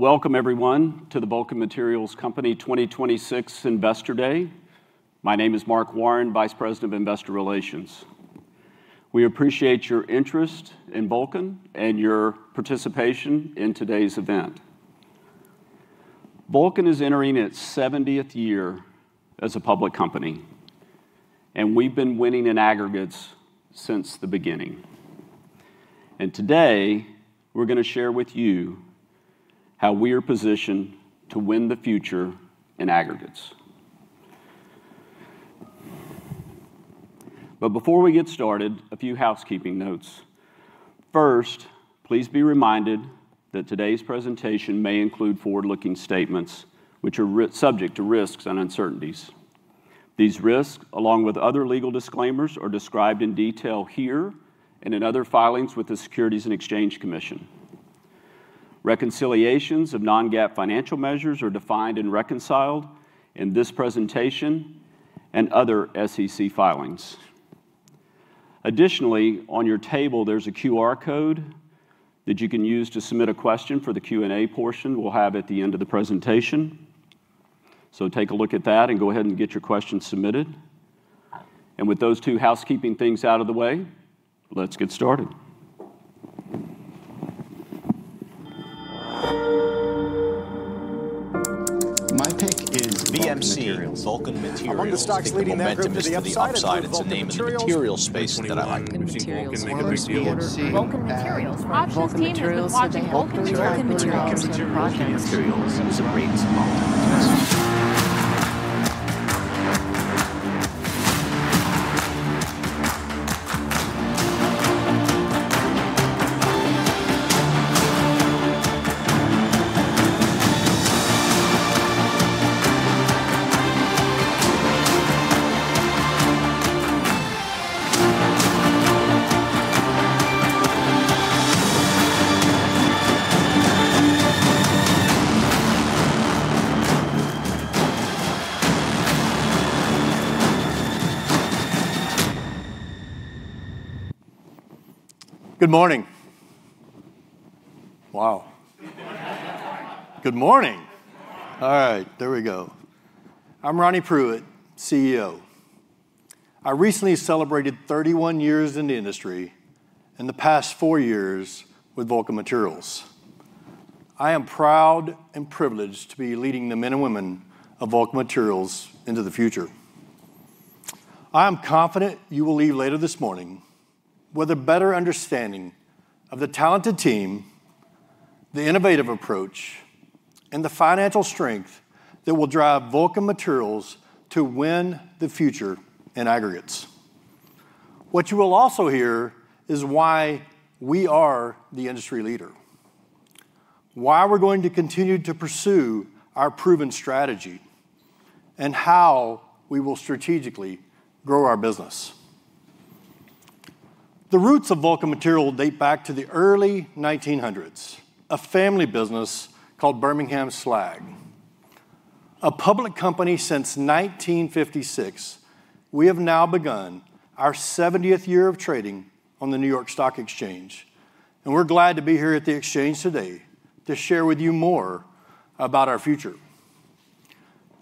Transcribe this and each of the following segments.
Welcome everyone to the Vulcan Materials Company 2026 Investor Day. My name is Mark Warren, Vice President of Investor Relations. We appreciate your interest in Vulcan and your participation in today's event. Vulcan is entering its 70th year as a public company, and we've been winning in aggregates since the beginning. Today we're gonna share with you how we're positioned to win the future in aggregates. Before we get started, a few housekeeping notes. First, please be reminded that today's presentation may include forward-looking statements which are subject to risks and uncertainties. These risks, along with other legal disclaimers, are described in detail here and in other filings with the Securities and Exchange Commission. Reconciliations of non-GAAP financial measures are defined and reconciled in this presentation and other SEC filings. Additionally, on your table there's a QR code that you can use to submit a question for the Q&A portion we'll have at the end of the presentation. Take a look at that and go ahead and get your questions submitted. With those two housekeeping things out of the way, let's get started. My pick is VMC, Vulcan Materials. Among the stocks leading the momentum to the upside is Vulcan Materials. I think momentum is the upside. It's a name in the materials space that I like. Vulcan Materials. Options team has been watching Vulcan Materials. Vulcan Materials is a great small cap investment. Good morning. Wow. All right, there we go. I'm Ronnie Pruitt, CEO. I recently celebrated 31 years in the industry, and the past four years with Vulcan Materials. I am proud and privileged to be leading the men and women of Vulcan Materials into the future. I am confident you will leave later this morning with a better understanding of the talented team, the innovative approach, and the financial strength that will drive Vulcan Materials to win the future in aggregates. What you will also hear is why we are the industry leader, why we're going to continue to pursue our proven strategy, and how we will strategically grow our business. The roots of Vulcan Materials date back to the early 1900s, a family business called Birmingham Slag. A public company since 1956, we have now begun our 70th year of trading on the New York Stock Exchange, and we're glad to be here at the Exchange today to share with you more about our future.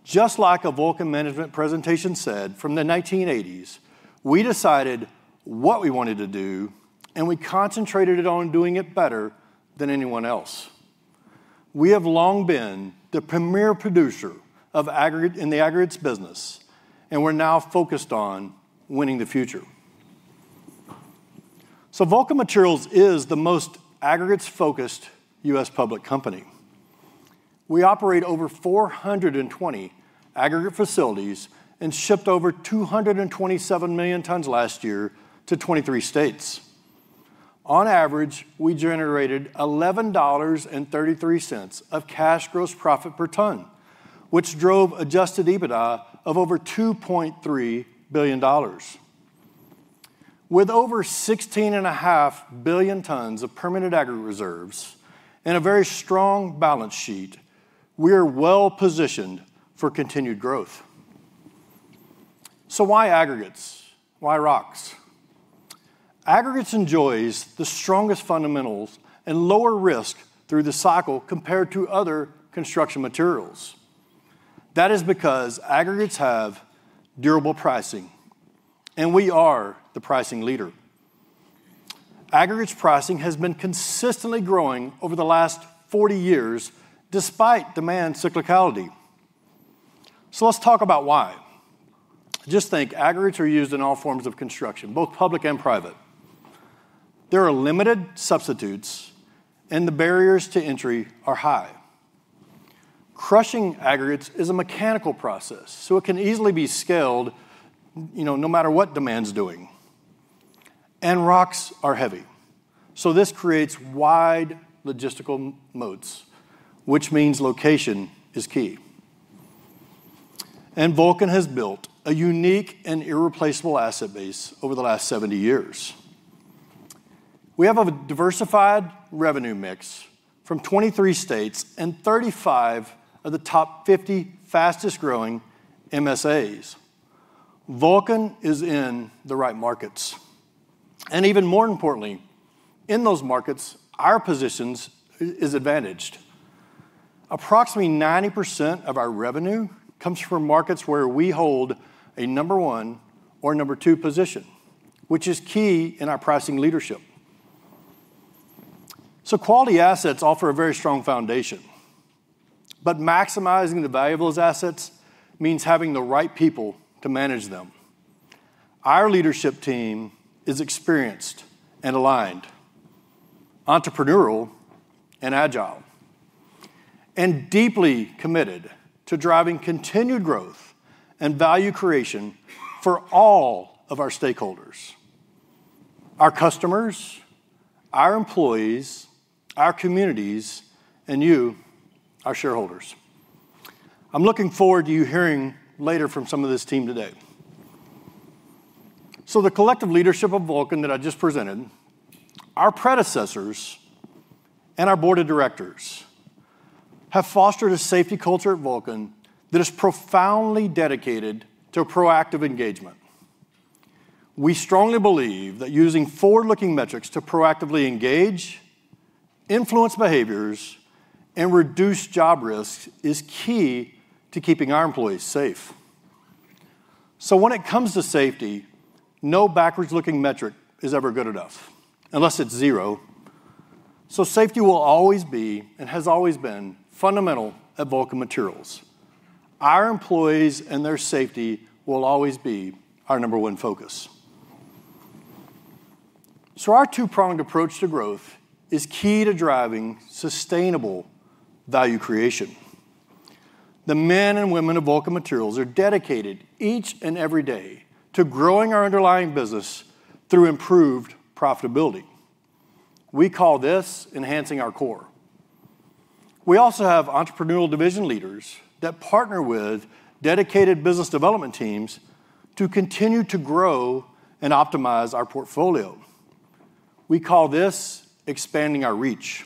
Just like a Vulcan management presentation said from the 1980s, we decided what we wanted to do, and we concentrated it on doing it better than anyone else. We have long been the premier producer of aggregate in the aggregates business, and we're now focused on winning the future. Vulcan Materials is the most aggregates-focused U.S. public company. We operate over 420 aggregate facilities and shipped over 227 million tons last year to 23 states. On average, we generated $11.33 of cash gross profit per ton, which drove adjusted EBITDA of over $2.3 billion. With over 16.5 billion tons of permanent aggregate reserves and a very strong balance sheet, we're well-positioned for continued growth. Why aggregates? Why rocks? Aggregates enjoys the strongest fundamentals and lower risk through the cycle compared to other construction materials. That is because aggregates have durable pricing, and we are the pricing leader. Aggregates pricing has been consistently growing over the last 40 years despite demand cyclicality. Let's talk about why. Just think, aggregates are used in all forms of construction, both public and private. There are limited substitutes, and the barriers to entry are high. Crushing aggregates is a mechanical process, so it can easily be scaled, you know, no matter what demand's doing. Rocks are heavy, so this creates wide logistical moats, which means location is key. Vulcan has built a unique and irreplaceable asset base over the last 70 years. We have a diversified revenue mix from 23 states and 35 of the top 50 fastest growing MSAs. Vulcan is in the right markets. Even more importantly, in those markets, our positions is advantaged. Approximately 90% of our revenue comes from markets where we hold a number one or number two position, which is key in our pricing leadership. Quality assets offer a very strong foundation, but maximizing the value of those assets means having the right people to manage them. Our leadership team is experienced and aligned, entrepreneurial and agile, and deeply committed to driving continued growth and value creation for all of our stakeholders, our customers, our employees, our communities, and you, our shareholders. I'm looking forward to you hearing later from some of this team today. The collective leadership of Vulcan that I just presented, our predecessors and our board of directors have fostered a safety culture at Vulcan that is profoundly dedicated to proactive engagement. We strongly believe that using forward-looking metrics to proactively engage, influence behaviors, and reduce job risks is key to keeping our employees safe. When it comes to safety, no backwards-looking metric is ever good enough unless it's zero. Safety will always be and has always been fundamental at Vulcan Materials. Our employees and their safety will always be our number one focus. Our two-pronged approach to growth is key to driving sustainable value creation. The men and women of Vulcan Materials are dedicated each and every day to growing our underlying business through improved profitability. We call this enhancing our core. We also have entrepreneurial division leaders that partner with dedicated business development teams to continue to grow and optimize our portfolio. We call this expanding our reach.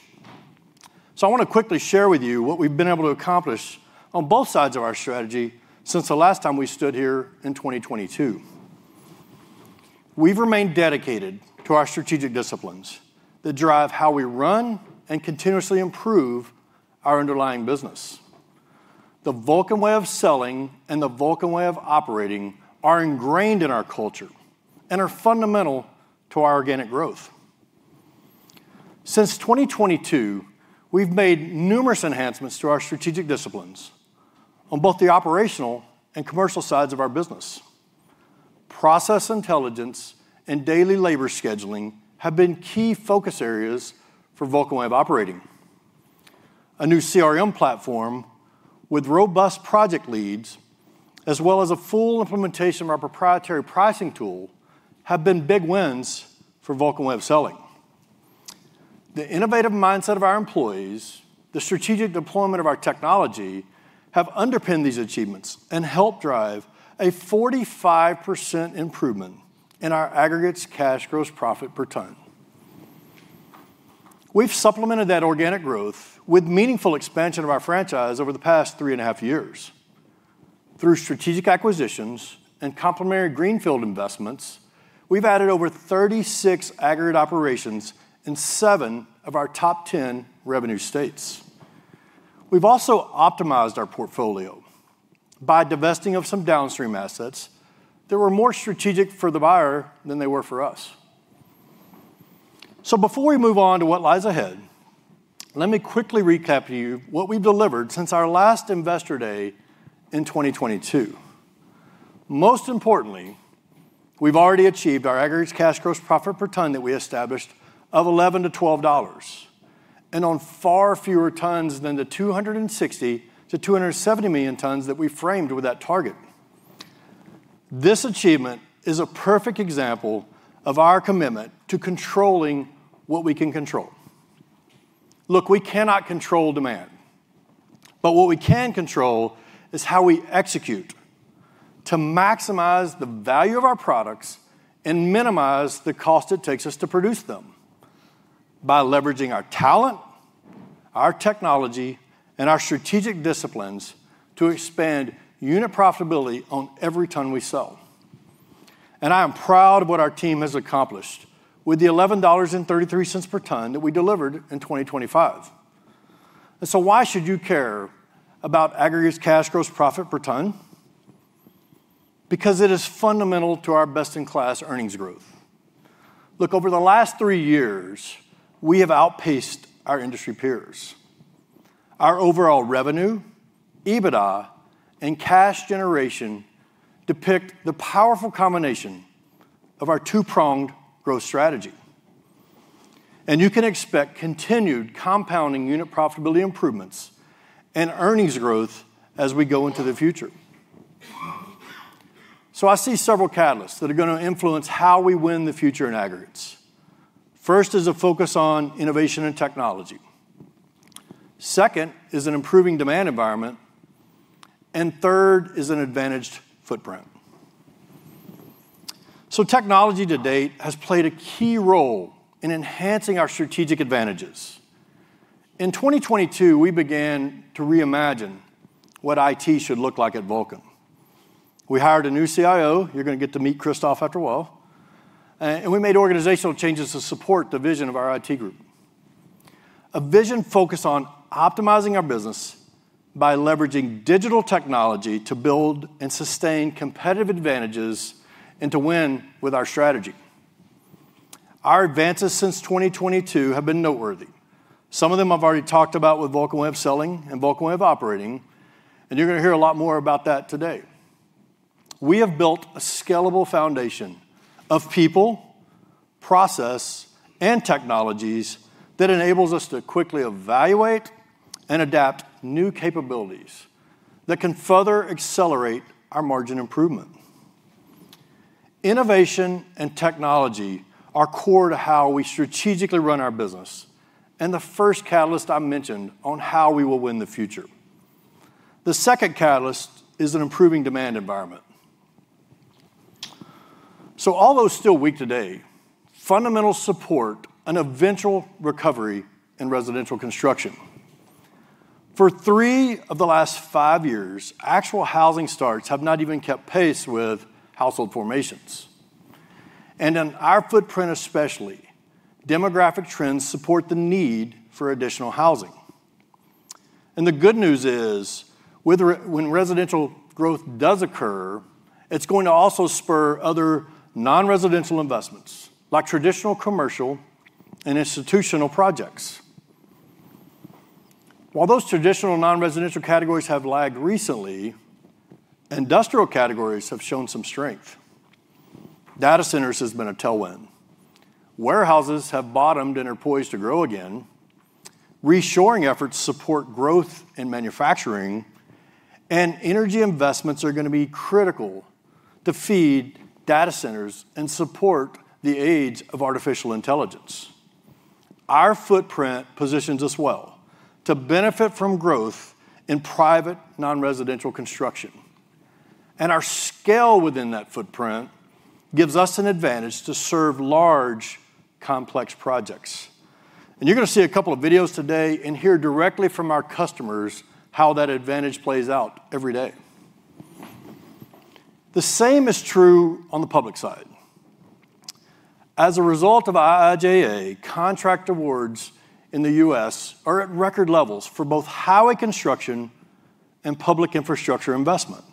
I wanna quickly share with you what we've been able to accomplish on both sides of our strategy since the last time we stood here in 2022. We've remained dedicated to our strategic disciplines that drive how we run and continuously improve our underlying business. The Vulcan Way of Selling and the Vulcan Way of Operating are ingrained in our culture and are fundamental to our organic growth. Since 2022, we've made numerous enhancements to our strategic disciplines on both the operational and commercial sides of our business. Process intelligence and daily labor scheduling have been key focus areas for Vulcan Way of Operating. A new CRM platform with robust project leads as well as a full implementation of our proprietary pricing tool have been big wins for Vulcan Way of Selling. The innovative mindset of our employees, the strategic deployment of our technology have underpinned these achievements and helped drive a 45% improvement in our aggregates cash gross profit per ton. We've supplemented that organic growth with meaningful expansion of our franchise over the past 3.5 years. Through strategic acquisitions and complementary greenfield investments, we've added over 36 aggregate operations in seven of our top 10 revenue states. We've also optimized our portfolio by divesting of some downstream assets that were more strategic for the buyer than they were for us. Before we move on to what lies ahead, let me quickly recap to you what we've delivered since our last Investor Day in 2022. Most importantly, we've already achieved our aggregates cash gross profit per ton that we established of $11-$12, and on far fewer tons than the 260 million-270 million tons that we framed with that target. This achievement is a perfect example of our commitment to controlling what we can control. Look, we cannot control demand, but what we can control is how we execute to maximize the value of our products and minimize the cost it takes us to produce them by leveraging our talent, our technology, and our strategic disciplines to expand unit profitability on every ton we sell. I am proud of what our team has accomplished with the $11.33 per ton that we delivered in 2025. Why should you care about aggregates cash gross profit per ton? Because it is fundamental to our best-in-class earnings growth. Look, over the last three years, we have outpaced our industry peers. Our overall revenue, EBITDA, and cash generation depict the powerful combination of our two-pronged growth strategy, and you can expect continued compounding unit profitability improvements and earnings growth as we go into the future. I see several catalysts that are gonna influence how we win the future in aggregates. First is a focus on innovation and technology, second is an improving demand environment, and third is an advantaged footprint. Technology to date has played a key role in enhancing our strategic advantages. In 2022, we began to reimagine what IT should look like at Vulcan. We hired a new CIO, you're gonna get to meet Krzysztof after a while, and we made organizational changes to support the vision of our IT group. A vision focused on optimizing our business by leveraging digital technology to build and sustain competitive advantages and to win with our strategy. Our advances since 2022 have been noteworthy. Some of them I've already talked about with Vulcan Way of Selling and Vulcan Way of Operating, and you're gonna hear a lot more about that today. We have built a scalable foundation of people, process, and technologies that enables us to quickly evaluate and adapt new capabilities that can further accelerate our margin improvement. Innovation and technology are core to how we strategically run our business, and the first catalyst I mentioned on how we will win the future. The second catalyst is an improving demand environment. Although still weak today, fundamental support an eventual recovery in residential construction. For three of the last five years, actual housing starts have not even kept pace with household formations. In our footprint especially, demographic trends support the need for additional housing. The good news is, whether, when residential growth does occur, it's going to also spur other non-residential investments, like traditional commercial and institutional projects. While those traditional non-residential categories have lagged recently, industrial categories have shown some strength. Data centers has been a tailwind. Warehouses have bottomed and are poised to grow again. Reshoring efforts support growth in manufacturing, and energy investments are gonna be critical to feed data centers and support the age of artificial intelligence. Our footprint positions us well to benefit from growth in private non-residential construction. Our scale within that footprint gives us an advantage to serve large, complex projects. You're gonna see a couple of videos today and hear directly from our customers how that advantage plays out every day. The same is true on the public side. As a result of IIJA, contract awards in the U.S. are at record levels for both highway construction and public infrastructure investment.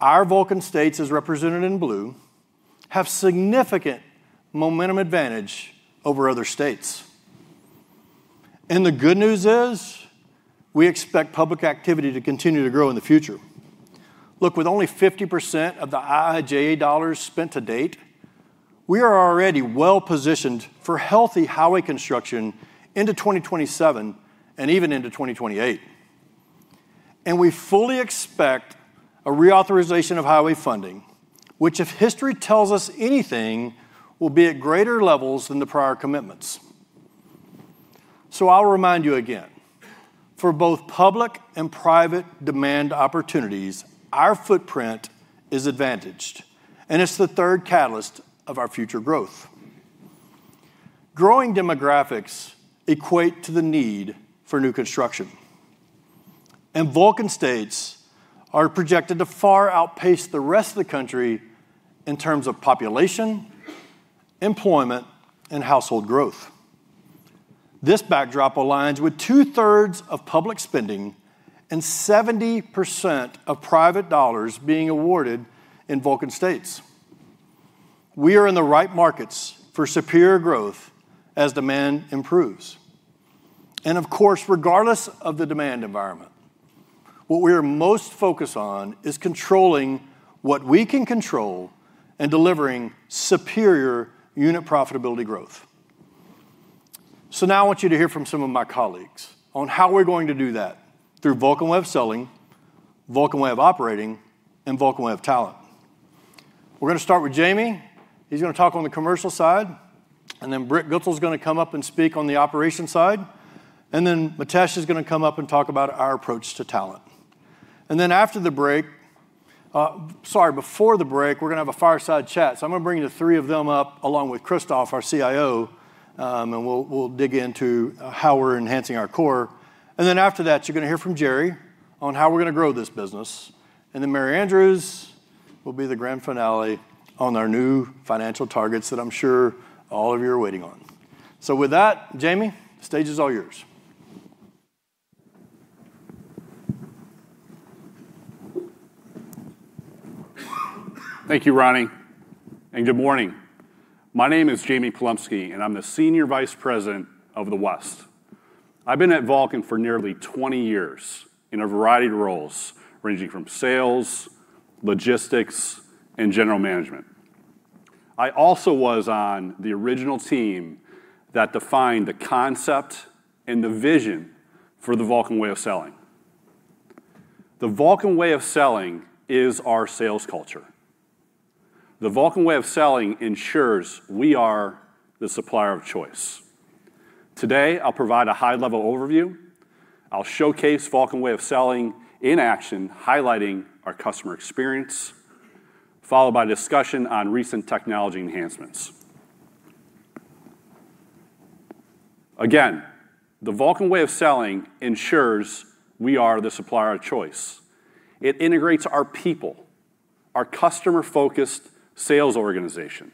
Our Vulcan states, as represented in blue, have significant momentum advantage over other states. The good news is, we expect public activity to continue to grow in the future. Look, with only 50% of the IIJA dollars spent to date, we are already well-positioned for healthy highway construction into 2027 and even into 2028. We fully expect a reauthorization of highway funding, which, if history tells us anything, will be at greater levels than the prior commitments. I'll remind you again, for both public and private demand opportunities, our footprint is advantaged. It's the third catalyst of our future growth. Growing demographics equate to the need for new construction. Vulcan states are projected to far outpace the rest of the country in terms of population, employment, and household growth. This backdrop aligns with 2/3 of public spending and 70% of private dollars being awarded in Vulcan states. We are in the right markets for superior growth as demand improves. Of course, regardless of the demand environment, what we are most focused on is controlling what we can control and delivering superior unit profitability growth. Now I want you to hear from some of my colleagues on how we're going to do that through Vulcan Way of Selling, Vulcan Way of Operating, and Vulcan Way of Talent. We're gonna start with Jamie. He's gonna talk on the commercial side. Then Brent Goodsell's gonna come up and speak on the operation side. Then Mitesh is gonna come up and talk about our approach to talent. Before the break, we're gonna have a fireside chat, so I'm gonna bring the three of them up, along with Krzysztof, our CIO, and we'll dig into how we're enhancing our core. After that, you're gonna hear from Jerry on how we're gonna grow this business. Mary Andrews will be the grand finale on our new financial targets that I'm sure all of you are waiting on. With that, Jamie, the stage is all yours. Thank you, Ronnie. Good morning. My name is Jamie Polomsky, and I'm the Senior Vice President of the West. I've been at Vulcan for nearly 20 years in a variety of roles, ranging from sales, logistics, and general management. I also was on the original team that defined the concept and the vision for the Vulcan Way of Selling. The Vulcan Way of Selling is our sales culture. The Vulcan Way of Selling ensures we are the supplier of choice. Today, I'll provide a high-level overview. I'll showcase Vulcan Way of Selling in action, highlighting our customer experience, followed by a discussion on recent technology enhancements. Again, the Vulcan Way of Selling ensures we are the supplier of choice. It integrates our people, our customer-focused sales organization,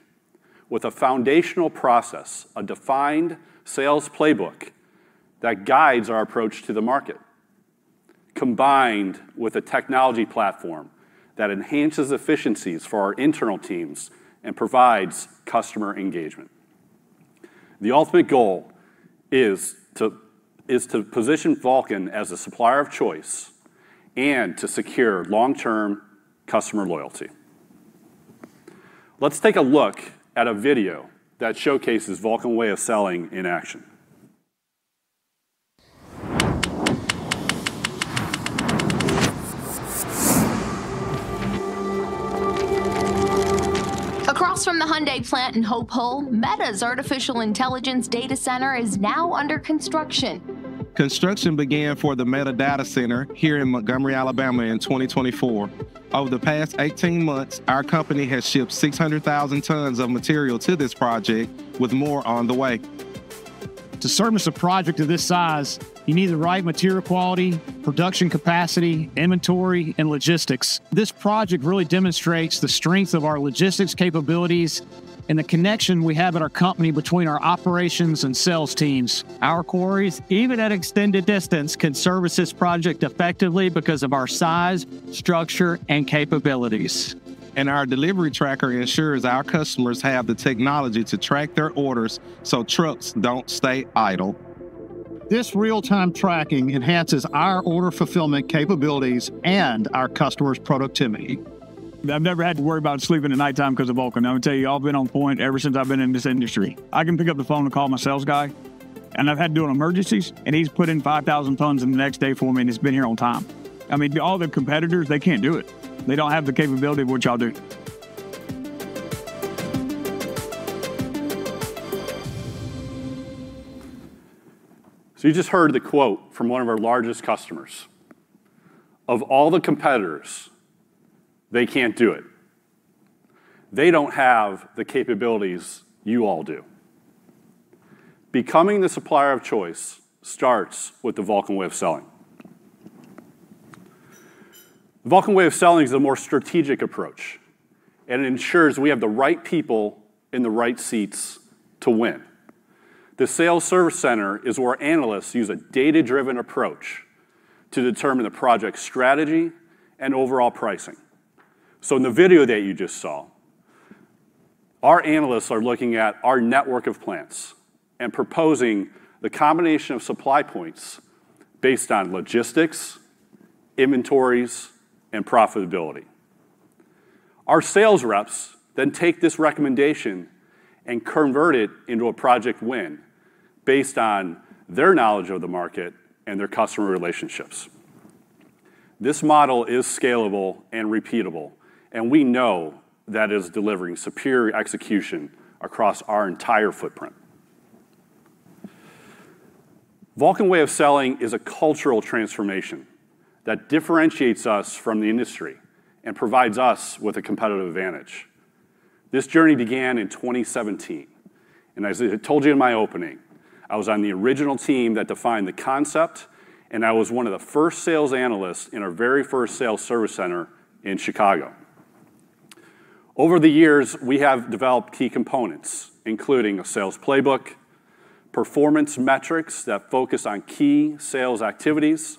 with a foundational process, a defined sales playbook that guides our approach to the market, combined with a technology platform that enhances efficiencies for our internal teams and provides customer engagement. The ultimate goal is to position Vulcan as a supplier of choice and to secure long-term customer loyalty. Let's take a look at a video that showcases Vulcan Way of Selling in action. Across from the Hyundai plant in Hope Hull, Meta's artificial intelligence data center is now under construction. Construction began for the Meta data center here in Montgomery, Alabama, in 2024. Over the past 18 months, our company has shipped 600,000 tons of material to this project with more on the way. To service a project of this size, you need the right material quality, production capacity, inventory, and logistics. This project really demonstrates the strength of our logistics capabilities and the connection we have at our company between our operations and sales teams. Our quarries, even at extended distance, can service this project effectively because of our size, structure, and capabilities. Our delivery tracker ensures our customers have the technology to track their orders so trucks don't stay idle. This real-time tracking enhances our order fulfillment capabilities and our customers' productivity. I've never had to worry about sleeping at nighttime 'cause of Vulcan. I'm gonna tell you, y'all been on point ever since I've been in this industry. I can pick up the phone and call my sales guy, and I've had to do it in emergencies, and he's put in 5,000 tons in the next day for me, and it's been here on time. I mean, all the competitors, they can't do it. They don't have the capability of what y'all do. You just heard the quote from one of our largest customers. "Of all the competitors, they can't do it. They don't have the capabilities you all do." Becoming the supplier of choice starts with the Vulcan Way of Selling. The Vulcan Way of Selling is a more strategic approach, and it ensures we have the right people in the right seats to win. The sales service center is where analysts use a data-driven approach to determine the project strategy and overall pricing. In the video that you just saw, our analysts are looking at our network of plants and proposing the combination of supply points based on logistics, inventories, and profitability. Our sales reps then take this recommendation and convert it into a project win based on their knowledge of the market and their customer relationships. This model is scalable and repeatable, and we know that is delivering superior execution across our entire footprint. Vulcan Way of Selling is a cultural transformation that differentiates us from the industry and provides us with a competitive advantage. This journey began in 2017, and as I told you in my opening, I was on the original team that defined the concept, and I was one of the first sales analysts in our very first sales service center in Chicago. Over the years, we have developed key components, including a sales playbook, performance metrics that focus on key sales activities.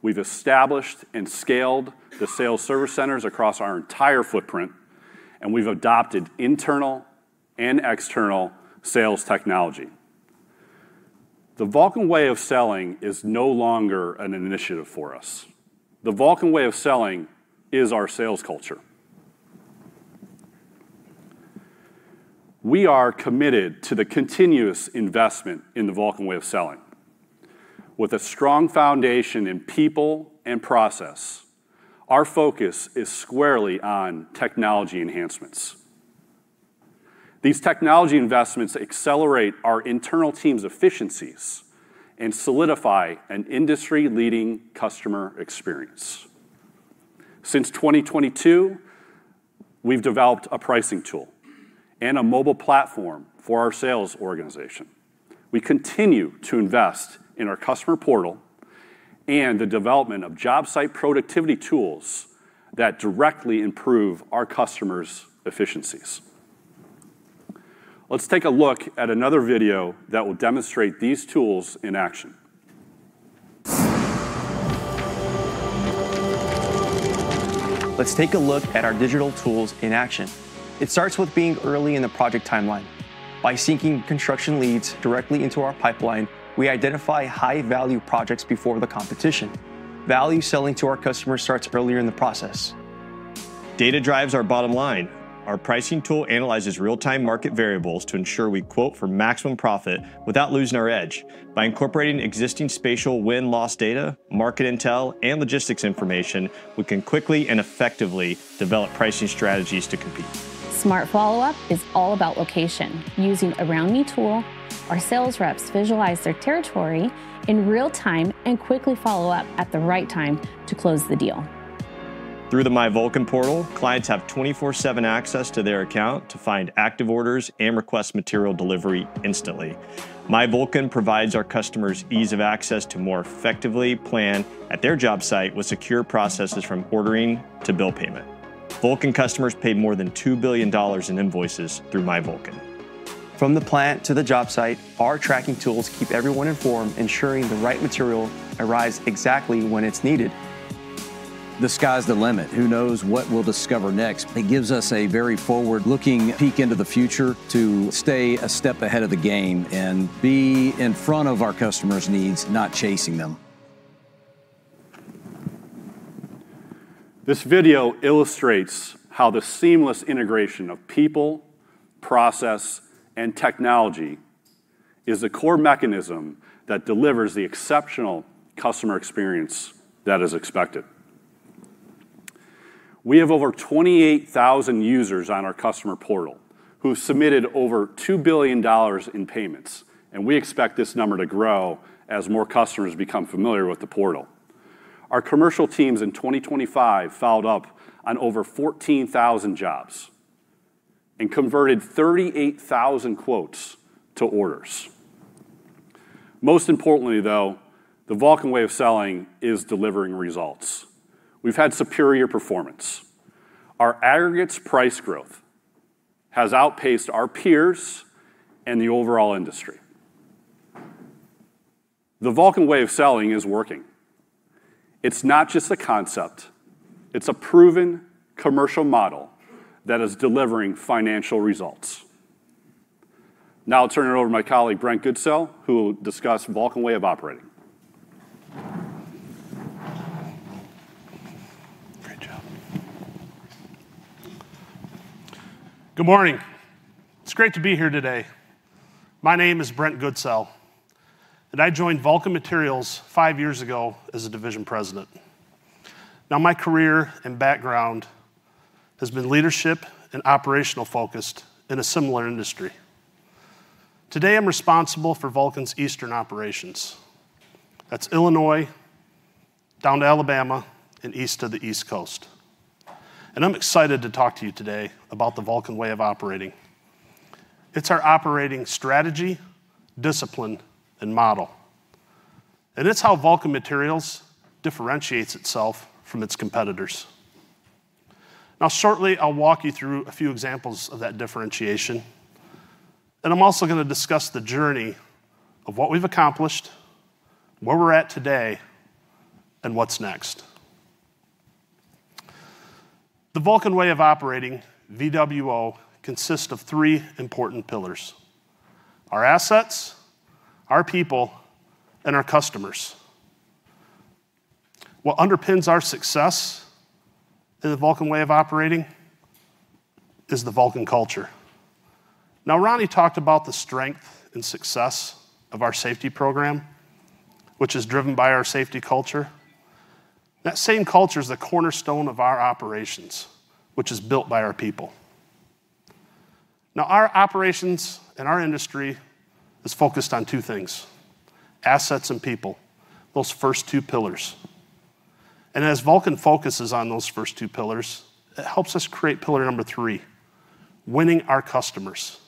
We've established and scaled the sales service centers across our entire footprint, and we've adopted internal and external sales technology. The Vulcan Way of Selling is no longer an initiative for us. The Vulcan Way of Selling is our sales culture. We are committed to the continuous investment in the Vulcan Way of Selling. With a strong foundation in people and process, our focus is squarely on technology enhancements. These technology investments accelerate our internal team's efficiencies and solidify an industry-leading customer experience. Since 2022, we've developed a pricing tool and a mobile platform for our sales organization. We continue to invest in our customer portal and the development of job site productivity tools that directly improve our customers' efficiencies. Let's take a look at another video that will demonstrate these tools in action. Let's take a look at our digital tools in action. It starts with being early in the project timeline. By seeking construction leads directly into our pipeline, we identify high-value projects before the competition. Value selling to our customers starts earlier in the process. Data drives our bottom line. Our pricing tool analyzes real-time market variables to ensure we quote for maximum profit without losing our edge. By incorporating existing spatial win-loss data, market intel, and logistics information, we can quickly and effectively develop pricing strategies to compete. Smart follow-up is all about location. Using Around Me tool, our sales reps visualize their territory in real time and quickly follow up at the right time to close the deal. Through the MyVulcan portal, clients have 24/7 access to their account to find active orders and request material delivery instantly. MyVulcan provides our customers ease of access to more effectively plan at their job site with secure processes from ordering to bill payment. Vulcan customers paid more than $2 billion in invoices through MyVulcan. From the plant to the job site, our tracking tools keep everyone informed, ensuring the right material arrives exactly when it's needed. The sky's the limit. Who knows what we'll discover next? It gives us a very forward-looking peek into the future to stay a step ahead of the game and be in front of our customers' needs, not chasing them. This video illustrates how the seamless integration of people, process, and technology is the core mechanism that delivers the exceptional customer experience that is expected. We have over 28,000 users on our customer portal who submitted over $2 billion in payments, and we expect this number to grow as more customers become familiar with the portal. Our commercial teams in 2025 followed up on over 14,000 jobs and converted 38,000 quotes to orders. Most importantly, though, the Vulcan Way of Selling is delivering results. We've had superior performance. Our aggregates price growth has outpaced our peers and the overall industry. The Vulcan Way of Selling is working. It's not just a concept, it's a proven commercial model that is delivering financial results. Now I'll turn it over to my colleague, Brent Goodsell, who will discuss Vulcan Way of Operating. Good morning. It's great to be here today. My name is Brent Goodsell, and I joined Vulcan Materials five years ago as a division president. Now, my career and background has been leadership and operational focused in a similar industry. Today, I'm responsible for Vulcan's Eastern operations. That's Illinois down to Alabama and east of the East Coast. I'm excited to talk to you today about the Vulcan Way of Operating. It's our operating strategy, discipline, and model. It's how Vulcan Materials differentiates itself from its competitors. Now, shortly, I'll walk you through a few examples of that differentiation, and I'm also gonna discuss the journey of what we've accomplished, where we're at today, and what's next. The Vulcan Way of Operating, VWO, consists of three important pillars, our assets, our people, and our customers. What underpins our success in the Vulcan Way of Operating is the Vulcan culture. Now, Ronnie talked about the strength and success of our safety program, which is driven by our safety culture. That same culture is the cornerstone of our operations, which is built by our people. Now, our operations and our industry is focused on two things, assets and people, those first two pillars. As Vulcan focuses on those first two pillars, it helps us create pillar number three, winning our customers.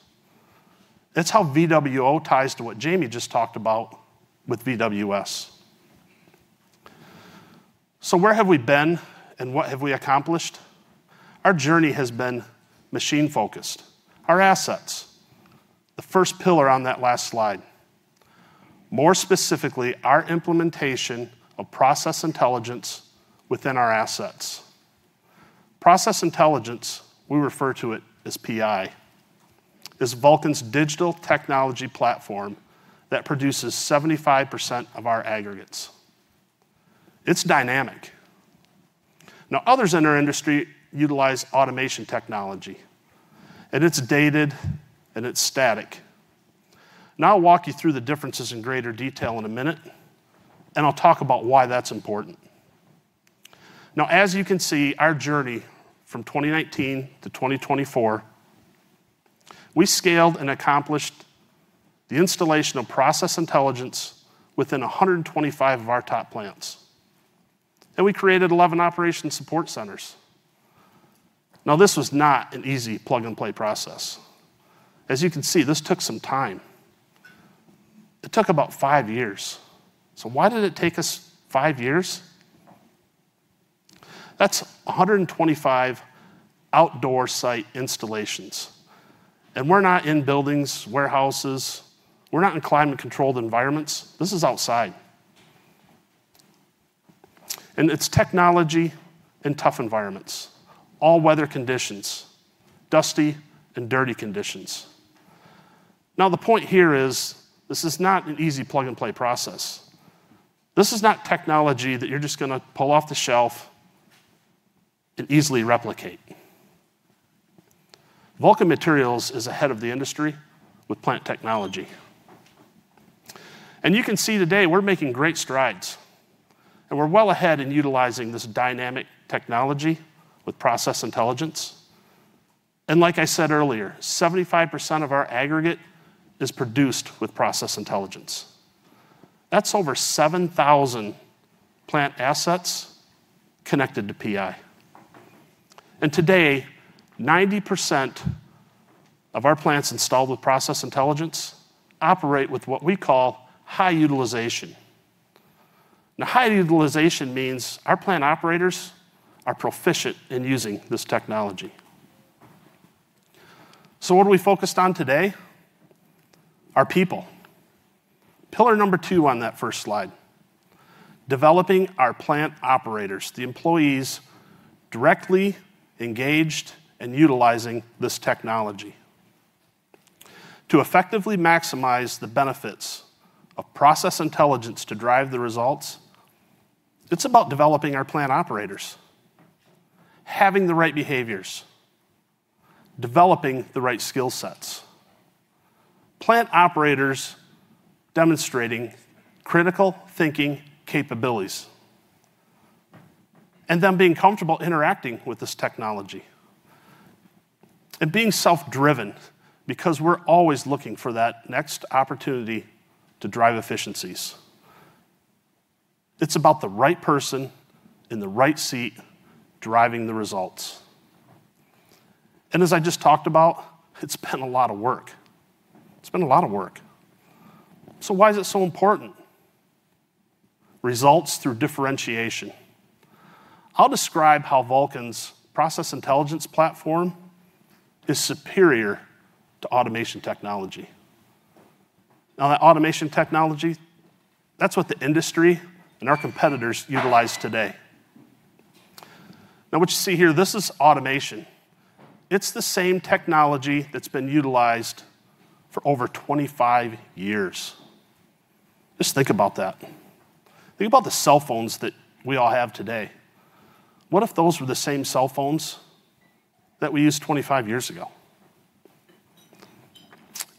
That's how VWO ties to what Jamie just talked about with VWS. Where have we been and what have we accomplished? Our journey has been machine-focused. Our assets, the first pillar on that last slide. More specifically, our implementation of process intelligence within our assets. Process intelligence, we refer to it as PI, is Vulcan's digital technology platform that produces 75% of our aggregates. It's dynamic. Now, others in our industry utilize automation technology, and it's dated and it's static. Now, I'll walk you through the differences in greater detail in a minute, and I'll talk about why that's important. Now, as you can see, our journey from 2019 to 2024, we scaled and accomplished the installation of process intelligence within 125 of our top plants, and we created 11 operation support centers. Now, this was not an easy plug-and-play process. As you can see, this took some time. It took about five years. Why did it take us five years? That's 125 outdoor site installations. We're not in buildings, warehouses. We're not in climate-controlled environments. This is outside. It's technology in tough environments, all weather conditions, dusty and dirty conditions. Now the point here is this is not an easy plug-and-play process. This is not technology that you're just gonna pull off the shelf and easily replicate. Vulcan Materials is ahead of the industry with plant technology. You can see today we're making great strides, and we're well ahead in utilizing this dynamic technology with process intelligence. Like I said earlier, 75% of our aggregate is produced with process intelligence. That's over 7,000 plant assets connected to PI. Today, 90% of our plants installed with process intelligence operate with what we call high utilization. Now, high utilization means our plant operators are proficient in using this technology. What are we focused on today? Our people. Pillar number two on that first slide, developing our plant operators, the employees directly engaged and utilizing this technology. To effectively maximize the benefits of process intelligence to drive the results, it's about developing our plant operators, having the right behaviors, developing the right skill sets. Plant operators demonstrating critical thinking capabilities and them being comfortable interacting with this technology and being self-driven because we're always looking for that next opportunity to drive efficiencies. It's about the right person in the right seat driving the results. As I just talked about, it's been a lot of work. Why is it so important? Results through differentiation. I'll describe how Vulcan's process intelligence platform is superior to automation technology. Now, that automation technology, that's what the industry and our competitors utilize today. Now what you see here, this is automation. It's the same technology that's been utilized for over 25 years. Just think about that. Think about the cell phones that we all have today. What if those were the same cell phones that we used 25 years ago?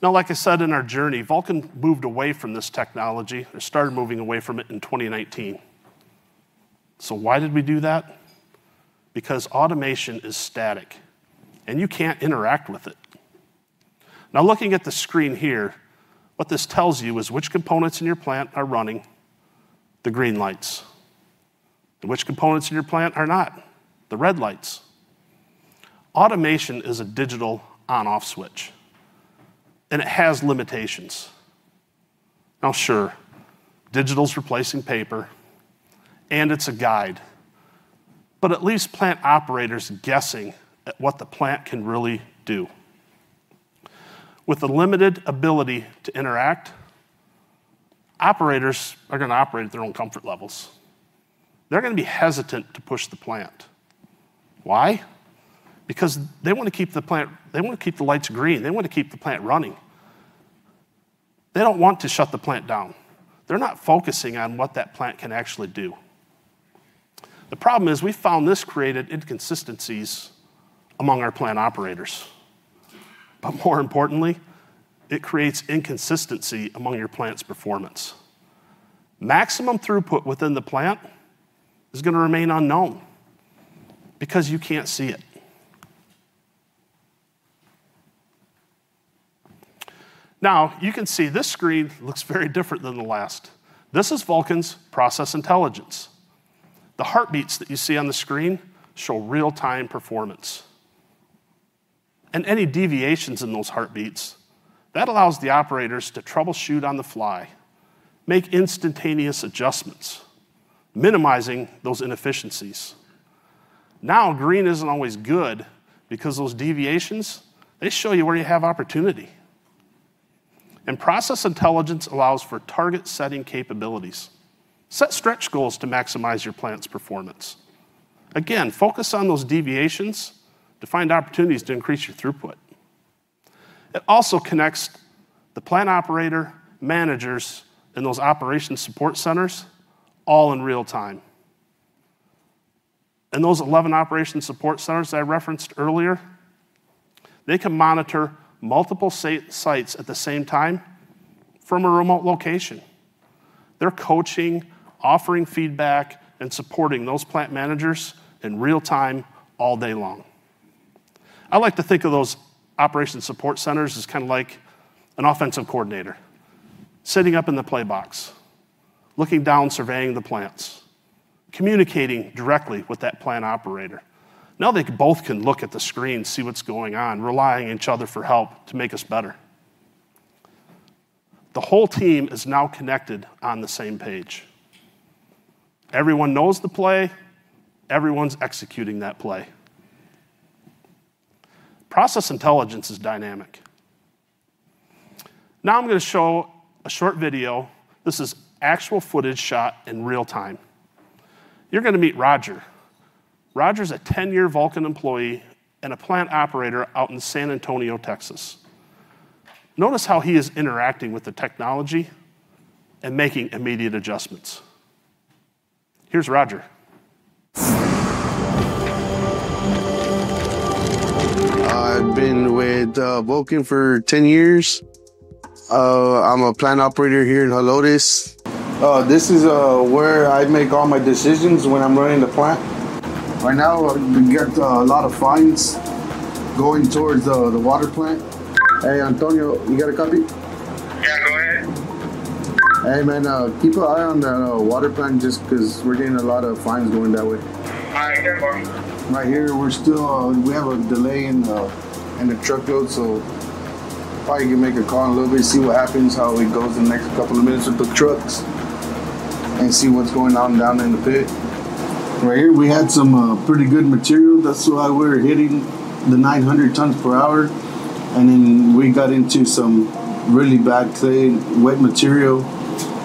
Now, like I said, in our journey, Vulcan moved away from this technology or started moving away from it in 2019. Why did we do that? Because automation is static, and you can't interact with it. Now, looking at the screen here, what this tells you is which components in your plant are running, the green lights, and which components in your plant are not, the red lights. Automation is a digital on/off switch, and it has limitations. Now, sure, digital's replacing paper, and it's a guide, but it leaves plant operators guessing at what the plant can really do. With the limited ability to interact, operators are gonna operate at their own comfort levels. They're gonna be hesitant to push the plant. Why? Because they wanna keep the plant. They wanna keep the lights green. They want to keep the plant running. They don't want to shut the plant down. They're not focusing on what that plant can actually do. The problem is we found this created inconsistencies among our plant operators. More importantly, it creates inconsistency among your plant's performance. Maximum throughput within the plant is gonna remain unknown because you can't see it. Now, you can see this screen looks very different than the last. This is Vulcan's process intelligence. The heartbeats that you see on the screen show real-time performance and any deviations in those heartbeats, that allows the operators to troubleshoot on the fly, make instantaneous adjustments, minimizing those inefficiencies. Now, green isn't always good because those deviations, they show you where you have opportunity. Process intelligence allows for target-setting capabilities. Set stretch goals to maximize your plant's performance. Again, focus on those deviations to find opportunities to increase your throughput. It also connects the plant operator, managers, and those operation support centers all in real time. Those 11 operation support centers I referenced earlier, they can monitor multiple sites at the same time from a remote location. They're coaching, offering feedback, and supporting those plant managers in real time, all day long. I like to think of those operation support centers as kind of like an offensive coordinator sitting up in the play box, looking down, surveying the plants, communicating directly with that plant operator. Now they both can look at the screen, see what's going on, relying on each other for help to make us better. The whole team is now connected on the same page. Everyone knows the play. Everyone's executing that play. Process intelligence is dynamic. Now I'm gonna show a short video. This is actual footage shot in real time. You're gonna meet Roger. Roger's a 10-year Vulcan employee and a plant operator out in San Antonio, Texas. Notice how he is interacting with the technology and making immediate adjustments. Here's Roger. I've been with Vulcan for 10 years. I'm a plant operator here at Helotes. This is where I make all my decisions when I'm running the plant. Right now, we get a lot of fines going towards the water plant. Hey, Antonio, you got a copy? Yeah, go ahead. Hey, man, keep an eye on the water plant just 'cause we're getting a lot of fines going that way. All right. 10-4. Right here, we're still. We have a delay in the truckload, so probably can make a call in a little bit, see what happens, how it goes the next couple of minutes with the trucks, and see what's going on down in the pit. Right here, we had some pretty good material. That's why we were hitting the 900 tons per hour, and then we got into some really bad clay, wet material.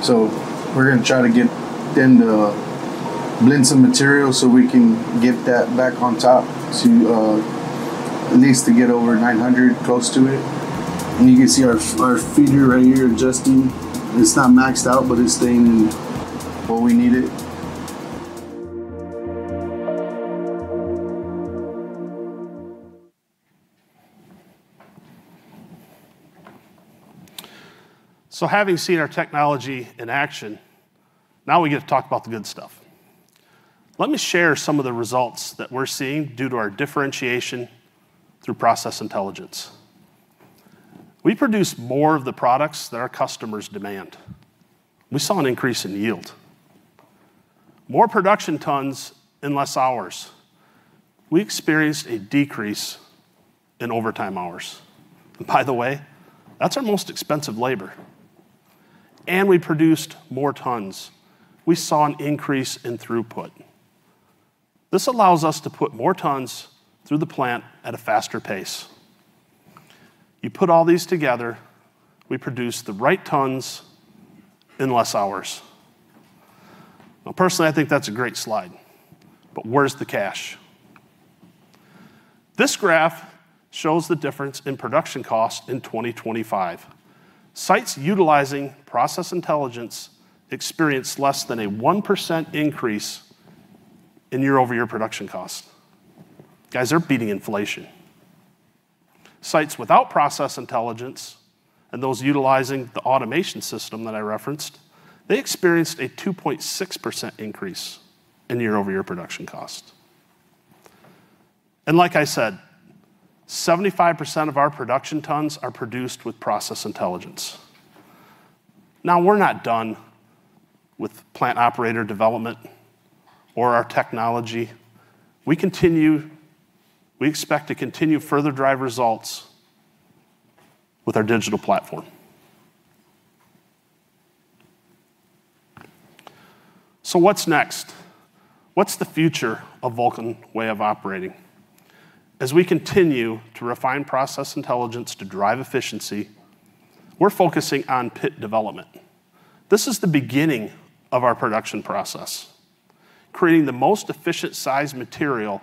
We're gonna try to get then blend some material, so we can get that back on top to at least to get over 900, close to it. You can see our feeder right here adjusting. It's not maxed out, but it's staying where we need it. Having seen our technology in action, now we get to talk about the good stuff. Let me share some of the results that we're seeing due to our differentiation through process intelligence. We produce more of the products that our customers demand. We saw an increase in yield, more production tons in less hours. We experienced a decrease in overtime hours. By the way, that's our most expensive labor. We produced more tons. We saw an increase in throughput. This allows us to put more tons through the plant at a faster pace. You put all these together, we produce the right tons in less hours. Well, personally, I think that's a great slide, but where's the cash? This graph shows the difference in production cost in 2025. Sites utilizing process intelligence experienced less than a 1% increase in year-over-year production costs. Guys are beating inflation. Sites without process intelligence and those utilizing the automation system that I referenced, they experienced a 2.6% increase in year-over-year production cost. Like I said, 75% of our production tons are produced with process intelligence. Now, we're not done with plant operator development or our technology. We expect to continue to further drive results with our digital platform. What's next? What's the future of Vulcan Way of Operating? As we continue to refine process intelligence to drive efficiency, we're focusing on pit development. This is the beginning of our production process, creating the most efficient size material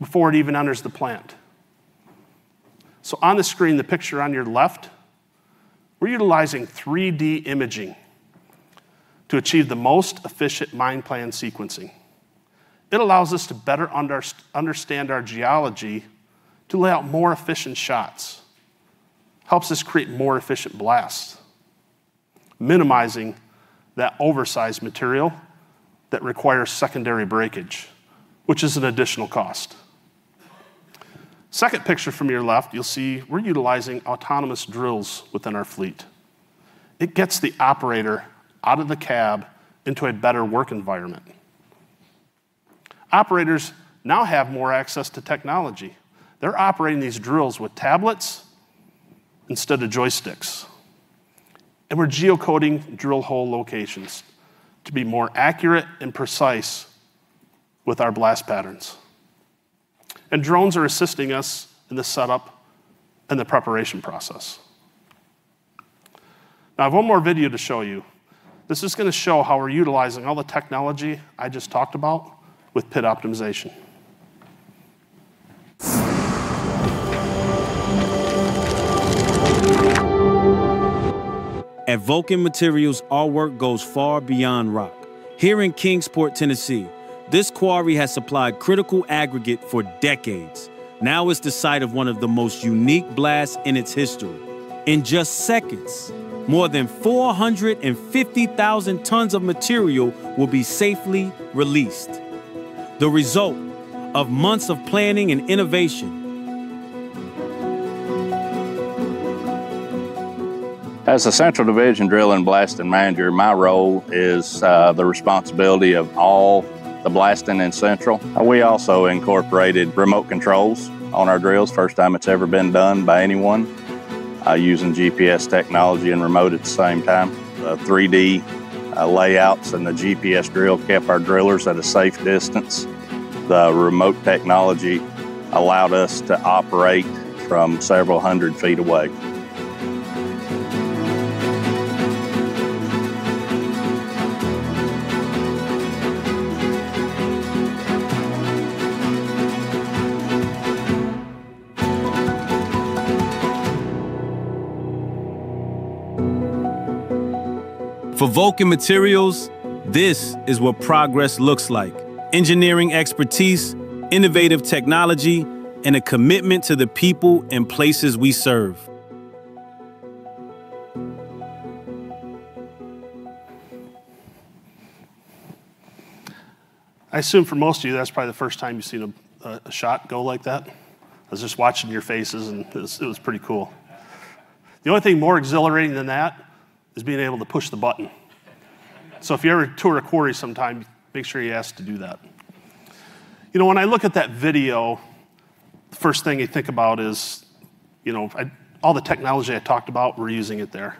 before it even enters the plant. On the screen, the picture on your left, we're utilizing 3D imaging to achieve the most efficient mine plan sequencing. It allows us to better understand our geology to lay out more efficient shots. Helps us create more efficient blasts, minimizing that oversize material that requires secondary breakage, which is an additional cost. Second picture from your left, you'll see we're utilizing autonomous drills within our fleet. It gets the operator out of the cab into a better work environment. Operators now have more access to technology. They're operating these drills with tablets instead of joysticks. We're geocoding drill hole locations to be more accurate and precise with our blast patterns. Drones are assisting us in the setup and the preparation process. Now, I have one more video to show you. This is gonna show how we're utilizing all the technology I just talked about with pit optimization. At Vulcan Materials, our work goes far beyond rock. Here in Kingsport, Tennessee, this quarry has supplied critical aggregate for decades. Now it's the site of one of the most unique blasts in its history. In just seconds, more than 450,000 tons of material will be safely released, the result of months of planning and innovation. As the Central division drill and blasting manager, my role is the responsibility of all the blasting in Central. We also incorporated remote controls on our drills. First time it's ever been done by anyone, using GPS technology and remote at the same time. The 3-D layouts and the GPS drill kept our drillers at a safe distance. The remote technology allowed us to operate from several hundred feet away. For Vulcan Materials, this is what progress looks like. Engineering expertise, innovative technology, and a commitment to the people and places we serve. I assume for most of you, that's probably the first time you've seen a shot go like that. I was just watching your faces, and it was pretty cool. The only thing more exhilarating than that is being able to push the button. If you ever tour a quarry sometime, make sure you ask to do that. You know, when I look at that video, the first thing you think about is, you know, all the technology I talked about, we're using it there.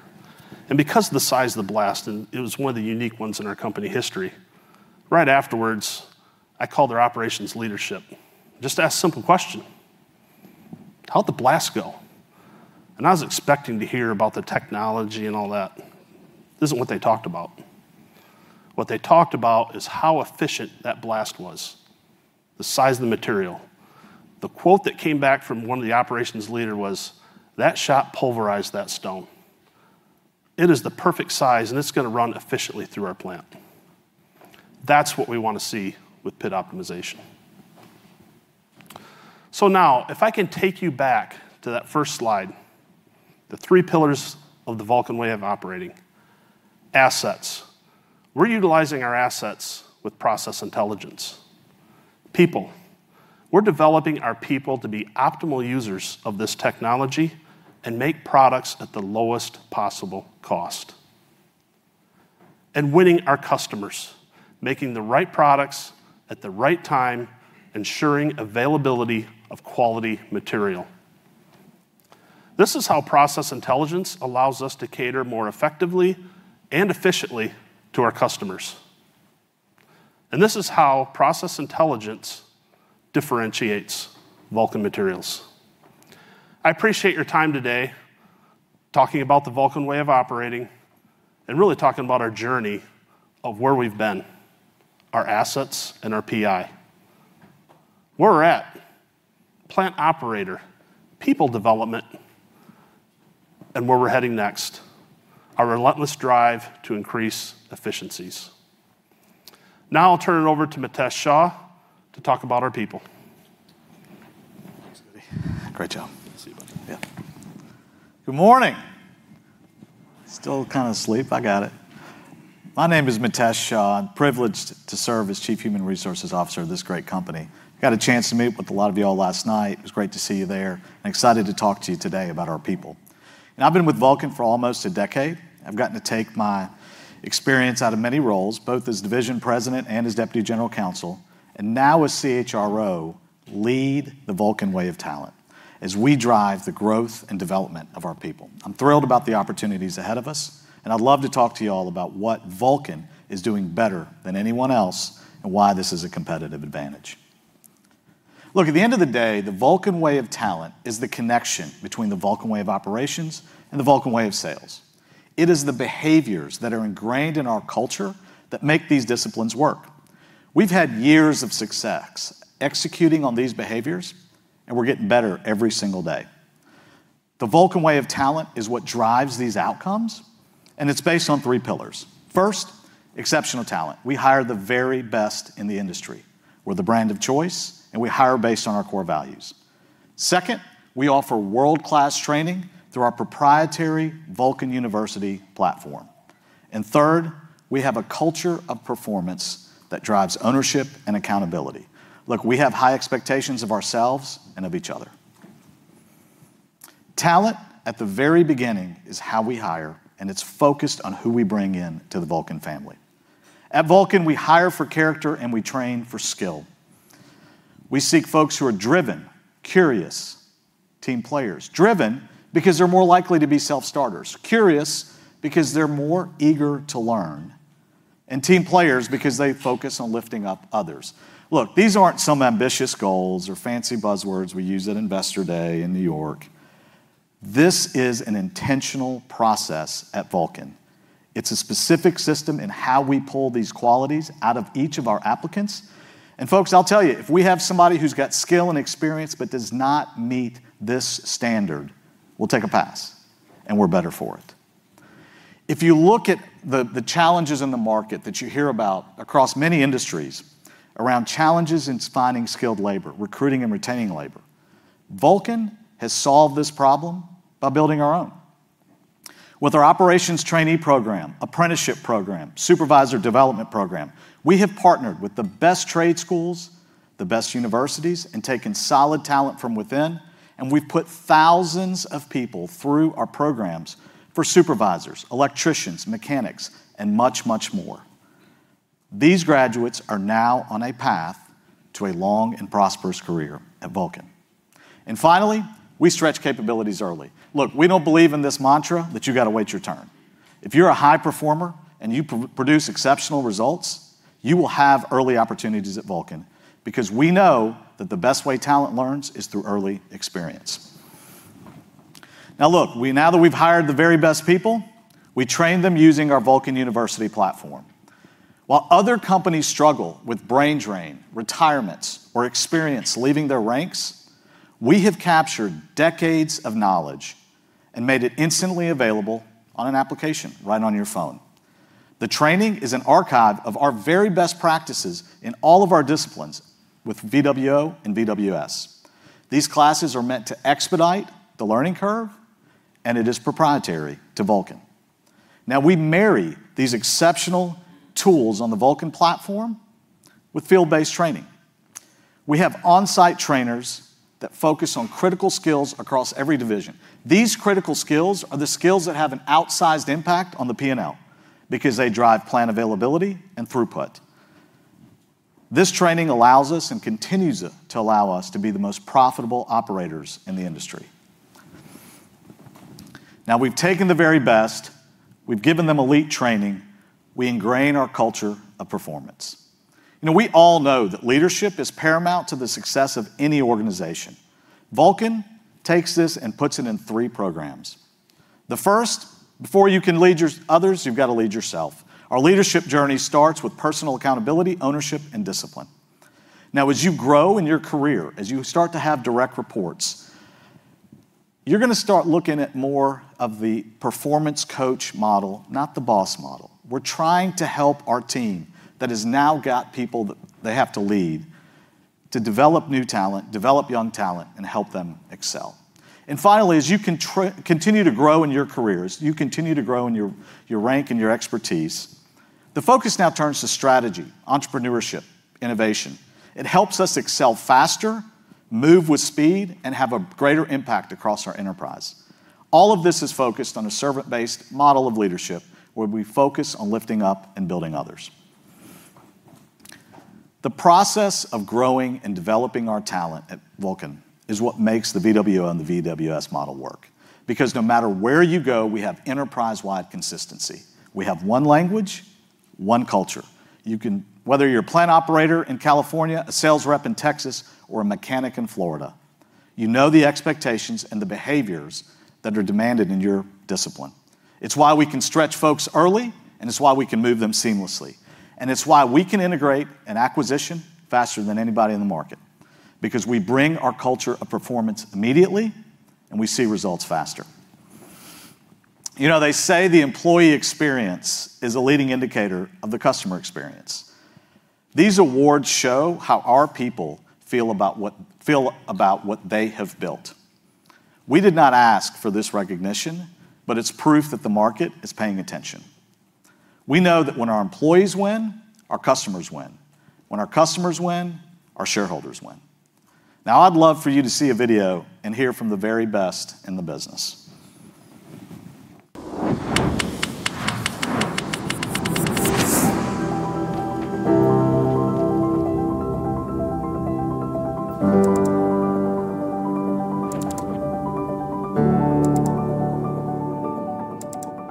Because of the size of the blast, and it was one of the unique ones in our company history, right afterwards, I called our operations leadership, just to ask a simple question. "How'd the blast go?" I was expecting to hear about the technology and all that. This isn't what they talked about. What they talked about is how efficient that blast was, the size of the material. The quote that came back from one of the operations leader was, "That shot pulverized that stone. It is the perfect size, and it's gonna run efficiently through our plant." That's what we wanna see with pit optimization. Now, if I can take you back to that first slide, the three pillars of the Vulcan Way of Operating. Assets. We're utilizing our assets with process intelligence. People. We're developing our people to be optimal users of this technology and make products at the lowest possible cost. Winning our customers, making the right products at the right time, ensuring availability of quality material. This is how process intelligence allows us to cater more effectively and efficiently to our customers. This is how process intelligence differentiates Vulcan Materials. I appreciate your time today, talking about the Vulcan Way of Operating and really talking about our journey of where we've been, our assets and our PI. Where we're at, plant automation, people development, and where we're heading next, our relentless drive to increase efficiencies. Now I'll turn it over to Mitesh Shah to talk about our people. Thanks, Goody. Great job. See you, buddy. Yeah. Good morning. Still kinda asleep, I got it. My name is Mitesh Shah. I'm privileged to serve as Chief Human Resources Officer of this great company. Got a chance to meet with a lot of y'all last night. It was great to see you there, and excited to talk to you today about our people. Now, I've been with Vulcan for almost a decade. I've gotten to take my experience out of many roles, both as Division President and as Deputy General Counsel, and now as CHRO, lead the Vulcan Way of Talent as we drive the growth and development of our people. I'm thrilled about the opportunities ahead of us, and I'd love to talk to y'all about what Vulcan is doing better than anyone else and why this is a competitive advantage. Look, at the end of the day, the Vulcan Way of Talent is the connection between the Vulcan Way of Operating and the Vulcan Way of Selling. It is the behaviors that are ingrained in our culture that make these disciplines work. We've had years of success executing on these behaviors, and we're getting better every single day. The Vulcan Way of Talent is what drives these outcomes, and it's based on three pillars. First, exceptional talent. We hire the very best in the industry. We're the brand of choice, and we hire based on our core values. Second, we offer world-class training through our proprietary Vulcan University platform. Third, we have a culture of performance that drives ownership and accountability. Look, we have high expectations of ourselves and of each other. Talent, at the very beginning, is how we hire, and it's focused on who we bring in to the Vulcan family. At Vulcan, we hire for character and we train for skill. We seek folks who are driven, curious, team players. Driven because they're more likely to be self-starters. Curious because they're more eager to learn. Team players because they focus on lifting up others. Look, these aren't some ambitious goals or fancy buzzwords we use at Investor Day in New York. This is an intentional process at Vulcan. It's a specific system in how we pull these qualities out of each of our applicants. Folks, I'll tell you, if we have somebody who's got skill and experience but does not meet this standard, we'll take a pass, and we're better for it. If you look at the challenges in the market that you hear about across many industries around challenges in finding skilled labor, recruiting and retaining labor, Vulcan has solved this problem by building our own. With our operations trainee program, apprenticeship program, supervisor development program, we have partnered with the best trade schools, the best universities, and taken solid talent from within, and we've put thousands of people through our programs for supervisors, electricians, mechanics, and much, much more. These graduates are now on a path to a long and prosperous career at Vulcan. Finally, we stretch capabilities early. Look, we don't believe in this mantra that you gotta wait your turn. If you're a high performer and you produce exceptional results. You will have early opportunities at Vulcan because we know that the best way talent learns is through early experience. Now look, now that we've hired the very best people, we train them using our Vulcan University platform. While other companies struggle with brain drain, retirements or experience leaving their ranks, we have captured decades of knowledge and made it instantly available on an application right on your phone. The training is an archive of our very best practices in all of our disciplines with VWO and VWS. These classes are meant to expedite the learning curve, and it is proprietary to Vulcan. Now, we marry these exceptional tools on the Vulcan platform with field-based training. We have on-site trainers that focus on critical skills across every division. These critical skills are the skills that have an outsized impact on the P&L because they drive plant availability and throughput. This training allows us and continues to allow us to be the most profitable operators in the industry. Now, we've taken the very best, we've given them elite training. We ingrain our culture of performance. You know, we all know that leadership is paramount to the success of any organization. Vulcan takes this and puts it in three programs. The first, before you can lead your others, you've got to lead yourself. Our leadership journey starts with personal accountability, ownership and discipline. Now, as you grow in your career, as you start to have direct reports, you're gonna start looking at more of the performance coach model, not the boss model. We're trying to help our team that has now got people that they have to lead to develop new talent, develop young talent, and help them excel. Finally, as you continue to grow in your careers, you continue to grow in your rank and your expertise, the focus now turns to strategy, entrepreneurship, innovation. It helps us excel faster, move with speed, and have a greater impact across our enterprise. All of this is focused on a servant based model of leadership where we focus on lifting up and building others. The process of growing and developing our talent at Vulcan is what makes the VWO and the VWS model work. Because no matter where you go, we have enterprise wide consistency. We have one language, one culture. You can, whether you're a plant operator in California, a sales rep in Texas, or a mechanic in Florida, you know the expectations and the behaviors that are demanded in your discipline. It's why we can stretch folks early, and it's why we can move them seamlessly, and it's why we can integrate an acquisition faster than anybody in the market. Because we bring our culture of performance immediately and we see results faster. You know, they say the employee experience is a leading indicator of the customer experience. These awards show how our people feel about what they have built. We did not ask for this recognition, but it's proof that the market is paying attention. We know that when our employees win, our customers win. When our customers win, our shareholders win. Now, I'd love for you to see a video and hear from the very best in the business.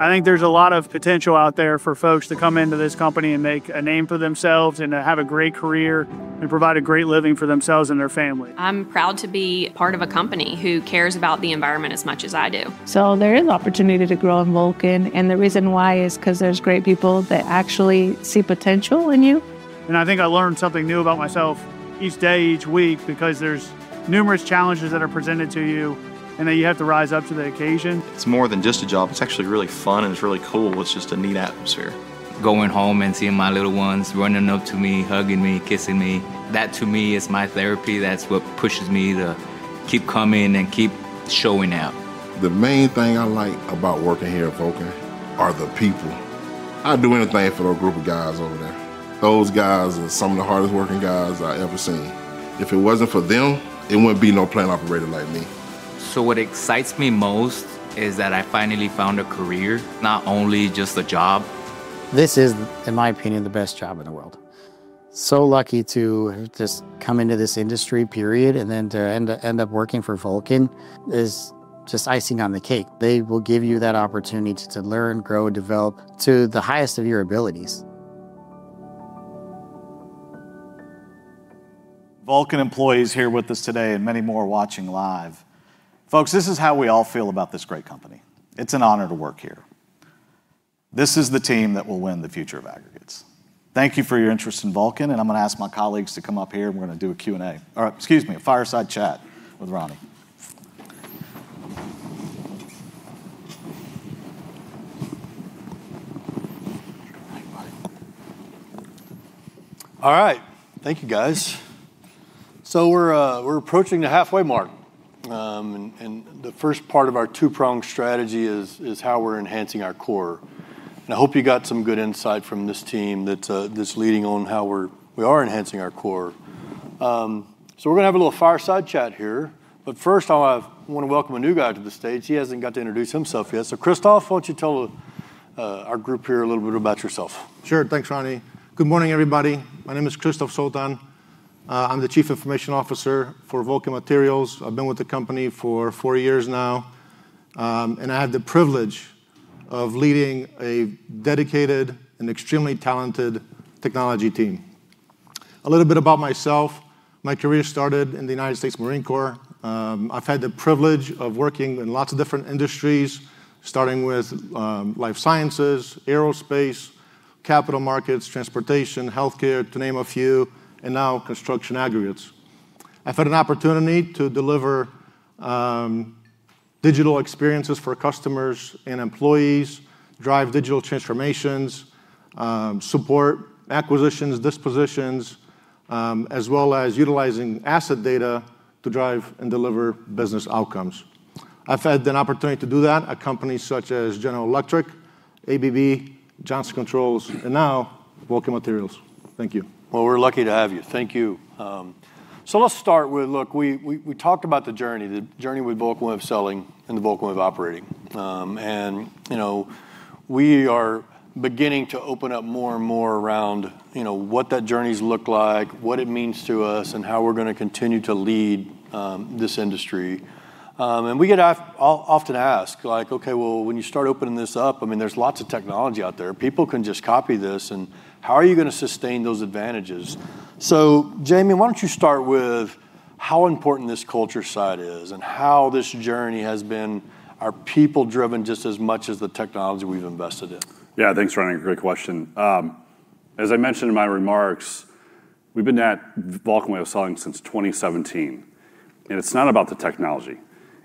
I think there's a lot of potential out there for folks to come into this company and make a name for themselves and to have a great career and provide a great living for themselves and their family. I'm proud to be part of a company who cares about the environment as much as I do. There is opportunity to grow in Vulcan, and the reason why is because there's great people that actually see potential in you. I think I learn something new about myself each day, each week, because there's numerous challenges that are presented to you and that you have to rise up to the occasion. It's more than just a job. It's actually really fun and it's really cool. It's just a neat atmosphere. Going home and seeing my little ones running up to me, hugging me, kissing me, that to me is my therapy. That's what pushes me to keep coming and keep showing up. The main thing I like about working here at Vulcan are the people. I'd do anything for the group of guys over there. Those guys are some of the hardest working guys I ever seen. If it wasn't for them, it wouldn't be no plant operator like me. What excites me most is that I finally found a career, not only just a job. This is, in my opinion, the best job in the world. Lucky to have just come into this industry, period, and then to end up working for Vulcan is just icing on the cake. They will give you that opportunity to learn, grow and develop to the highest of your abilities. Vulcan employees here with us today and many more watching live. Folks, this is how we all feel about this great company. It's an honor to work here. This is the team that will win the future of aggregates. Thank you for your interest in Vulcan. I'm going to ask my colleagues to come up here and we're going to do a Q&A or excuse me, a fireside chat with Ronnie. All right. Thank you, guys. We're approaching the halfway mark. The first part of our two-pronged strategy is how we're enhancing our core. I hope you got some good insight from this team that's leading on how we are enhancing our core. We're gonna have a little fireside chat here. First I want to welcome a new guy to the stage. He hasn't got to introduce himself yet. Krzysztof, why don't you tell our group here a little bit about yourself? Sure. Thanks, Ronnie. Good morning, everybody. My name is Krzysztof Soltan. I'm the Chief Information Officer for Vulcan Materials. I've been with the company for four years now. I have the privilege of leading a dedicated and extremely talented technology team. A little bit about myself. My career started in the United States Marine Corps. I've had the privilege of working in lots of different industries, starting with life sciences, aerospace, capital markets, transportation, healthcare, to name a few, and now construction aggregates. I've had an opportunity to deliver digital experiences for customers and employees, drive digital transformations, support acquisitions, dispositions, as well as utilizing asset data to drive and deliver business outcomes. I've had an opportunity to do that at companies such as General Electric, ABB, Johnson Controls, and now Vulcan Materials. Thank you. Well, we're lucky to have you. Thank you. Let's start with, look, we talked about the journey with Vulcan Way of Selling and the Vulcan Way of Operating. You know, we are beginning to open up more and more around, you know, what that journey's looked like, what it means to us, and how we're gonna continue to lead this industry. We get asked often, like, "Okay, well, when you start opening this up, I mean, there's lots of technology out there. People can just copy this, and how are you gonna sustain those advantages?" Jamie, why don't you start with how important this culture side is, and how this journey has been, are people driven just as much as the technology we've invested in? Yeah, thanks, Ronnie. Great question. As I mentioned in my remarks, we've been at Vulcan Way of Selling since 2017. It's not about the technology.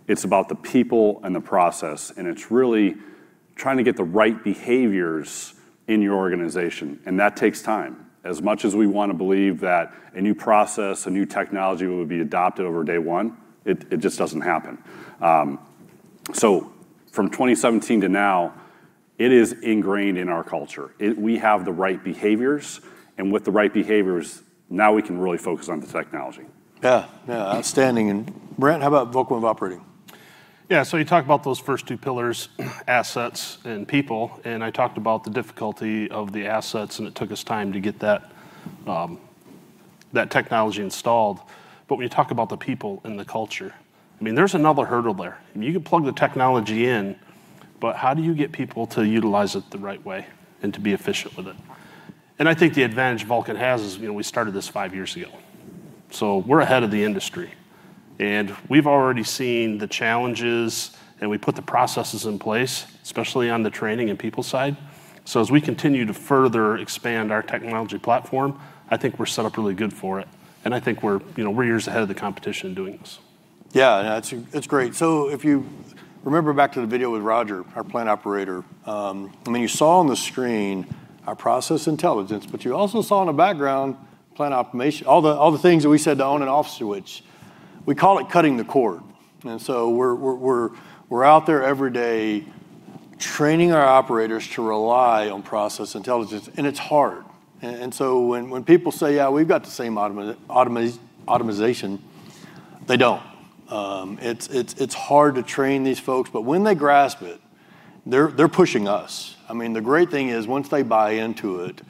It's about the people and the process, and it's really trying to get the right behaviors in your organization, and that takes time. As much as we wanna believe that a new process, a new technology will be adopted overnight, it just doesn't happen. So from 2017 to now, it is ingrained in our culture. It. We have the right behaviors, and with the right behaviors, now we can really focus on the technology. Yeah. Outstanding. Brent, how about Vulcan Way of Operating? Yeah, you talk about those first two pillars, assets and people, and I talked about the difficulty of the assets, and it took us time to get that technology installed. When you talk about the people and the culture, I mean, there's another hurdle there. I mean, you can plug the technology in, but how do you get people to utilize it the right way and to be efficient with it? I think the advantage Vulcan has is, you know, we started this five years ago. We're ahead of the industry. We've already seen the challenges, and we put the processes in place, especially on the training and people side. As we continue to further expand our technology platform, I think we're set up really good for it, and I think we're, you know, we're years ahead of the competition in doing this. Yeah, yeah, it's great. If you remember back to the video with Roger, our plant operator, I mean, you saw on the screen our process intelligence, but you also saw in the background plant automation. All the things that we said to own an off switch. We call it cutting the cord. We're out there every day training our operators to rely on process intelligence, and it's hard. When people say, "Yeah, we've got the same automation," they don't. It's hard to train these folks, but when they grasp it, they're pushing us. I mean, the great thing is once they buy into it,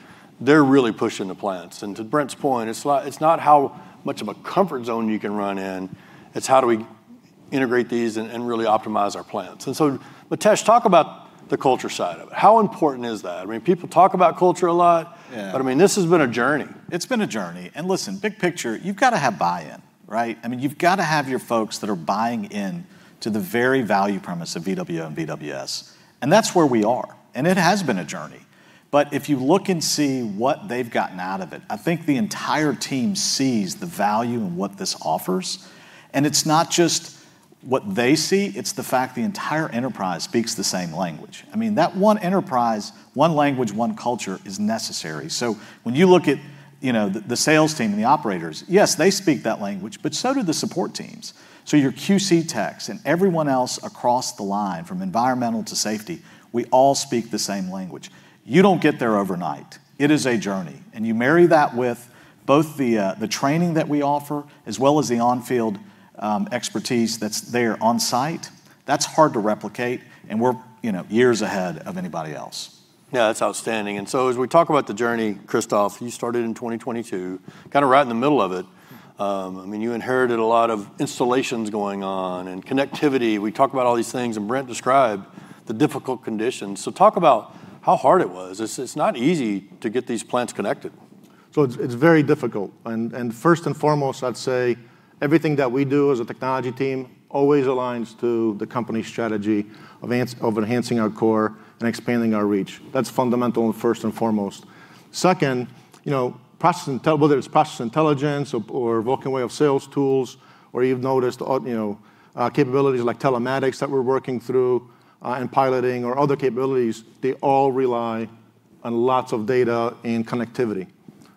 they're really pushing the plants. To Brent's point, it's not how much of a comfort zone you can run in, it's how do we integrate these and really optimize our plants. Mitesh, talk about the culture side of it. How important is that? I mean, people talk about culture a lot. I mean, this has been a journey. It's been a journey. Listen, big picture, you've gotta have buy-in, right? I mean, you've gotta have your folks that are buying in to the very value premise of VWO and VWS, and that's where we are. It has been a journey, but if you look and see what they've gotten out of it, I think the entire team sees the value in what this offers. It's not just what they see, it's the fact the entire enterprise speaks the same language. I mean, that one enterprise, one language, one culture is necessary. When you look at, you know, the sales team and the operators, yes, they speak that language, but so do the support teams. Your QC techs and everyone else across the line from environmental to safety, we all speak the same language. You don't get there overnight. It is a journey, and you marry that with both the training that we offer as well as the on-field expertise that's there on site. That's hard to replicate, and we're, you know, years ahead of anybody else. Yeah, that's outstanding. As we talk about the journey, Krzysztof, you started in 2022, kinda right in the middle of it. I mean, you inherited a lot of installations going on and connectivity. We talk about all these things, and Brent described the difficult conditions. Talk about how hard it was. It's not easy to get these plants connected. It's very difficult. First and foremost, I'd say everything that we do as a technology team always aligns to the company strategy of enhancing our core and expanding our reach. That's fundamental and first and foremost. Second, you know, process intelligence whether it's process intelligence or Vulcan Way of Selling tools, or you've noticed you know, capabilities like telematics that we're working through and piloting or other capabilities, they all rely on lots of data and connectivity.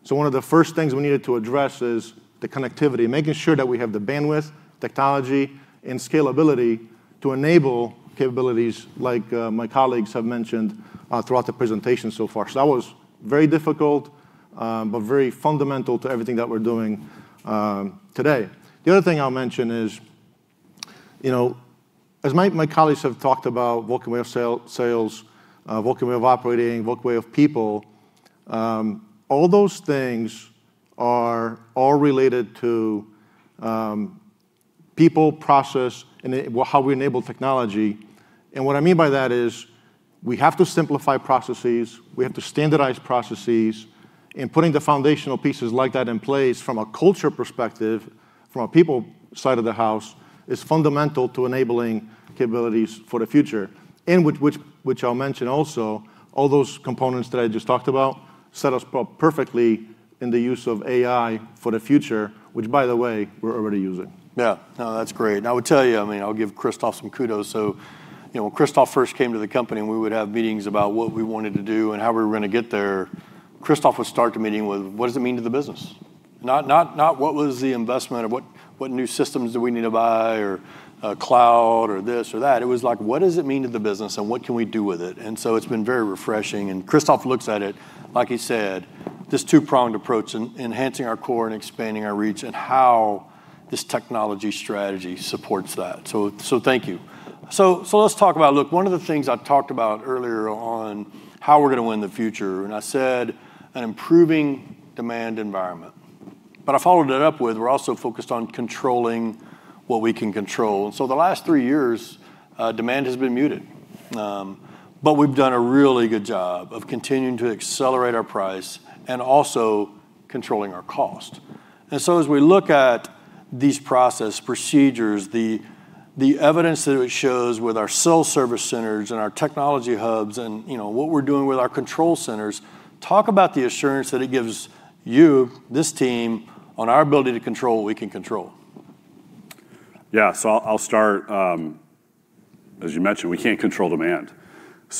One of the first things we needed to address is the connectivity, making sure that we have the bandwidth, technology, and scalability to enable capabilities like my colleagues have mentioned throughout the presentation so far. That was very difficult, but very fundamental to everything that we're doing today. The other thing I'll mention is, you know, as my colleagues have talked about Vulcan Way of Selling, Vulcan Way of Operating, Vulcan Way of Talent, all those things are all related to people, process, and well, how we enable technology. What I mean by that is we have to simplify processes, we have to standardize processes, and putting the foundational pieces like that in place from a culture perspective, from a people side of the house, is fundamental to enabling capabilities for the future. Which I'll mention also, all those components that I just talked about set us up perfectly in the use of AI for the future, which by the way, we're already using. Yeah. No, that's great. I would tell you, I mean, I'll give Krzysztof some kudos. You know, when Krzysztof first came to the company and we would have meetings about what we wanted to do and how we were gonna get there, Krzysztof would start the meeting with, "What does it mean to the business?" Not what was the investment or what new systems do we need to buy or a cloud or this or that. It was like, "What does it mean to the business and what can we do with it?" It's been very refreshing. Krzysztof looks at it, like he said, this two-pronged approach in enhancing our core and expanding our reach and how this technology strategy supports that. Thank you. Let's talk about, look, one of the things I talked about earlier on how we're gonna win the future, and I said an improving demand environment. I followed it up with, we're also focused on controlling what we can control. The last three years, demand has been muted. We've done a really good job of continuing to accelerate our price and also controlling our cost. As we look at these process procedures, the evidence that it shows with our sales service centers and our technology hubs and, you know, what we're doing with our control centers. Talk about the assurance that it gives you, this team, on our ability to control what we can control. Yeah. I'll start. As you mentioned, we can't control demand.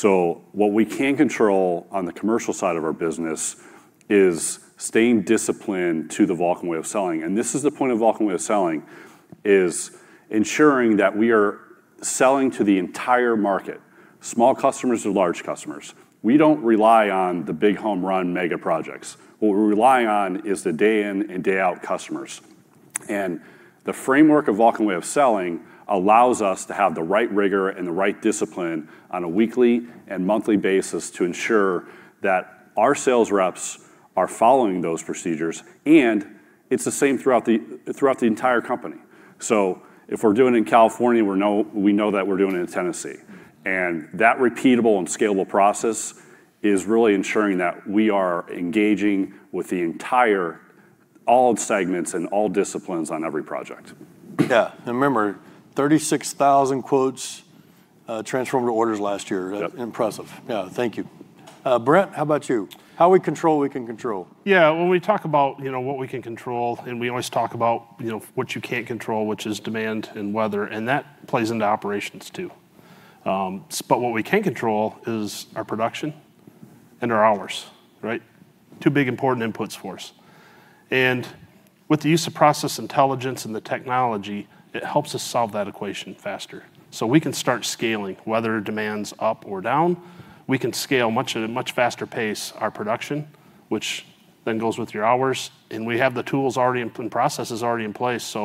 What we can control on the commercial side of our business is staying disciplined to the Vulcan Way of Selling. This is the point of Vulcan Way of Selling, is ensuring that we are selling to the entire market, small customers or large customers. We don't rely on the big home run mega projects. What we rely on is the day in and day out customers. The framework of Vulcan Way of Selling allows us to have the right rigor and the right discipline on a weekly and monthly basis to ensure that our sales reps are following those procedures, and it's the same throughout the entire company. If we're doing it in California, we know that we're doing it in Tennessee. That repeatable and scalable process is really ensuring that we are engaging with all segments and all disciplines on every project. Yeah. Remember, 36,000 quotes transformed to orders last year. Impressive. Yeah. Thank you. Brent, how about you? How we control what we can control. Yeah. When we talk about, you know, what we can control, and we always talk about, you know, what you can't control, which is demand and weather, and that plays into operations, too. But what we can control is our production and our hours, right? Two big important inputs for us. With the use of process intelligence and the technology, it helps us solve that equation faster. We can start scaling. Whether demand's up or down, we can scale much, at a much faster pace our production, which then goes with your hours, and we have the tools already and processes already in place.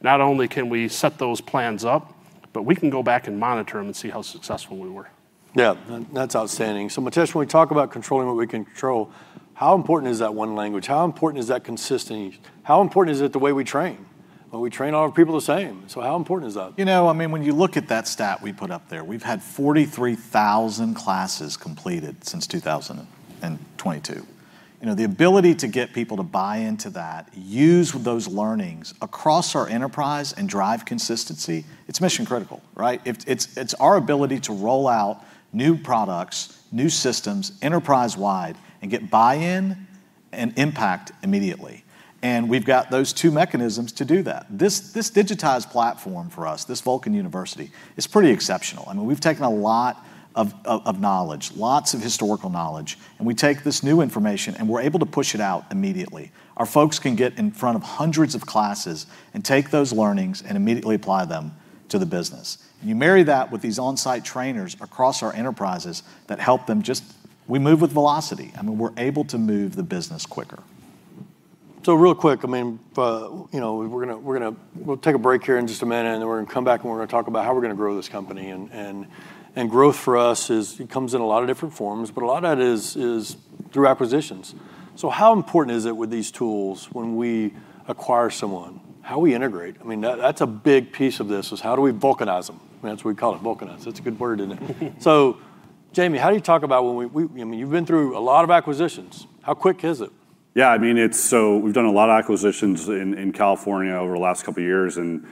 Not only can we set those plans up, but we can go back and monitor them and see how successful we were. Yeah. That's outstanding. Mitesh, when we talk about controlling what we can control, how important is that one language? How important is that consistency? How important is it the way we train, when we train all of our people the same? How important is that? You know, I mean, when you look at that stat we put up there, we've had 43,000 classes completed since 2022. You know, the ability to get people to buy into that, use those learnings across our enterprise and drive consistency, it's mission critical, right? It's our ability to roll out new products, new systems enterprise-wide and get buy-in and impact immediately. We've got those two mechanisms to do that. This digitized platform for us, this Vulcan University, is pretty exceptional. I mean, we've taken a lot of knowledge, lots of historical knowledge, and we take this new information, and we're able to push it out immediately. Our folks can get in front of hundreds of classes and take those learnings and immediately apply them to the business. When you marry that with these on-site trainers across our enterprises that help them just. We move with velocity. I mean, we're able to move the business quicker. Real quick, I mean, you know, we'll take a break here in just a minute, and then we're gonna come back, and we're gonna talk about how we're gonna grow this company. Growth for us is, it comes in a lot of different forms, but a lot of that is through acquisitions. How important is it with these tools when we acquire someone, how we integrate? I mean, that's a big piece of this, is how do we Vulcanize them? That's what we call it, Vulcanize. That's a good word, isn't it? Jamie, how do you talk about when we, I mean, you've been through a lot of acquisitions. How quick is it? Yeah, I mean, it's. We've done a lot of acquisitions in California over the last couple of years and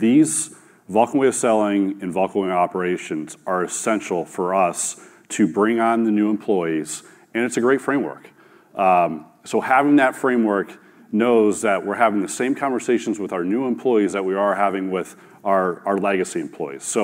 these Vulcan Way of Selling and Vulcan Way of Operating are essential for us to bring on the new employees, and it's a great framework. Having that framework knows that we're having the same conversations with our new employees that we are having with our legacy employees.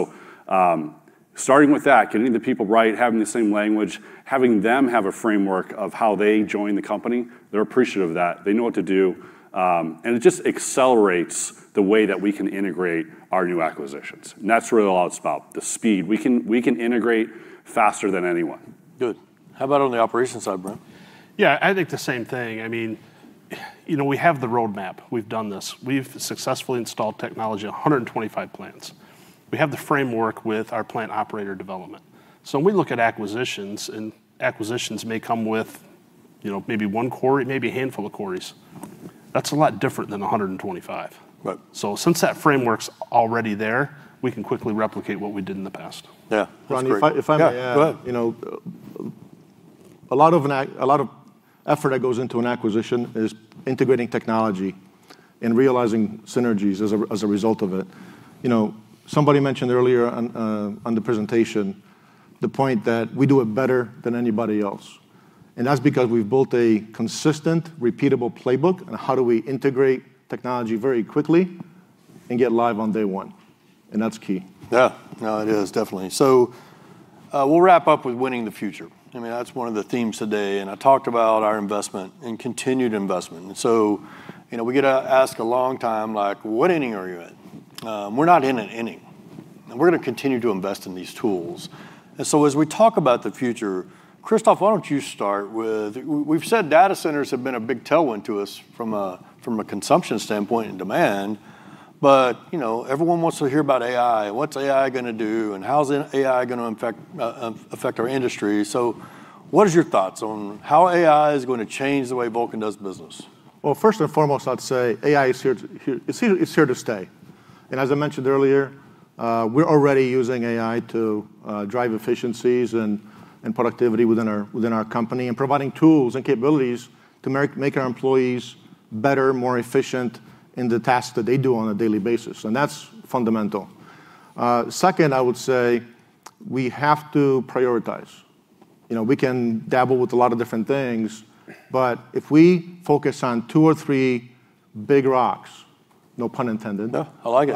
Starting with that, getting the people right, having the same language, having them have a framework of how they join the company, they're appreciative of that. They know what to do. It just accelerates the way that we can integrate our new acquisitions. That's really all it's about, the speed. We can integrate faster than anyone. Good. How about on the operations side, Brent? Yeah, I think the same thing. I mean, you know, we have the roadmap. We've done this. We've successfully installed technology in 125 plants. We have the framework with our plant operator development. When we look at acquisitions, and acquisitions may come with, you know, maybe one quarry, maybe a handful of quarries. That's a lot different than 125. Right. Since that framework's already there, we can quickly replicate what we did in the past. Yeah. That's great. Ronnie, if I may add. Yeah, go ahead. You know, a lot of effort that goes into an acquisition is integrating technology and realizing synergies as a result of it. You know, somebody mentioned earlier on the presentation the point that we do it better than anybody else, and that's because we've built a consistent, repeatable playbook on how do we integrate technology very quickly and get live on day one, and that's key. Yeah. No, it is, definitely. We'll wrap up with winning the future. I mean, that's one of the themes today, and I talked about our investment and continued investment. You know, we get asked a long time like, "What inning are you in?" We're not in an inning, and we're gonna continue to invest in these tools. As we talk about the future, Krzysztof, why don't you start with we've said data centers have been a big tailwind to us from a consumption standpoint and demand, but you know, everyone wants to hear about AI, what's AI gonna do, and how's AI gonna affect our industry. What is your thoughts on how AI is gonna change the way Vulcan does business? Well, first and foremost, I'd say AI is here to stay. As I mentioned earlier, we're already using AI to drive efficiencies and productivity within our company, and providing tools and capabilities to make our employees better, more efficient in the tasks that they do on a daily basis, and that's fundamental. Second, I would say we have to prioritize. You know, we can dabble with a lot of different things, but if we focus on two or three big rocks, no pun intended. No, I like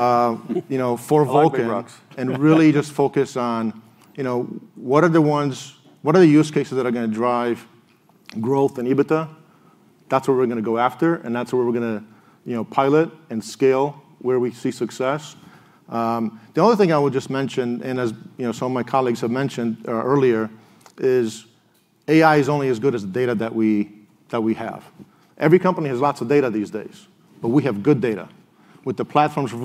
it. You know, for Vulcan-- I like big rocks. Really just focus on, you know, what are the ones, what are the use cases that are gonna drive growth and EBITDA? That's where we're gonna go after and that's where we're gonna, you know, pilot and scale where we see success. The other thing I would just mention, and as, you know, some of my colleagues have mentioned earlier, is AI is only as good as the data that we have. Every company has lots of data these days, but we have good data. With the platforms of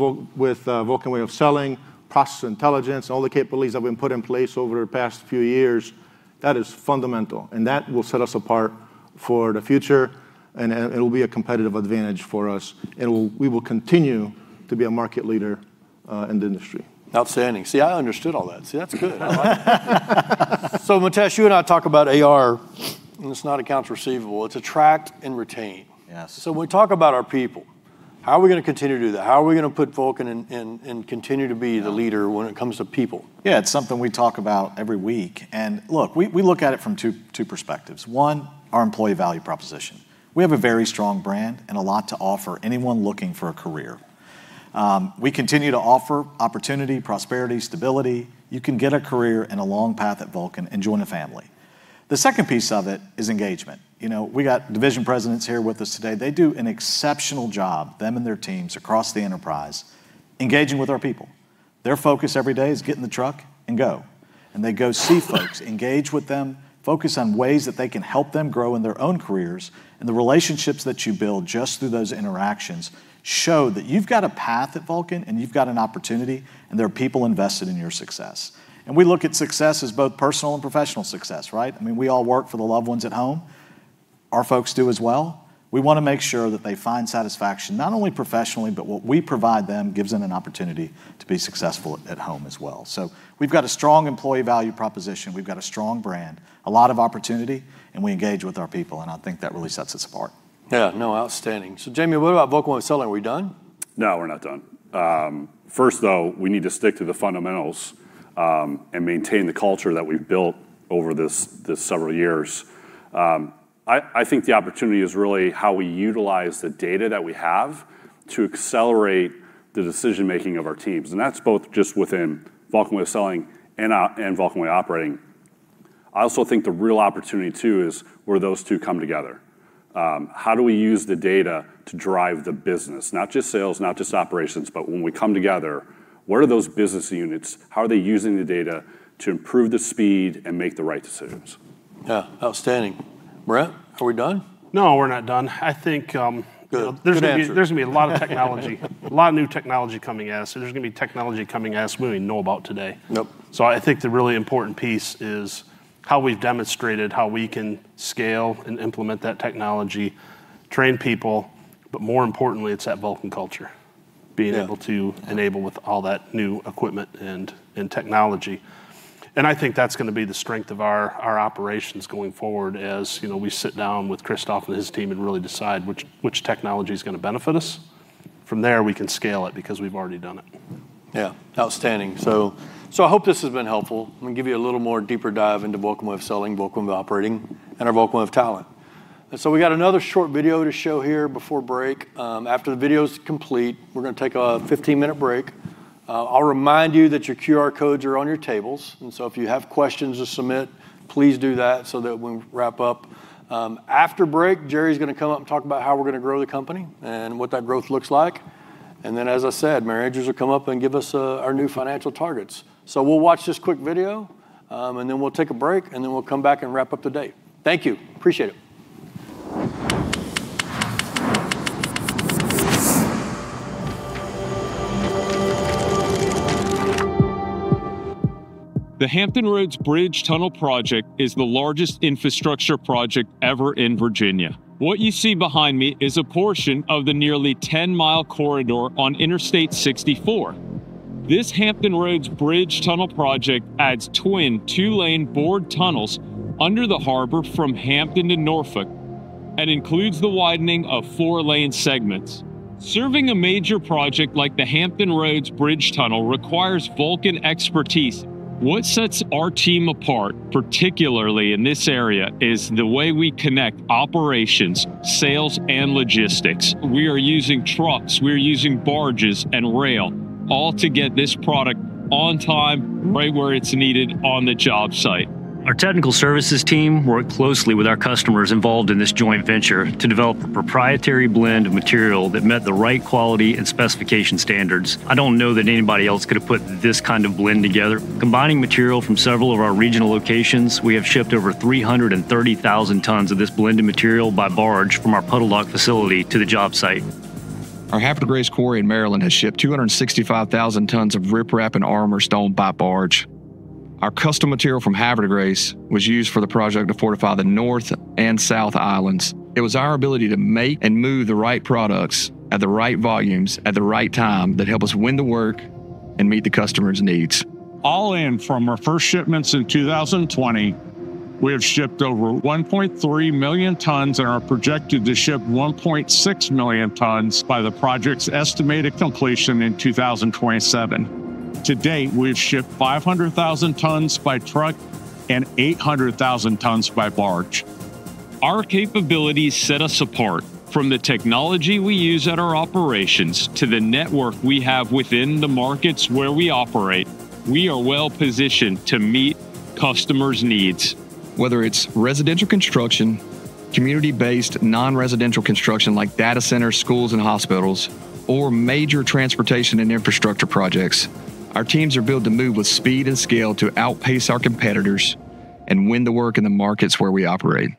Vulcan Way of Selling, Process Intelligence, all the capabilities that we've put in place over the past few years, that is fundamental, and that will set us apart for the future and it'll be a competitive advantage for us, and we will continue to be a market leader in the industry. Outstanding. See, I understood all that. See, that's good. I like it. Mitesh, you and I talk about AR, and it's not accounts receivable, it's attract and retain. When we talk about our people, how are we gonna continue to do that? How are we gonna put Vulcan in and continue to be the leader when it comes to people? Yeah, it's something we talk about every week. Look, we look at it from two perspectives. One, our employee value proposition. We have a very strong brand and a lot to offer anyone looking for a career. We continue to offer opportunity, prosperity, stability. You can get a career and a long path at Vulcan and join a family. The second piece of it is engagement. You know, we got division presidents here with us today. They do an exceptional job, them and their teams across the enterprise, engaging with our people. Their focus every day is get in the truck and go, and they go see folks, engage with them, focus on ways that they can help them grow in their own careers, and the relationships that you build just through those interactions show that you've got a path at Vulcan and you've got an opportunity, and there are people invested in your success. We look at success as both personal and professional success, right? I mean, we all work for the loved ones at home. Our folks do as well. We wanna make sure that they find satisfaction, not only professionally, but what we provide them gives them an opportunity to be successful at home as well. We've got a strong employee value proposition. We've got a strong brand, a lot of opportunity, and we engage with our people, and I think that really sets us apart. Yeah. No, outstanding. Jamie, what about Vulcan Way of Selling? Are we done? No, we're not done. First though, we need to stick to the fundamentals, and maintain the culture that we've built over this several years. I think the opportunity is really how we utilize the data that we have to accelerate the decision-making of our teams, and that's both just within Vulcan Way of Selling and Vulcan Way of Operating. I also think the real opportunity too is where those two come together. How do we use the data to drive the business? Not just sales, not just operations, but when we come together, what are those business units? How are they using the data to improve the speed and make the right decisions? Yeah. Outstanding. Brent, are we done? No, we're not done. I think-- Good. Good answer. There's gonna be a lot of technology, a lot of new technology coming at us, and there's gonna be technology coming at us we don't even know about today. I think the really important piece is how we've demonstrated how we can scale and implement that technology, train people, but more importantly, it's that Vulcan culture. Being able to enable with all that new equipment and technology. I think that's gonna be the strength of our operations going forward as, you know, we sit down with Krzysztof Soltan and his team and really decide which technology's gonna benefit us. From there, we can scale it because we've already done it. Yeah. Outstanding. I hope this has been helpful and give you a little more deeper dive into Vulcan Way of Selling, Vulcan Way of Operating, and our Vulcan Way of Talent. We got another short video to show here before break. After the video's complete, we're gonna take a 15-minute break. I'll remind you that your QR codes are on your tables, and if you have questions to submit, please do that so that when we wrap up, after break, Jerry's gonna come up and talk about how we're gonna grow the company and what that growth looks like. As I said, Mary Andrews will come up and give us our new financial targets. We'll watch this quick video, and then we'll take a break, and then we'll come back and wrap up the day. Thank you. Appreciate it. The Hampton Roads Bridge-Tunnel Project is the largest infrastructure project ever in Virginia. What you see behind me is a portion of the nearly 10-mile corridor on Interstate 64. This Hampton Roads Bridge-Tunnel Project adds twin two-lane bored tunnels under the harbor from Hampton to Norfolk and includes the widening of four-lane segments. Serving a major project like the Hampton Roads Bridge-Tunnel requires Vulcan expertise. What sets our team apart, particularly in this area, is the way we connect operations, sales, and logistics. We are using trucks, we're using barges, and rail, all to get this product on time right where it's needed on the job site. Our technical services team worked closely with our customers involved in this joint venture to develop a proprietary blend of material that met the right quality and specification standards. I don't know that anybody else could have put this kind of blend together. Combining material from several of our regional locations, we have shipped over 330,000 tons of this blended material by barge from our Puddledock facility to the job site. Our Havre de Grace quarry in Maryland has shipped 265,000 tons of riprap and Armor stone by barge. Our custom material from Havre de Grace was used for the project to fortify the north and south islands. It was our ability to make and move the right products at the right volumes at the right time that helped us win the work and meet the customer's needs. All in from our first shipments in 2020, we have shipped over 1.3 million tons and are projected to ship 1.6 million tons by the project's estimated completion in 2027. To date, we've shipped 500,000 tons by truck and 800,000 tons by barge. Our capabilities set us apart. From the technology we use at our operations to the network we have within the markets where we operate, we are well-positioned to meet customers' needs. Whether it's residential construction, community-based non-residential construction like data centers, schools, and hospitals, or major transportation and infrastructure projects, our teams are built to move with speed and scale to outpace our competitors and win the work in the markets where we operate.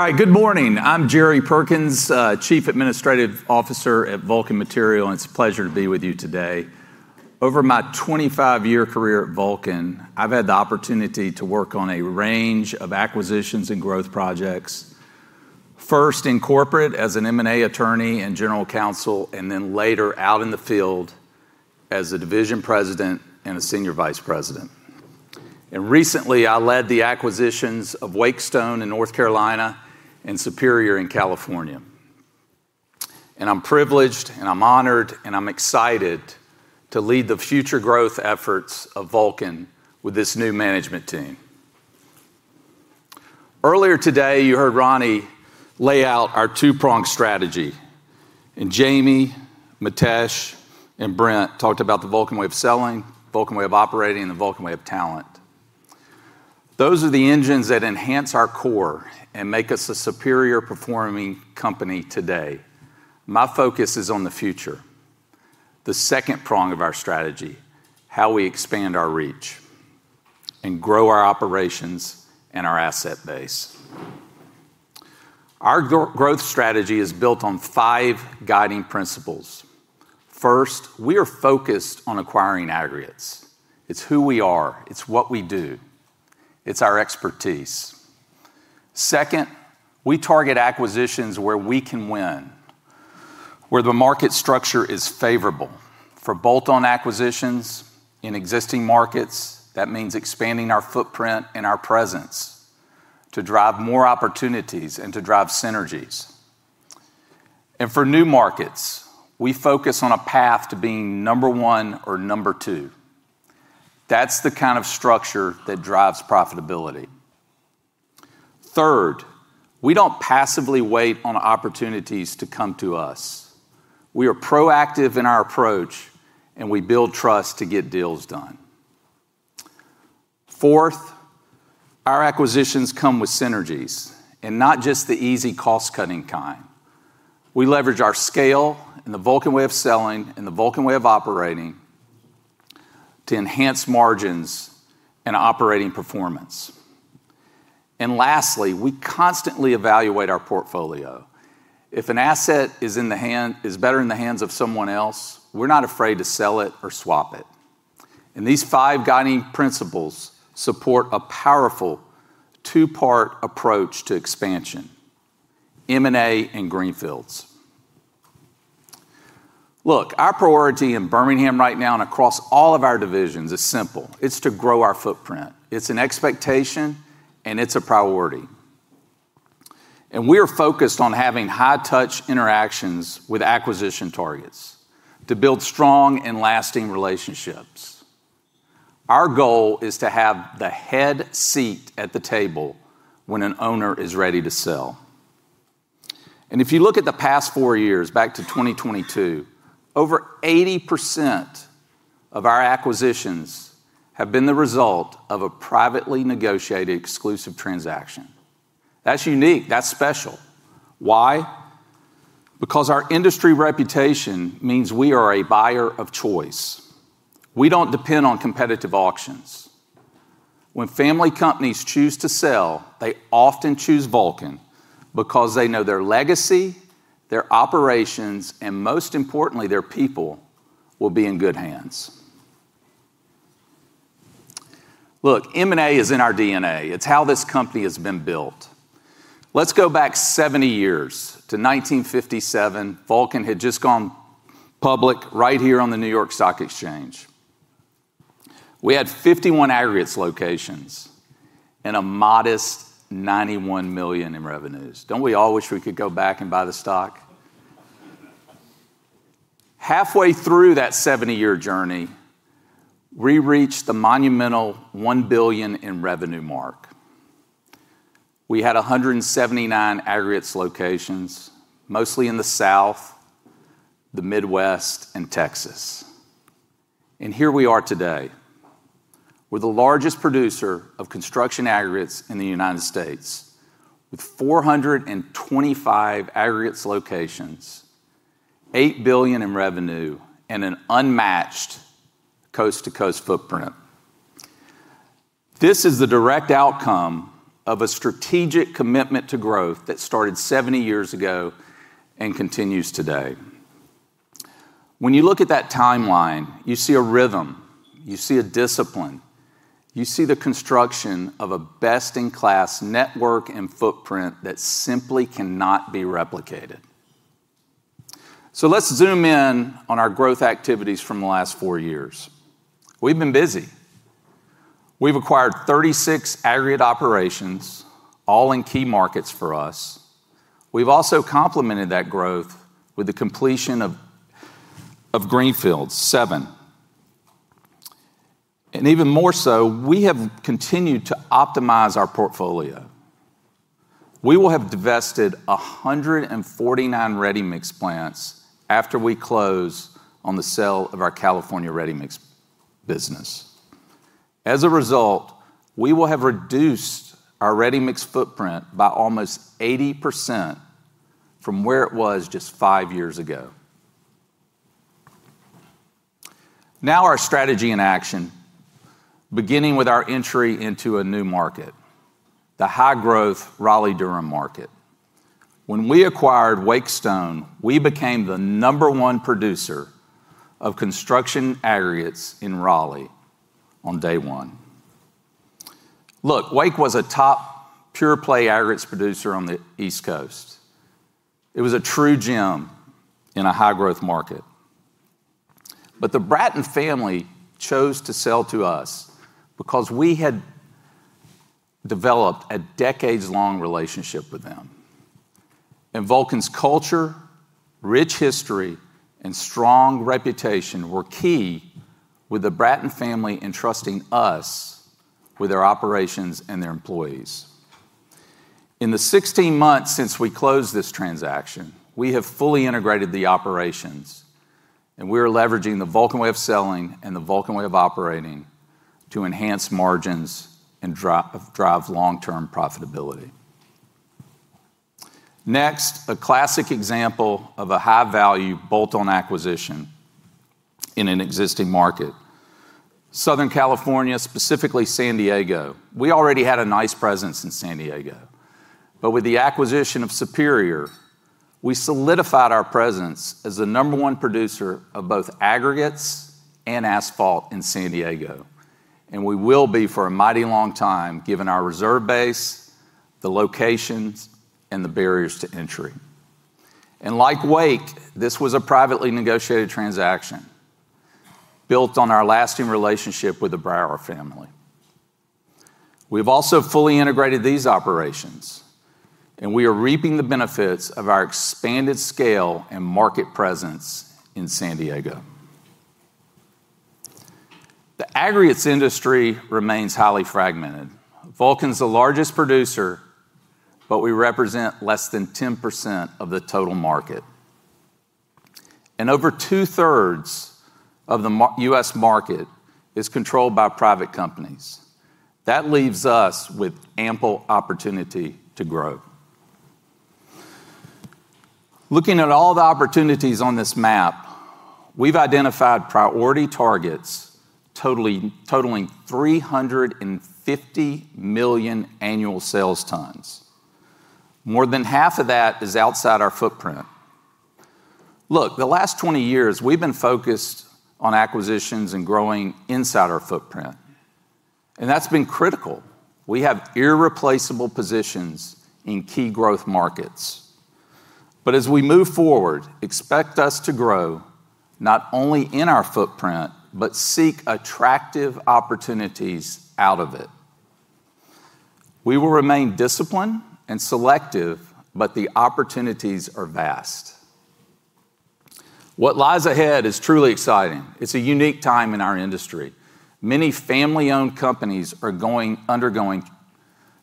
All right. Good morning. I'm Jerry Perkins, Chief Administrative Officer at Vulcan Materials, and it's a pleasure to be with you today. Over my 25-year career at Vulcan, I've had the opportunity to work on a range of acquisitions and growth projects. First in corporate as an M&A attorney and general counsel, and then later out in the field as a division president and a senior vice president. Recently, I led the acquisitions of Wake Stone in North Carolina and Superior Industries in California. I'm privileged, and I'm honored, and I'm excited to lead the future growth efforts of Vulcan with this new management team. Earlier today, you heard Ronnie lay out our two-pronged strategy, and Jamie, Mitesh, and Brent talked about the Vulcan Way of Selling, Vulcan Way of Operating, and the Vulcan Way of Talent. Those are the engines that enhance our core and make us a superior performing company today. My focus is on the future, the second prong of our strategy, how we expand our reach and grow our operations and our asset base. Our growth strategy is built on five guiding principles. First, we are focused on acquiring aggregates. It's who we are. It's what we do. It's our expertise. Second, we target acquisitions where we can win, where the market structure is favorable. For bolt-on acquisitions in existing markets, that means expanding our footprint and our presence to drive more opportunities and to drive synergies. For new markets, we focus on a path to being number one or number two. That's the kind of structure that drives profitability. Third, we don't passively wait on opportunities to come to us. We are proactive in our approach, and we build trust to get deals done. Fourth, our acquisitions come with synergies and not just the easy cost-cutting kind. We leverage our scale and the Vulcan Way of Selling and the Vulcan Way of Operating to enhance margins and operating performance. Lastly, we constantly evaluate our portfolio. If an asset is better in the hands of someone else, we're not afraid to sell it or swap it. These five guiding principles support a powerful two-part approach to expansion. M&A and greenfields. Look, our priority in Birmingham right now and across all of our divisions is simple. It's to grow our footprint. It's an expectation, and it's a priority. We're focused on having high-touch interactions with acquisition targets to build strong and lasting relationships. Our goal is to have the head seat at the table when an owner is ready to sell. If you look at the past four years back to 2022, over 80% of our acquisitions have been the result of a privately negotiated exclusive transaction. That's unique. That's special. Why? Because our industry reputation means we are a buyer of choice. We don't depend on competitive auctions. When family companies choose to sell, they often choose Vulcan because they know their legacy, their operations, and most importantly, their people will be in good hands. Look, M&A is in our DNA. It's how this company has been built. Let's go back 70 years to 1957. Vulcan had just gone public right here on the New York Stock Exchange. We had 51 aggregates locations and a modest $91 million in revenues. Don't we all wish we could go back and buy the stock? Halfway through that 70-year journey, we reached the monumental $1 billion in revenue mark. We had 179 aggregates locations, mostly in the South, the Midwest, and Texas. Here we are today. We're the largest producer of construction aggregates in the United States with 425 aggregates locations, $8 billion in revenue, and an unmatched coast-to-coast footprint. This is the direct outcome of a strategic commitment to growth that started 70 years ago and continues today. When you look at that timeline, you see a rhythm, you see a discipline, you see the construction of a best-in-class network and footprint that simply cannot be replicated. Let's zoom in on our growth activities from the last four years. We've been busy. We've acquired 36 aggregate operations, all in key markets for us. We've also complemented that growth with the completion of greenfields, seven. Even more so, we have continued to optimize our portfolio. We will have divested 149 ready-mix plants after we close on the sale of our California ready-mix business. As a result, we will have reduced our ready-mix footprint by almost 80% from where it was just five years ago. Now our strategy in action, beginning with our entry into a new market, the high growth Raleigh-Durham market. When we acquired Wake Stone, we became the number one producer of construction aggregates in Raleigh on day one. Look, Wake was a top pure play aggregates producer on the East Coast. It was a true gem in a high growth market. But the Bratton family chose to sell to us because we had developed a decades-long relationship with them. Vulcan's culture, rich history, and strong reputation were key with the Bratton family in trusting us with their operations and their employees. In the 16 months since we closed this transaction, we have fully integrated the operations, and we are leveraging the Vulcan Way of Selling and the Vulcan Way of Operating to enhance margins and drive long-term profitability. Next, a classic example of a high value bolt-on acquisition in an existing market. Southern California, specifically San Diego. We already had a nice presence in San Diego. With the acquisition of Superior, we solidified our presence as the number one producer of both aggregates and asphalt in San Diego, and we will be for a mighty long time, given our reserve base, the locations, and the barriers to entry. Like Wake, this was a privately negotiated transaction built on our lasting relationship with the Brower family. We've also fully integrated these operations, and we are reaping the benefits of our expanded scale and market presence in San Diego. The aggregates industry remains highly fragmented. Vulcan's the largest producer, but we represent less than 10% of the total market. Over 2/3 of the U.S. market is controlled by private companies. That leaves us with ample opportunity to grow. Looking at all the opportunities on this map, we've identified priority targets totaling 350 million annual sales tons. More than half of that is outside our footprint. Look, the last 20 years, we've been focused on acquisitions and growing inside our footprint, and that's been critical. We have irreplaceable positions in key growth markets. As we move forward, expect us to grow not only in our footprint, but seek attractive opportunities out of it. We will remain disciplined and selective, but the opportunities are vast. What lies ahead is truly exciting. It's a unique time in our industry. Many family-owned companies are undergoing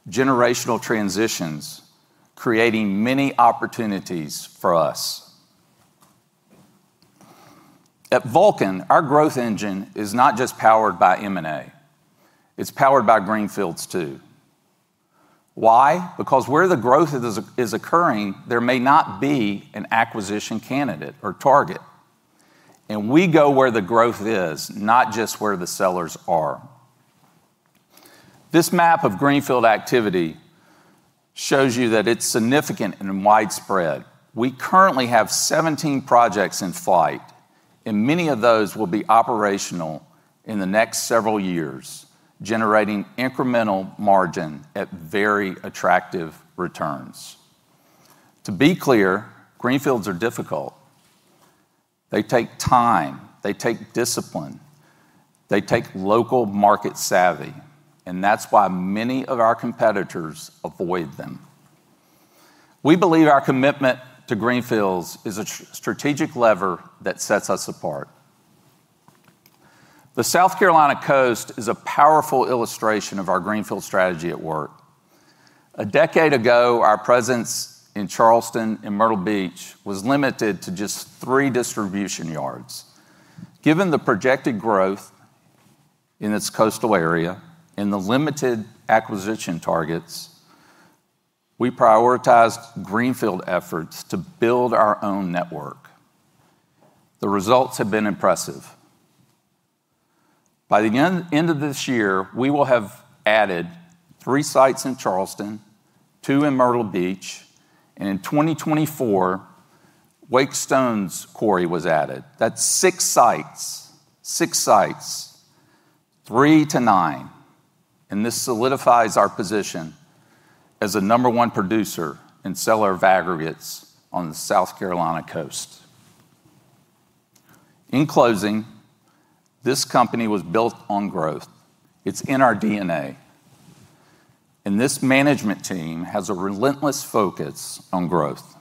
generational transitions, creating many opportunities for us. At Vulcan, our growth engine is not just powered by M&A. It's powered by greenfields too. Why? Because where the growth is occurring, there may not be an acquisition candidate or target. We go where the growth is, not just where the sellers are. This map of greenfield activity shows you that it's significant and widespread. We currently have 17 projects in flight, and many of those will be operational in the next several years, generating incremental margin at very attractive returns. To be clear, greenfields are difficult. They take time, they take discipline, they take local market savvy, and that's why many of our competitors avoid them. We believe our commitment to greenfields is a strategic lever that sets us apart. The South Carolina coast is a powerful illustration of our greenfield strategy at work. A decade ago, our presence in Charleston and Myrtle Beach was limited to just three distribution yards. Given the projected growth in its coastal area and the limited acquisition targets, we prioritized greenfield efforts to build our own network. The results have been impressive. By the end of this year, we will have added three sites in Charleston, two in Myrtle Beach, and in 2024, Wake Stone's quarry was added. That's six sites. Three to nine. This solidifies our position as the number one producer and seller of aggregates on the South Carolina coast. In closing, this company was built on growth. It's in our DNA. This management team has a relentless focus on growth.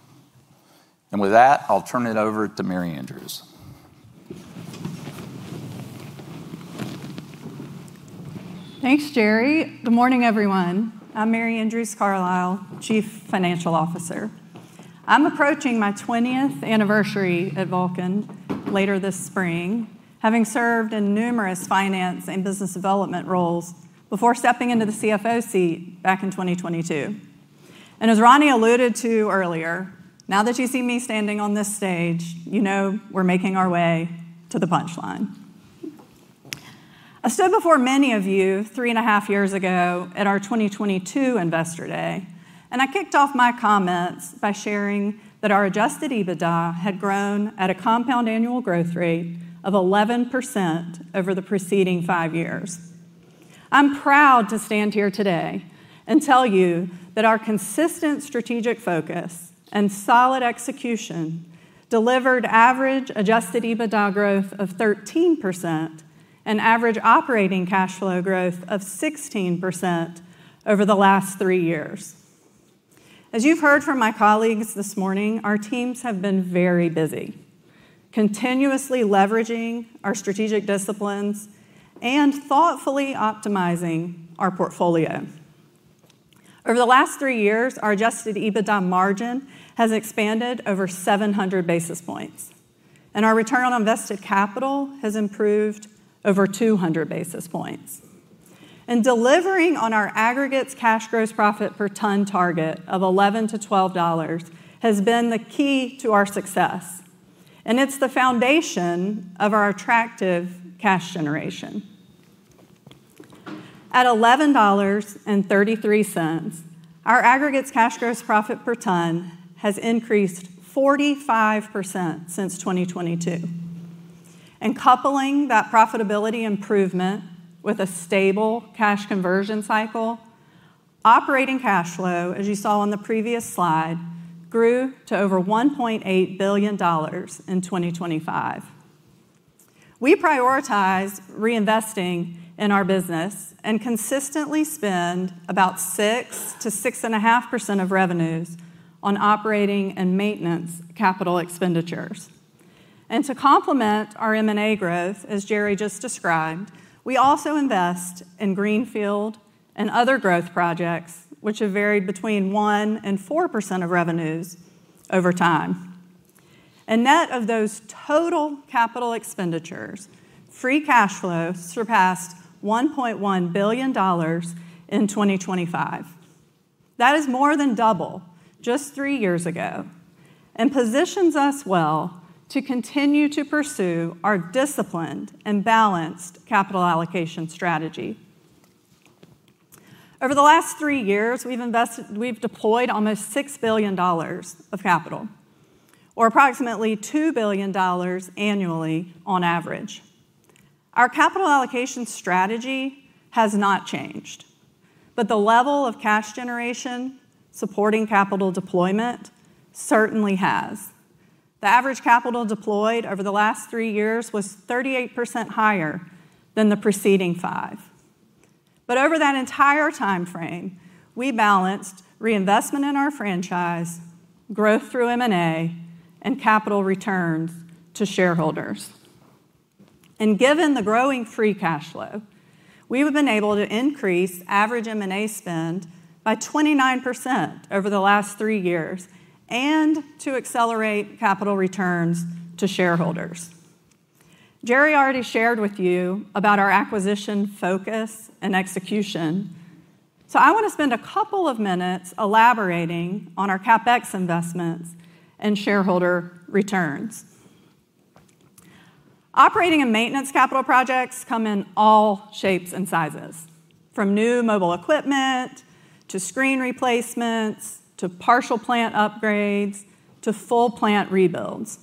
With that, I'll turn it over to Mary Andrews. Thanks, Jerry. Good morning, everyone. I'm Mary Andrews Carlisle, Chief Financial Officer. I'm approaching my 20th anniversary at Vulcan later this spring, having served in numerous finance and business development roles before stepping into the CFO seat back in 2022. As Ronnie alluded to earlier, now that you see me standing on this stage, you know we're making our way to the punchline. I stood before many of you 3.5 years ago at our 2022 Investor Day, and I kicked off my comments by sharing that our adjusted EBITDA had grown at a compound annual growth rate of 11% over the preceding five years. I'm proud to stand here today and tell you that our consistent strategic focus and solid execution delivered average adjusted EBITDA growth of 13% and average operating cash flow growth of 16% over the last three years. As you've heard from my colleagues this morning, our teams have been very busy, continuously leveraging our strategic disciplines and thoughtfully optimizing our portfolio. Over the last three years, our adjusted EBITDA margin has expanded over 700 basis points, and our return on invested capital has improved over 200 basis points. Delivering on our aggregates cash gross profit per ton target of $11-$12 has been the key to our success, and it's the foundation of our attractive cash generation. At $11.33, our aggregates cash gross profit per ton has increased 45% since 2022. Coupling that profitability improvement with a stable cash conversion cycle, operating cash flow, as you saw on the previous slide, grew to over $1.8 billion in 2025. We prioritize reinvesting in our business and consistently spend about 6%-6.5% of revenues on operating and maintenance capital expenditures. To complement our M&A growth, as Jerry just described, we also invest in greenfield and other growth projects which have varied between 1%-4% of revenues over time. Net of those total capital expenditures, free cash flow surpassed $1.1 billion in 2025. That is more than double just three years ago and positions us well to continue to pursue our disciplined and balanced capital allocation strategy. Over the last three years, we've deployed almost $6 billion of capital, or approximately $2 billion annually on average. Our capital allocation strategy has not changed, but the level of cash generation supporting capital deployment certainly has. The average capital deployed over the last three years was 38% higher than the preceding five. Over that entire timeframe, we balanced reinvestment in our franchise, growth through M&A, and capital returns to shareholders. Given the growing free cash flow, we have been able to increase average M&A spend by 29% over the last three years and to accelerate capital returns to shareholders. Jerry already shared with you about our acquisition focus and execution, so I want to spend a couple of minutes elaborating on our CapEx investments and shareholder returns. Operating and maintenance capital projects come in all shapes and sizes, from new mobile equipment, to screen replacements, to partial plant upgrades, to full plant rebuilds.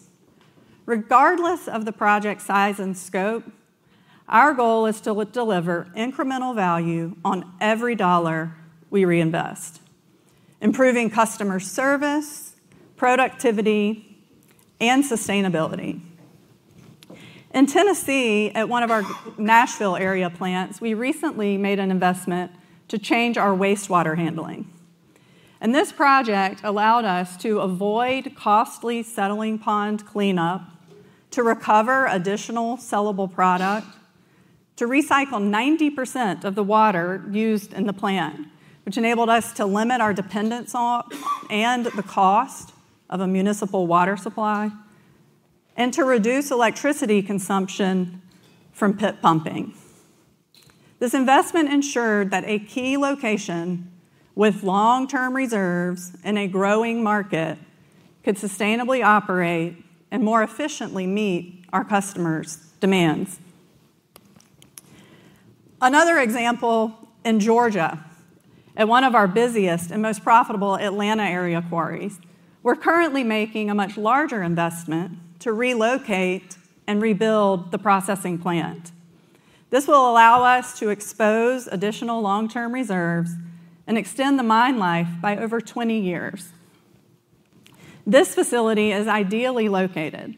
Regardless of the project size and scope, our goal is to deliver incremental value on every dollar we reinvest, improving customer service, productivity, and sustainability. In Tennessee, at one of our Nashville area plants, we recently made an investment to change our wastewater handling, and this project allowed us to avoid costly settling pond cleanup, to recover additional sellable product, to recycle 90% of the water used in the plant, which enabled us to limit our dependence on and the cost of a municipal water supply, and to reduce electricity consumption from pit pumping. This investment ensured that a key location with long-term reserves in a growing market could sustainably operate and more efficiently meet our customers' demands. Another example in Georgia, at one of our busiest and most profitable Atlanta area quarries, we're currently making a much larger investment to relocate and rebuild the processing plant. This will allow us to expose additional long-term reserves and extend the mine life by over 20 years. This facility is ideally located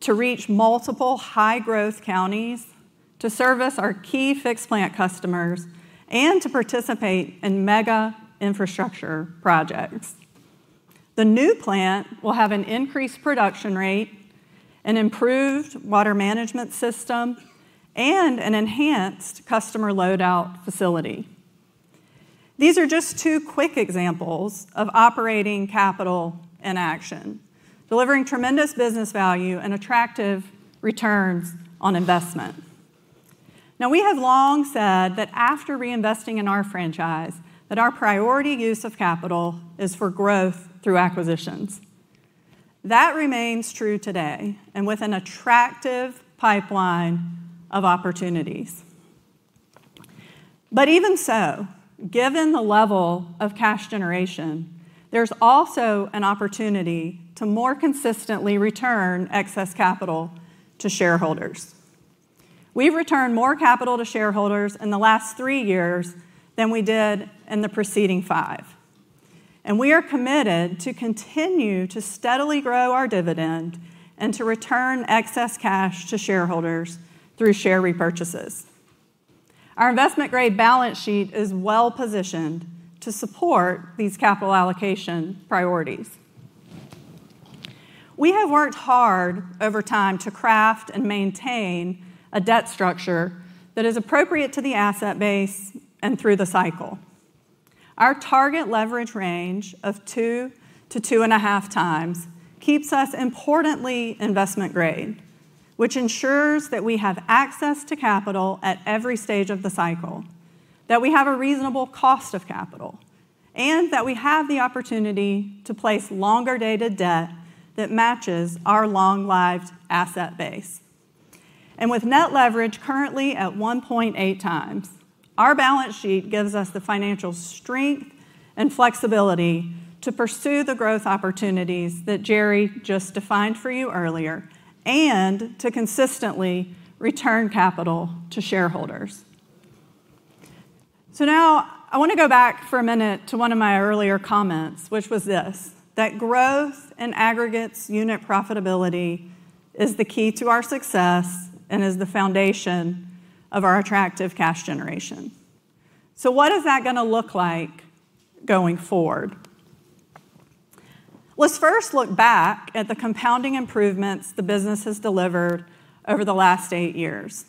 to reach multiple high-growth counties, to service our key fixed plant customers, and to participate in mega infrastructure projects. The new plant will have an increased production rate, an improved water management system, and an enhanced customer load-out facility. These are just two quick examples of operating capital in action, delivering tremendous business value and attractive returns on investment. Now we have long said that after reinvesting in our franchise, that our priority use of capital is for growth through acquisitions. That remains true today, and with an attractive pipeline of opportunities. Even so, given the level of cash generation, there's also an opportunity to more consistently return excess capital to shareholders. We've returned more capital to shareholders in the last three years than we did in the preceding five. We are committed to continue to steadily grow our dividend and to return excess cash to shareholders through share repurchases. Our investment-grade balance sheet is well-positioned to support these capital allocation priorities. We have worked hard over time to craft and maintain a debt structure that is appropriate to the asset base and through the cycle. Our target leverage range of 2x-2.5x keeps us importantly investment grade, which ensures that we have access to capital at every stage of the cycle, that we have a reasonable cost of capital, and that we have the opportunity to place longer-dated debt that matches our long-lived asset base. With net leverage currently at 1.8x, our balance sheet gives us the financial strength and flexibility to pursue the growth opportunities that Jerry just defined for you earlier and to consistently return capital to shareholders. Now I wanna go back for a minute to one of my earlier comments, which was this, that growth in aggregates unit profitability is the key to our success and is the foundation of our attractive cash generation. What is that gonna look like going forward? Let's first look back at the compounding improvements the business has delivered over the last eight years.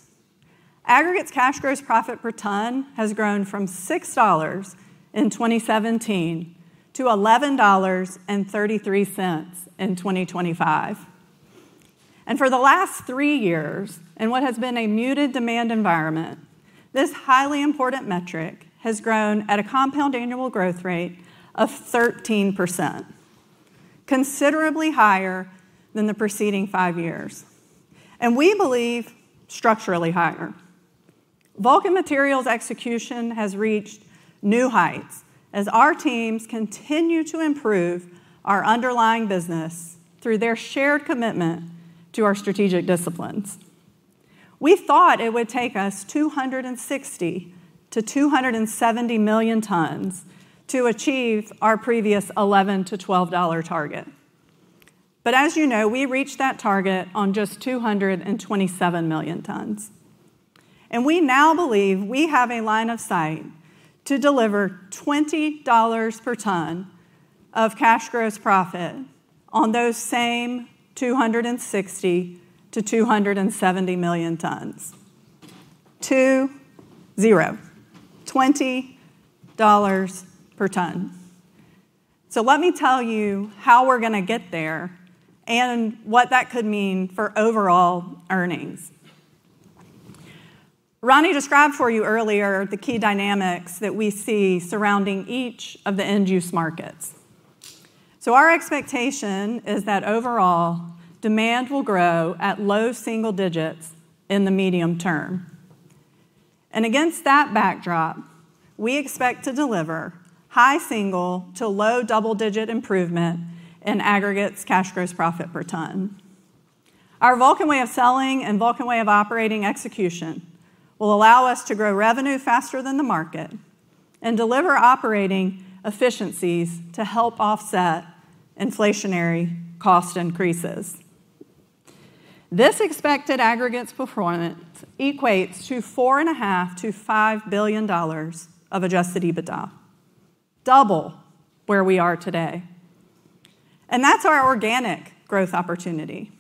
Aggregates cash gross profit per ton has grown from $6 in 2017 to $11.33 in 2025. For the last three years, in what has been a muted demand environment, this highly important metric has grown at a compound annual growth rate of 13%, considerably higher than the preceding five years. We believe structurally higher. Vulcan Materials' execution has reached new heights as our teams continue to improve our underlying business through their shared commitment to our strategic disciplines. We thought it would take us 260 million-270 million tons to achieve our previous $11-$12 target. But as you know, we reached that target on just 227 million tons. We now believe we have a line of sight to deliver $20 per ton of cash gross profit on those same 260 million-270 million tons. two-zero. $20 per ton. Let me tell you how we're gonna get there and what that could mean for overall earnings. Ronnie described for you earlier the key dynamics that we see surrounding each of the end-use markets. Our expectation is that overall demand will grow at low single-digit in the medium term. Against that backdrop, we expect to deliver high single- to low double-digit improvement in aggregates cash gross profit per ton. Our Vulcan Way of Selling and Vulcan Way of Operating execution will allow us to grow revenue faster than the market and deliver operating efficiencies to help offset inflationary cost increases. This expected aggregates performance equates to $4.5 billion-$5 billion of adjusted EBITDA, double where we are today. That's our organic growth opportunity,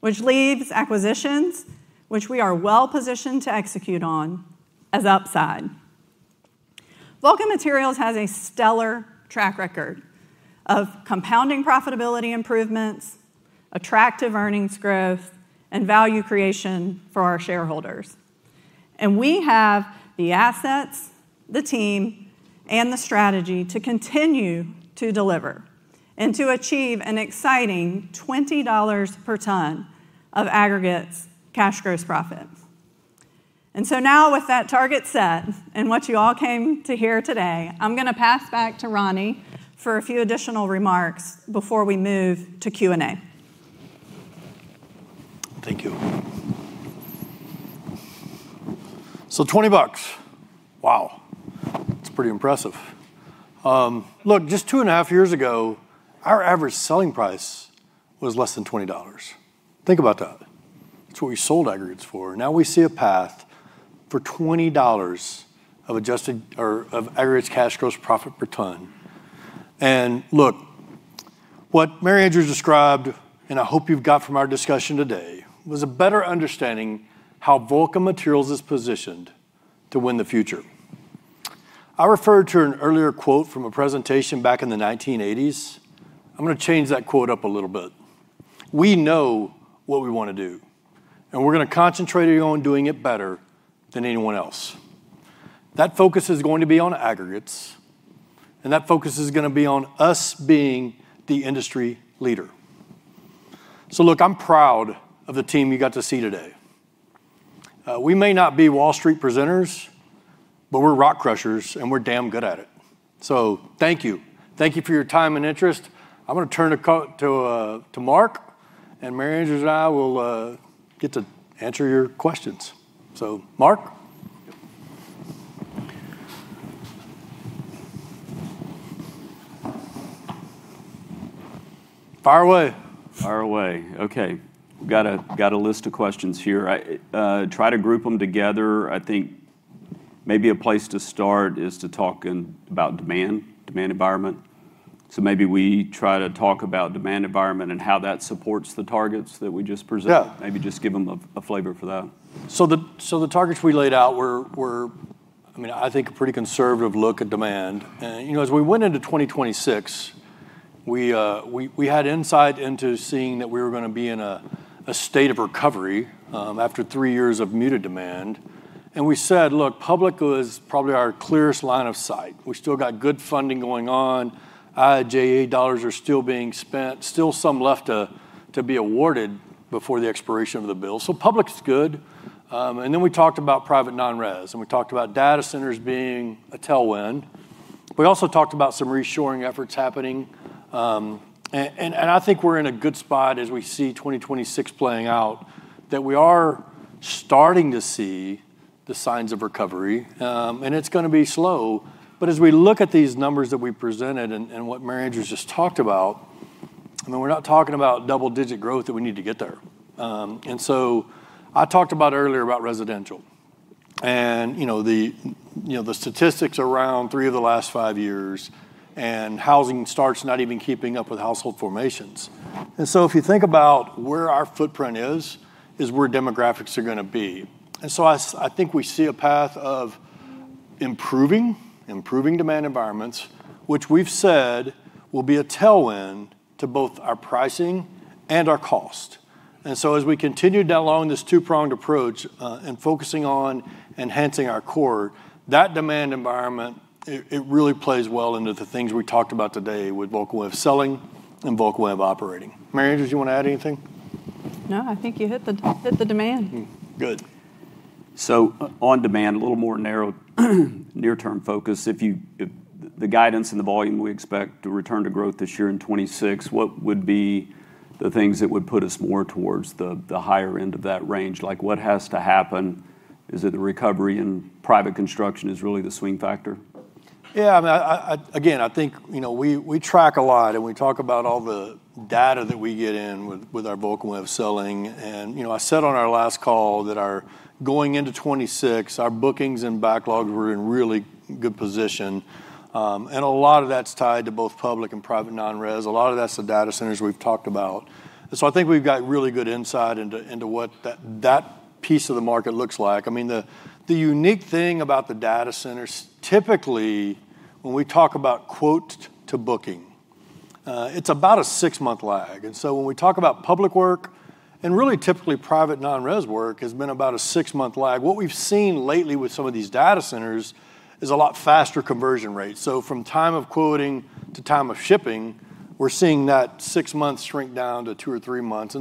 which leaves acquisitions, which we are well-positioned to execute on, as upside. Vulcan Materials has a stellar track record of compounding profitability improvements, attractive earnings growth, and value creation for our shareholders. We have the assets, the team, and the strategy to continue to deliver and to achieve an exciting $20 per ton of aggregates cash gross profit. Now with that target set and what you all came to hear today, I'm gonna pass back to Ronnie for a few additional remarks before we move to Q&A. Thank you. $20. Wow. That's pretty impressive. Look, just 2.5 years ago, our average selling price was less than $20. Think about that. That's what we sold aggregates for. Now we see a path for $20 of adjusted EBITDA of aggregates cash gross profit per ton. Look, what Mary Andrews described, and I hope you've got from our discussion today, was a better understanding how Vulcan Materials is positioned to win the future. I referred to an earlier quote from a presentation back in the 1980s. I'm gonna change that quote up a little bit. We know what we wanna do, and we're gonna concentrate on doing it better than anyone else. That focus is going to be on aggregates, and that focus is gonna be on us being the industry leader. Look, I'm proud of the team you got to see today. We may not be Wall Street presenters, but we're rock crushers, and we're damn good at it. Thank you. Thank you for your time and interest. I'm gonna turn to Mark, and Mary Andrews and I will get to answer your questions. Mark. Fire away. Fire away. Okay. Got a list of questions here. I try to group them together. I think maybe a place to start is to talk about demand environment. Maybe we try to talk about demand environment and how that supports the targets that we just presented. Maybe just give them a flavor for that. The targets we laid out were, I mean, I think a pretty conservative look at demand. You know, as we went into 2026, we had insight into seeing that we were gonna be in a state of recovery after three years of muted demand. We said, "Look, public was probably our clearest line of sight." We still got good funding going on. IIJA dollars are still being spent, still some left to be awarded before the expiration of the bill. Public's good. And then we talked about private non-res, and we talked about data centers being a tailwind. We also talked about some reshoring efforts happening. And I think we're in a good spot as we see 2026 playing out, that we are starting to see the signs of recovery. It's gonna be slow, but as we look at these numbers that we presented and what Mary Andrews just talked about, I mean, we're not talking about double digit growth that we need to get there. I talked about earlier about residential and, you know, the statistics around three of the last five years, and housing starts not even keeping up with household formations. If you think about where our footprint is where demographics are gonna be. I think we see a path of improving demand environments, which we've said will be a tailwind to both our pricing and our cost. As we continue down along this two-pronged approach, and focusing on enhancing our core, that demand environment, it really plays well into the things we talked about today with Vulcan Way of Selling and Vulcan Way of Operating. Mary, you wanna add anything? No, I think you hit the demand. Good. On demand, a little more narrow, near-term focus. If the guidance and the volume we expect to return to growth this year in 2026, what would be the things that would put us more towards the higher end of that range? Like, what has to happen? Is it the recovery in private construction is really the swing factor? Yeah, I mean, again, I think, you know, we track a lot and we talk about all the data that we get in with our Vulcan Way of Selling. You know, I said on our last call that going into 2026, our bookings and backlogs were in really good position. A lot of that's tied to both public and private non-res. A lot of that's the data centers we've talked about. I think we've got really good insight into what that piece of the market looks like. I mean, the unique thing about the data centers, typically, when we talk about quote to booking, it's about a six-month lag. When we talk about public work, and really typically private non-res work has been about a six-month lag. What we've seen lately with some of these data centers is a lot faster conversion rate. From time of quoting to time of shipping, we're seeing that six months shrink down to two or three months.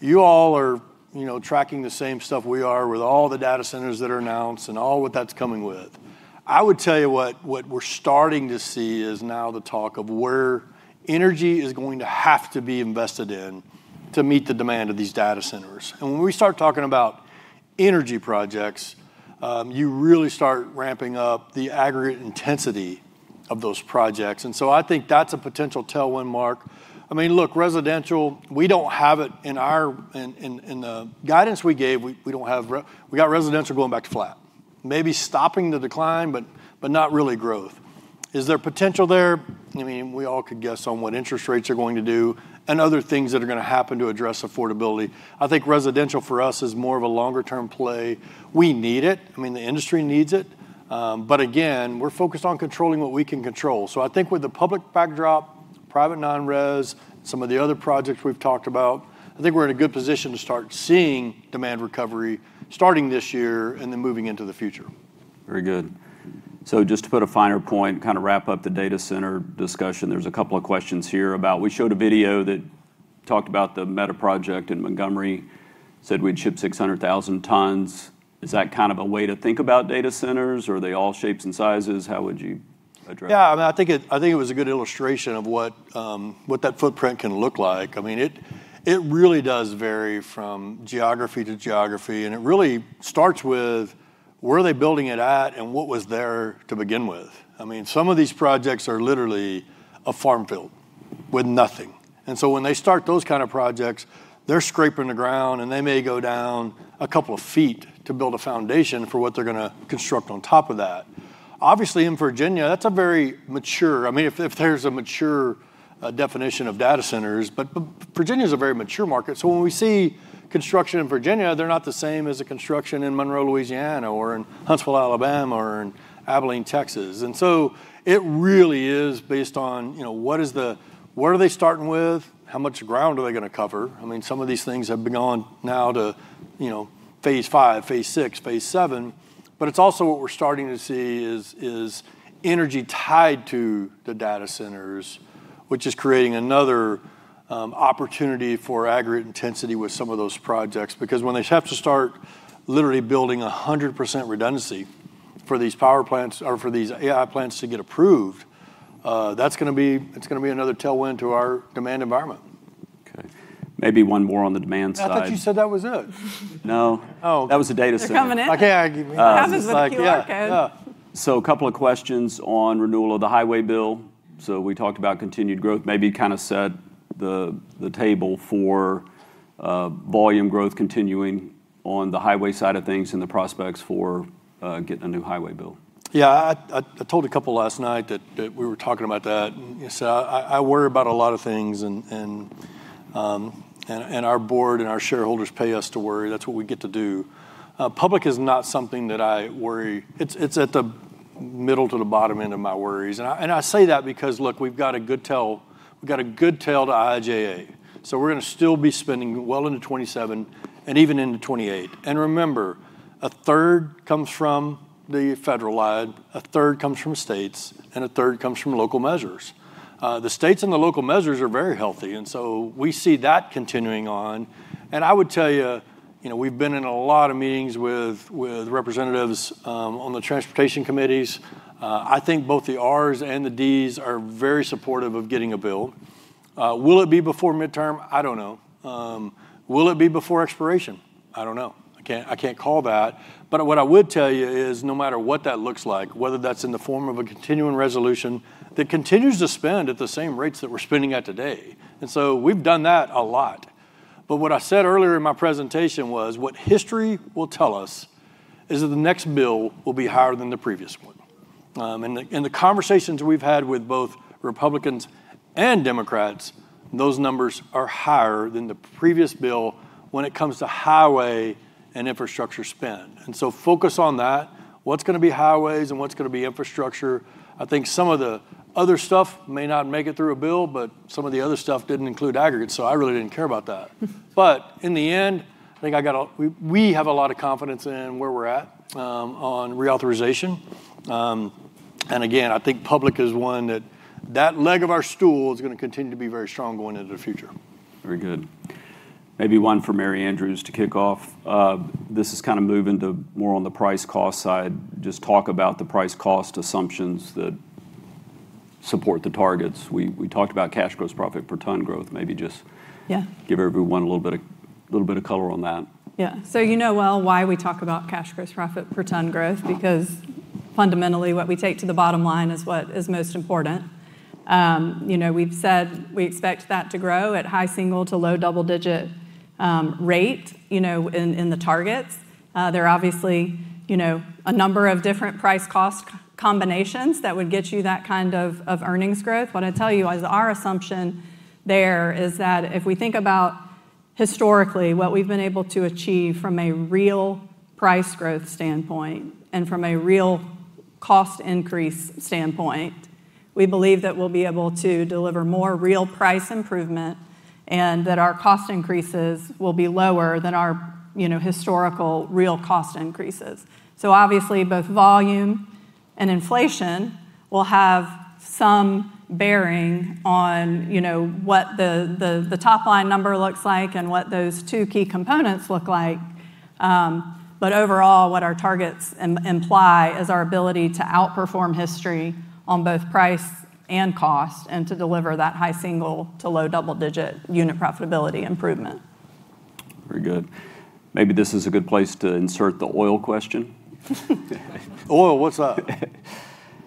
You all are, you know, tracking the same stuff we are with all the data centers that are announced and all what that's coming with. I would tell you what we're starting to see is now the talk of where energy is going to have to be invested in to meet the demand of these data centers. When we start talking about energy projects, you really start ramping up the aggregate intensity of those projects. I think that's a potential tailwind, Mark. I mean, look, residential. We don't have it in the guidance we gave. We don't have residential going back to flat, maybe stopping the decline, but not really growth. Is there potential there? I mean, we all could guess on what interest rates are going to do and other things that are gonna happen to address affordability. I think residential for us is more of a longer term play. We need it. I mean, the industry needs it. But again, we're focused on controlling what we can control. I think with the public backdrop, private non-res, some of the other projects we've talked about, we're in a good position to start seeing demand recovery starting this year and then moving into the future. Very good. Just to put a finer point, kinda wrap up the data center discussion, there's a couple of questions here about, we showed a video that talked about the Meta project, and Montgomery said we'd ship 600,000 tons. Is that kind of a way to think about data centers, or are they all shapes and sizes? How would you address that? Yeah, I mean, I think it was a good illustration of what that footprint can look like. I mean, it really does vary from geography to geography, and it really starts with where are they building it at and what was there to begin with. I mean, some of these projects are literally a farm field with nothing. When they start those kind of projects, they're scraping the ground, and they may go down a couple of feet to build a foundation for what they're gonna construct on top of that. Obviously, in Virginia, I mean, if there's a mature definition of data centers, but Virginia's a very mature market, so when we see construction in Virginia, they're not the same as a construction in Monroe, Louisiana, or in Huntsville, Alabama, or in Abilene, Texas. It really is based on, you know, what are they starting with? How much ground are they gonna cover? I mean, some of these things have been gone now to, you know, phase V, phase VI, phase VII. But it's also what we're starting to see is energy tied to the data centers, which is creating another opportunity for aggregate intensity with some of those projects. Because when they have to start literally building 100% redundancy for these power plants or for these AI plants to get approved, it's gonna be another tailwind to our demand environment. Okay. Maybe one more on the demand side. I thought you said that was it. That was the data center. They're coming in. Okay, I give you-- This is the Q&A. A couple of questions on renewal of the highway bill. We talked about continued growth. Maybe kind of set the table for volume growth continuing on the highway side of things and the prospects for getting a new highway bill. Yeah, I told a couple last night that we were talking about that. I worry about a lot of things and our board and our shareholders pay us to worry. That's what we get to do. Public is not something that I worry. It's at the middle to the bottom end of my worries. I say that because, look, we've got a good tail. We've got a good tail to IIJA, so we're gonna still be spending well into 2027 and even into 2028. Remember, a third comes from the federal side, a third comes from states, and a third comes from local measures. The states and the local measures are very healthy, and so we see that continuing on. I would tell you know, we've been in a lot of meetings with representatives on the transportation committees. I think both the Rs and the Ds are very supportive of getting a bill. Will it be before midterm? I don't know. Will it be before expiration? I don't know. I can't call that. What I would tell you is no matter what that looks like, whether that's in the form of a continuing resolution that continues to spend at the same rates that we're spending at today, and so we've done that a lot. What I said earlier in my presentation was, what history will tell us is that the next bill will be higher than the previous one. The conversations we've had with both Republicans and Democrats, those numbers are higher than the previous bill when it comes to highway and infrastructure spend. Focus on that, what's gonna be highways and what's gonna be infrastructure. I think some of the other stuff may not make it through a bill, but some of the other stuff didn't include aggregates, so I really didn't care about that. In the end, I think we have a lot of confidence in where we're at on reauthorization. Again, I think public is one that leg of our stool is gonna continue to be very strong going into the future. Very good. Maybe one for Mary Andrews to kick off. This is kinda moving to more on the price cost side. Just talk about the price cost assumptions that support the targets. We talked about cash gross profit per ton growth, maybe just give everyone a little bit of color on that. Yeah. You know well why we talk about cash gross profit per ton growth, because fundamentally, what we take to the bottom line is what is most important. You know, we've said we expect that to grow at high single-digit to low double-digit rate, you know, in the targets. There are obviously, you know, a number of different price-cost combinations that would get you that kind of earnings growth. What I'd tell you is our assumption there is that if we think about historically what we've been able to achieve from a real price growth standpoint and from a real cost increase standpoint, we believe that we'll be able to deliver more real price improvement and that our cost increases will be lower than our, you know, historical real cost increases. Obviously, both volume and inflation will have some bearing on what the top line number looks like and what those two key components look like. Overall, what our targets imply is our ability to outperform history on both price and cost and to deliver that high single- to low double-digit unit profitability improvement. Very good. Maybe this is a good place to insert the oil question. Oil, what's up?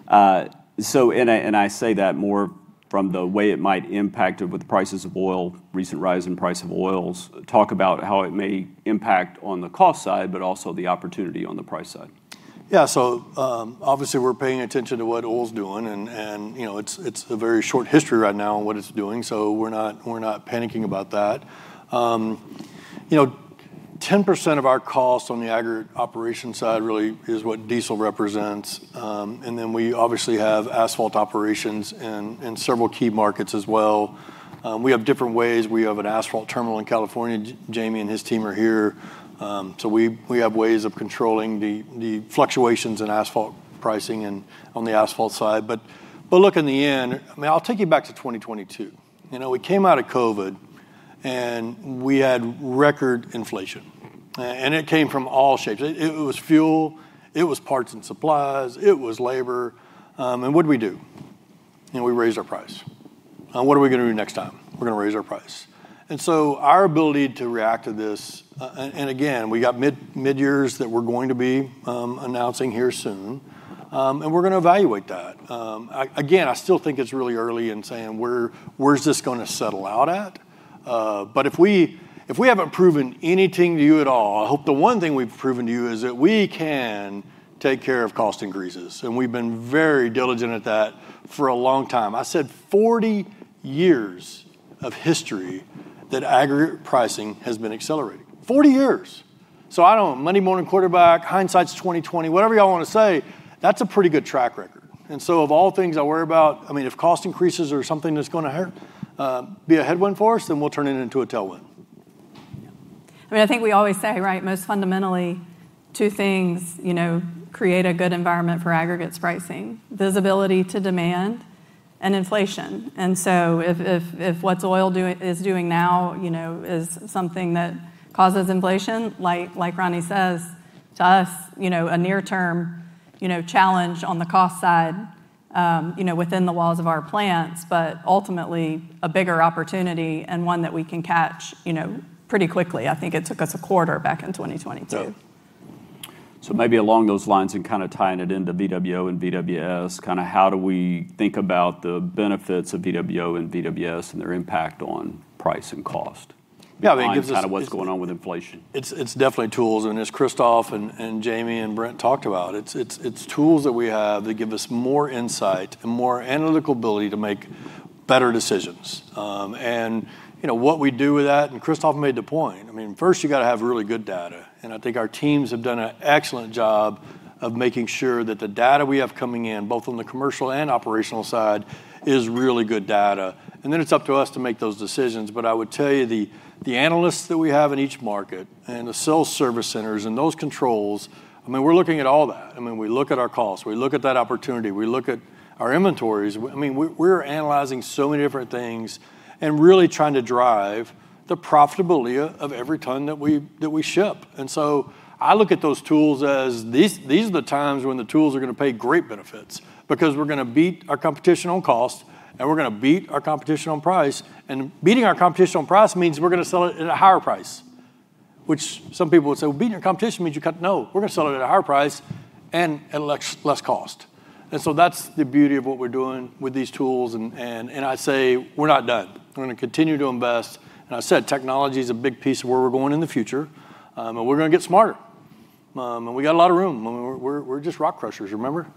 I say that more from the way it might impact it with prices of oil, recent rise in price of oils. Talk about how it may impact on the cost side, but also the opportunity on the price side. Yeah. Obviously we're paying attention to what oil's doing and, you know, it's a very short history right now on what it's doing, so we're not panicking about that. You know, 10% of our cost on the aggregate operation side really is what diesel represents. Then we obviously have asphalt operations in several key markets as well. We have different ways. We have an asphalt terminal in California. Jamie and his team are here. So we have ways of controlling the fluctuations in asphalt pricing and on the asphalt side. But look, in the end, I mean, I'll take you back to 2022. You know, we came out of COVID, and we had record inflation. And it came from all sides. It was fuel, it was parts and supplies, it was labor. What'd we do? You know, we raised our price. What are we gonna do next time? We're gonna raise our price. Our ability to react to this, and again, we got mid-year that we're going to be announcing here soon, and we're gonna evaluate that. Again, I still think it's really early in saying where's this gonna settle out at? But if we haven't proven anything to you at all, I hope the one thing we've proven to you is that we can take care of cost increases. We've been very diligent at that for a long time. I said 40 years of history that aggregate pricing has been accelerating. 40 years. I don't know, Monday morning quarterback, hindsight's 2020, whatever y'all wanna say, that's a pretty good track record. Of all the things I worry about, I mean, if cost increases are something that's gonna hurt, be a headwind for us, then we'll turn it into a tailwind. I mean, I think we always say, right, most fundamentally two things, you know, create a good environment for aggregates pricing, visibility to demand and inflation. If what oil is doing now, you know, is something that causes inflation, like Ronnie says, to us, you know, a near term, you know, challenge on the cost side, you know, within the walls of our plants, but ultimately a bigger opportunity and one that we can catch, you know, pretty quickly. I think it took us a quarter back in 2022. Yeah. Maybe along those lines and kind of tying it into VWO and VWS, kind of how do we think about the benefits of VWO and VWS and their impact on price and cost? Yeah, I mean, it gives us-- Behind kind of what's going on with inflation? It's definitely tools, and as Krzysztof and Jamie and Brent talked about, it's tools that we have that give us more insight and more analytical ability to make better decisions. You know what we do with that, and Krzysztof made the point. I mean, first you gotta have really good data, and I think our teams have done an excellent job of making sure that the data we have coming in, both on the commercial and operational side, is really good data. Then it's up to us to make those decisions. I would tell you, the analysts that we have in each market and the sales service centers and those controls. I mean, we're looking at all that. I mean, we look at our costs, we look at that opportunity, we look at our inventories. I mean, we're analyzing so many different things and really trying to drive the profitability of every ton that we ship. I look at those tools as these are the times when the tools are gonna pay great benefits because we're gonna beat our competition on cost, and we're gonna beat our competition on price. Beating our competition on price means we're gonna sell it at a higher price, which some people would say, "Beating your competition means you cut." No, we're gonna sell it at a higher price and at less cost. That's the beauty of what we're doing with these tools. I say we're not done. We're gonna continue to invest. I said technology's a big piece of where we're going in the future. We're gonna get smarter. We got a lot of room. I mean, we're just rock crushers, remember?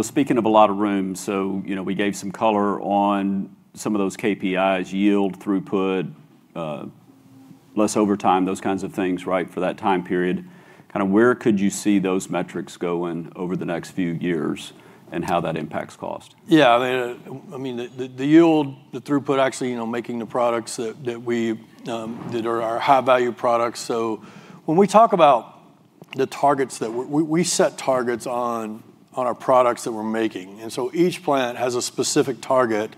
Speaking of a lot of room, so, you know, we gave some color on some of those KPIs, yield, throughput, less overtime, those kinds of things, right, for that time period. Kind of where could you see those metrics going over the next few years and how that impacts cost? Yeah, I mean the yield, the throughput, actually, you know, making the products that are our high value products. When we talk about the targets that we set targets on our products that we're making, each plant has a specific target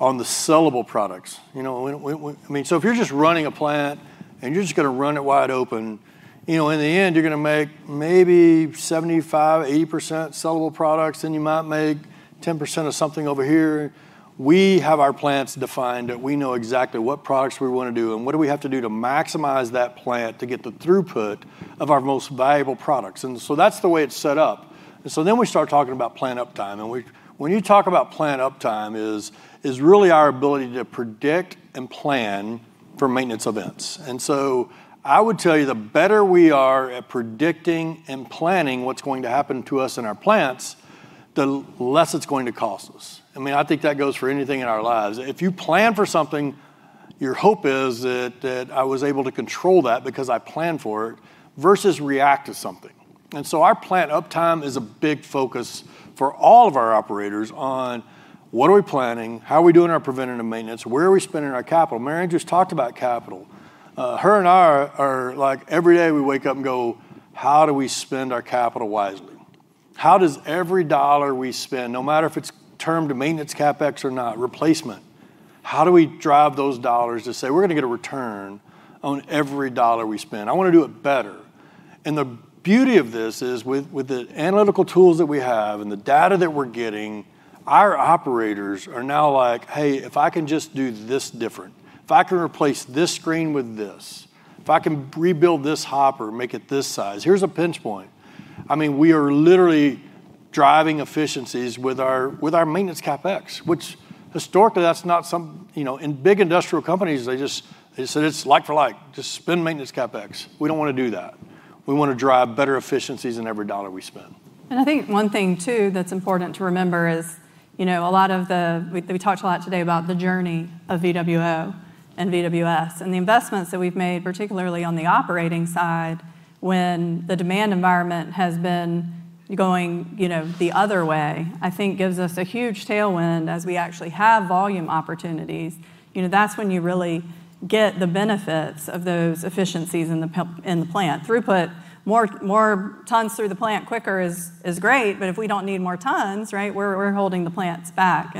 on the sellable products. You know, I mean, if you're just running a plant, and you're just gonna run it wide open, you know, in the end you're gonna make maybe 75%-80% sellable products, then you might make 10% of something over here. We have our plants defined, and we know exactly what products we wanna do and what do we have to do to maximize that plant to get the throughput of our most valuable products. That's the way it's set up. We start talking about plant uptime, and when you talk about plant uptime is really our ability to predict and plan for maintenance events. I would tell you the better we are at predicting and planning what's going to happen to us in our plants, the less it's going to cost us. I mean, I think that goes for anything in our lives. If you plan for something, your hope is that I was able to control that because I planned for it versus react to something. Our plant uptime is a big focus for all of our operators on what are we planning, how are we doing our preventative maintenance, where are we spending our capital? Mary just talked about capital. Her and I are like, every day we wake up and go, "How do we spend our capital wisely? How does every dollar we spend, no matter if it's termed maintenance CapEx or not replacement, how do we drive those dollars to say we're gonna get a return on every dollar we spend? I wanna do it better." The beauty of this is with the analytical tools that we have and the data that we're getting, our operators are now like, "Hey, if I can just do this different, if I can replace this screen with this, if I can rebuild this hopper, make it this size, here's a pinch point." I mean, we are literally driving efficiencies with our maintenance CapEx, which historically that's not something. You know, in big industrial companies, they said it's like for like, just spend maintenance CapEx. We don't wanna do that. We wanna drive better efficiencies in every dollar we spend. I think one thing too that's important to remember is, you know, we talked a lot today about the journey of VWO and VWS, and the investments that we've made, particularly on the operating side, when the demand environment has been going, you know, the other way. I think that gives us a huge tailwind as we actually have volume opportunities. You know, that's when you really get the benefits of those efficiencies in the plant. Throughput more tons through the plant quicker is great, but if we don't need more tons, right, we're holding the plants back.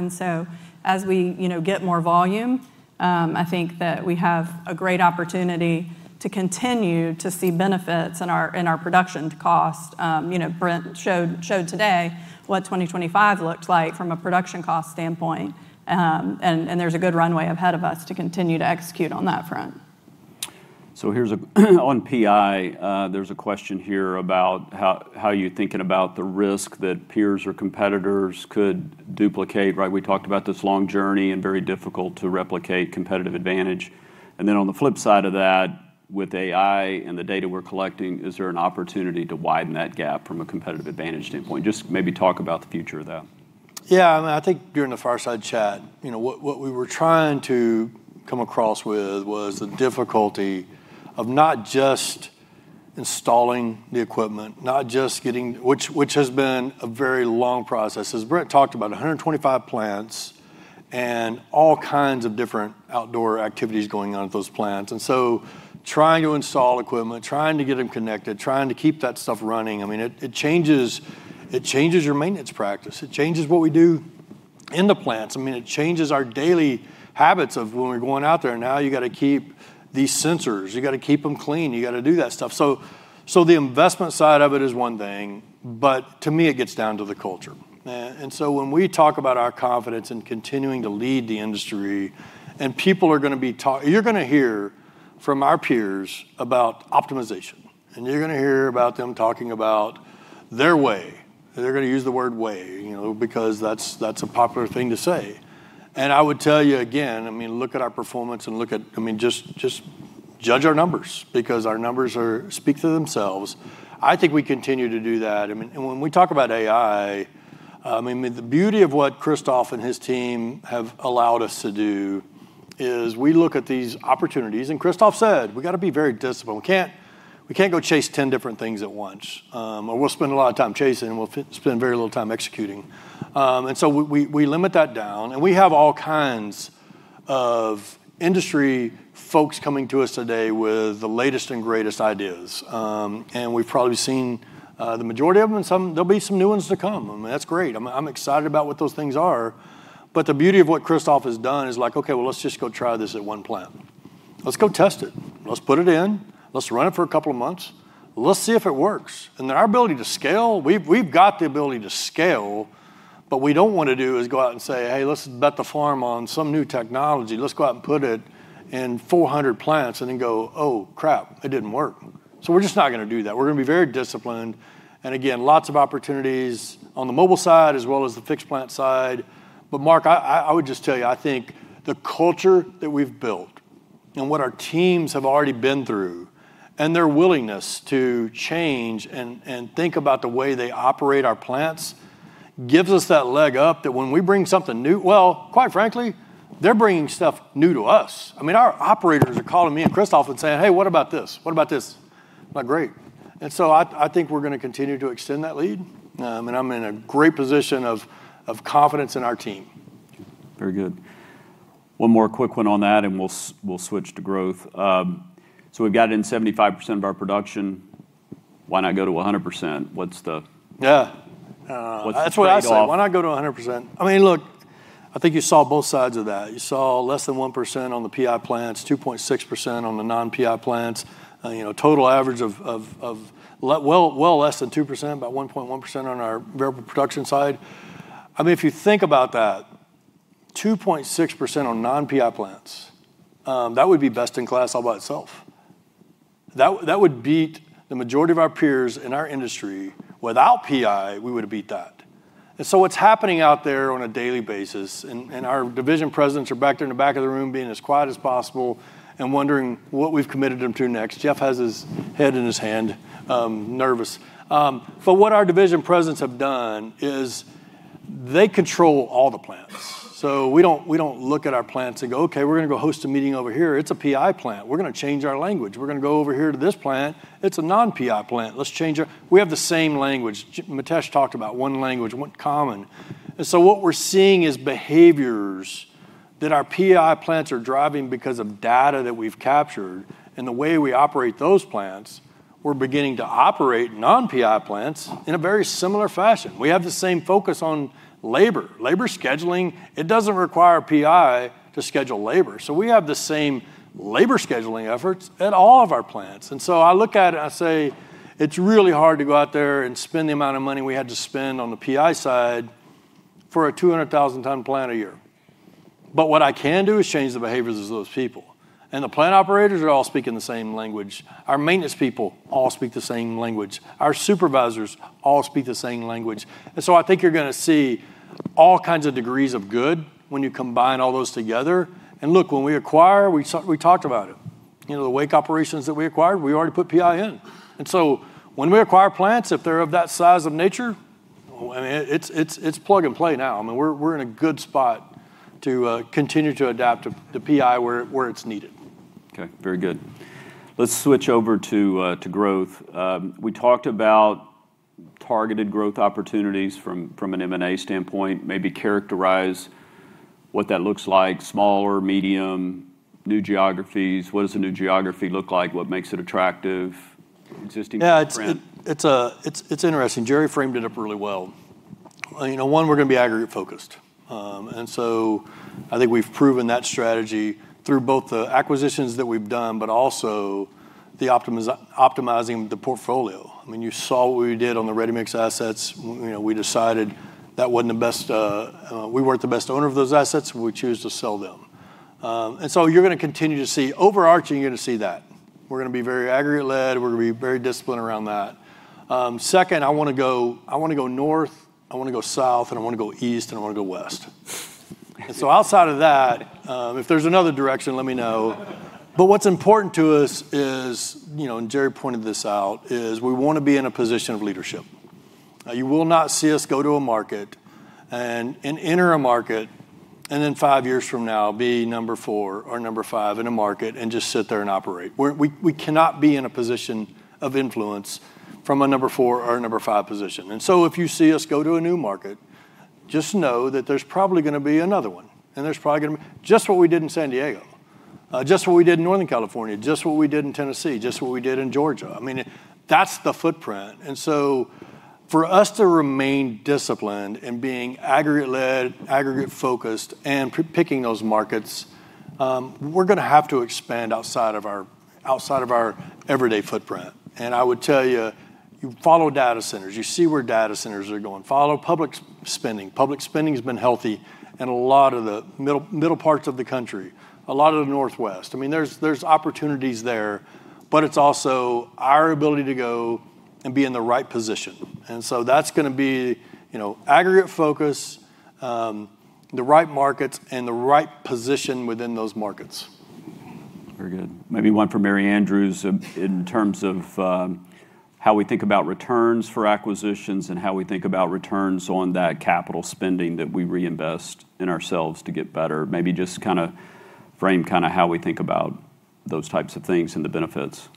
As we, you know, get more volume, I think that we have a great opportunity to continue to see benefits in our production cost. You know, Brent showed today what 2025 looks like from a production cost standpoint. There's a good runway ahead of us to continue to execute on that front. There's a question here about how you're thinking about the risk that peers or competitors could duplicate, right? We talked about this long journey and very difficult to replicate competitive advantage. On the flip side of that, with AI and the data we're collecting, is there an opportunity to widen that gap from a competitive advantage standpoint? Just maybe talk about the future of that. Yeah, I mean, I think during the Fireside Chat, you know, what we were trying to come across with was the difficulty of not just installing the equipment, not just getting. Which has been a very long process. As Brent talked about, 125 plants and all kinds of different outdoor activities going on at those plants. Trying to install equipment, trying to get them connected, trying to keep that stuff running, I mean, it changes your maintenance practice. It changes what we do in the plants. I mean, it changes our daily habits of when we're going out there. Now you gotta keep these sensors, you gotta keep them clean, you gotta do that stuff. The investment side of it is one thing, but to me, it gets down to the culture. When we talk about our confidence in continuing to lead the industry. You're gonna hear from our peers about optimization. You're gonna hear about them talking about their way. They're gonna use the word way, you know, because that's a popular thing to say. I would tell you again. I mean, look at our performance. I mean, just judge our numbers because our numbers speak to themselves. I think we continue to do that. I mean, when we talk about AI, I mean, the beauty of what Krzysztof and his team have allowed us to do is we look at these opportunities, and Krzysztof said, we gotta be very disciplined. We can't go chase 10 different things at once. We'll spend a lot of time chasing, and we'll spend very little time executing. We limit that down, and we have all kinds of industry folks coming to us today with the latest and greatest ideas. We've probably seen the majority of them, and some, there'll be some new ones to come. I mean, that's great. I'm excited about what those things are. The beauty of what Krzysztof has done is like, okay, well, let's just go try this at one plant. Let's go test it. Let's put it in. Let's run it for a couple of months. Let's see if it works. Our ability to scale, we've got the ability to scale, but we don't wanna do is go out and say, "Hey, let's bet the farm on some new technology. Let's go out and put it in 400 plants," and then go, "Oh, crap, it didn't work." We're just not gonna do that. We're gonna be very disciplined, and again, lots of opportunities on the mobile side as well as the fixed plant side. Mark, I would just tell you, I think the culture that we've built and what our teams have already been through and their willingness to change and think about the way they operate our plants gives us that leg up that when we bring something new. Well, quite frankly, they're bringing stuff new to us. I mean, our operators are calling me and Krzysztof and saying, "Hey, what about this? What about this?" Like, great. I think we're gonna continue to extend that lead, and I'm in a great position of confidence in our team. Very good. One more quick one on that and we'll switch to growth. So we've got it in 75% of our production. Why not go to 100%? What's the-- What's the trade-off? That's what I say. Why not go to 100%? I mean, look, I think you saw both sides of that. You saw less than 1% on the PI plants, 2.6% on the non-PI plants. You know, total average of well less than 2%, about 1.1% on our variable production side. I mean, if you think about that, 2.6% on non-PI plants, that would be best in class all by itself. That would beat the majority of our peers in our industry. Without PI, we would've beat that. What's happening out there on a daily basis, and our division presidents are back there in the back of the room being as quiet as possible and wondering what we've committed them to next. Jeff has his head in his hand, nervous. What our division presidents have done is they control all the plants. We don't look at our plants and go, "Okay, we're gonna go host a meeting over here. It's a PI plant. We're gonna change our language. We're gonna go over here to this plant. It's a non-PI plant. Let's change our language." We have the same language. Mitesh talked about one language, one common. What we're seeing is behaviors that our PI plants are driving because of data that we've captured and the way we operate those plants. We're beginning to operate non-PI plants in a very similar fashion. We have the same focus on labor. Labor scheduling, it doesn't require PI to schedule labor. We have the same labor scheduling efforts at all of our plants. I look at it, I say it's really hard to go out there and spend the amount of money we had to spend on the PI side for a 200,000-ton plant a year. What I can do is change the behaviors of those people. The plant operators are all speaking the same language. Our maintenance people all speak the same language. Our supervisors all speak the same language. I think you're gonna see all kinds of degrees of good when you combine all those together. Look, when we acquire, we talked about it. You know, the Wake operations that we acquired, we already put PI in. When we acquire plants, if they're of that size of nature, I mean, it's plug and play now. I mean, we're in a good spot to continue to adapt to PI where it's needed. Okay. Very good. Let's switch over to growth. We talked about targeted growth opportunities from an M&A standpoint. Maybe characterize what that looks like. Small or medium, new geographies. What does a new geography look like? What makes it attractive? Existing footprint. Yeah, it's interesting. Jerry framed it up really well. You know, one, we're gonna be aggregate-focused. I think we've proven that strategy through both the acquisitions that we've done, but also optimizing the portfolio. I mean, you saw what we did on the ready mix assets. You know, we decided that wasn't the best, we weren't the best owner of those assets, we choose to sell them. You're gonna continue to see, overarching, you're gonna see that. We're gonna be very aggregate-led, we're gonna be very disciplined around that. Second, I wanna go north, I wanna go south, and I wanna go east, and I wanna go west. Outside of that, if there's another direction, let me know. What's important to us is, you know, and Jerry pointed this out, is we wanna be in a position of leadership. Now, you will not see us go to a market and enter a market, and then five years from now be number four or number five in a market and just sit there and operate. We cannot be in a position of influence from a number four or number five position. If you see us go to a new market, just know that there's probably gonna be another one, and there's probably gonna be another one. Just what we did in San Diego, just what we did in northern California, just what we did in Tennessee, just what we did in Georgia. I mean, that's the footprint. For us to remain disciplined in being aggregate led, aggregate focused, and picking those markets, we're gonna have to expand outside of our everyday footprint. I would tell you follow data centers, you see where data centers are going. Follow public spending. Public spending has been healthy in a lot of the middle parts of the country, a lot of the Northwest. There's opportunities there, but it's also our ability to go and be in the right position. That's gonna be aggregate focus, the right markets, and the right position within those markets. Very good. Maybe one for Mary Andrews in terms of, how we think about returns for acquisitions and how we think about returns on that capital spending that we reinvest in ourselves to get better. Maybe just kinda frame how we think about those types of things and the benefits.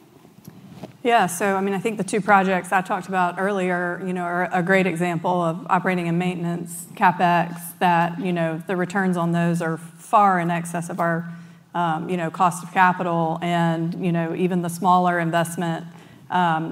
Yeah. I mean, I think the two projects I talked about earlier, you know, are a great example of operating and maintenance CapEx that, you know, the returns on those are far in excess of our, you know, cost of capital and, you know, even the smaller investment,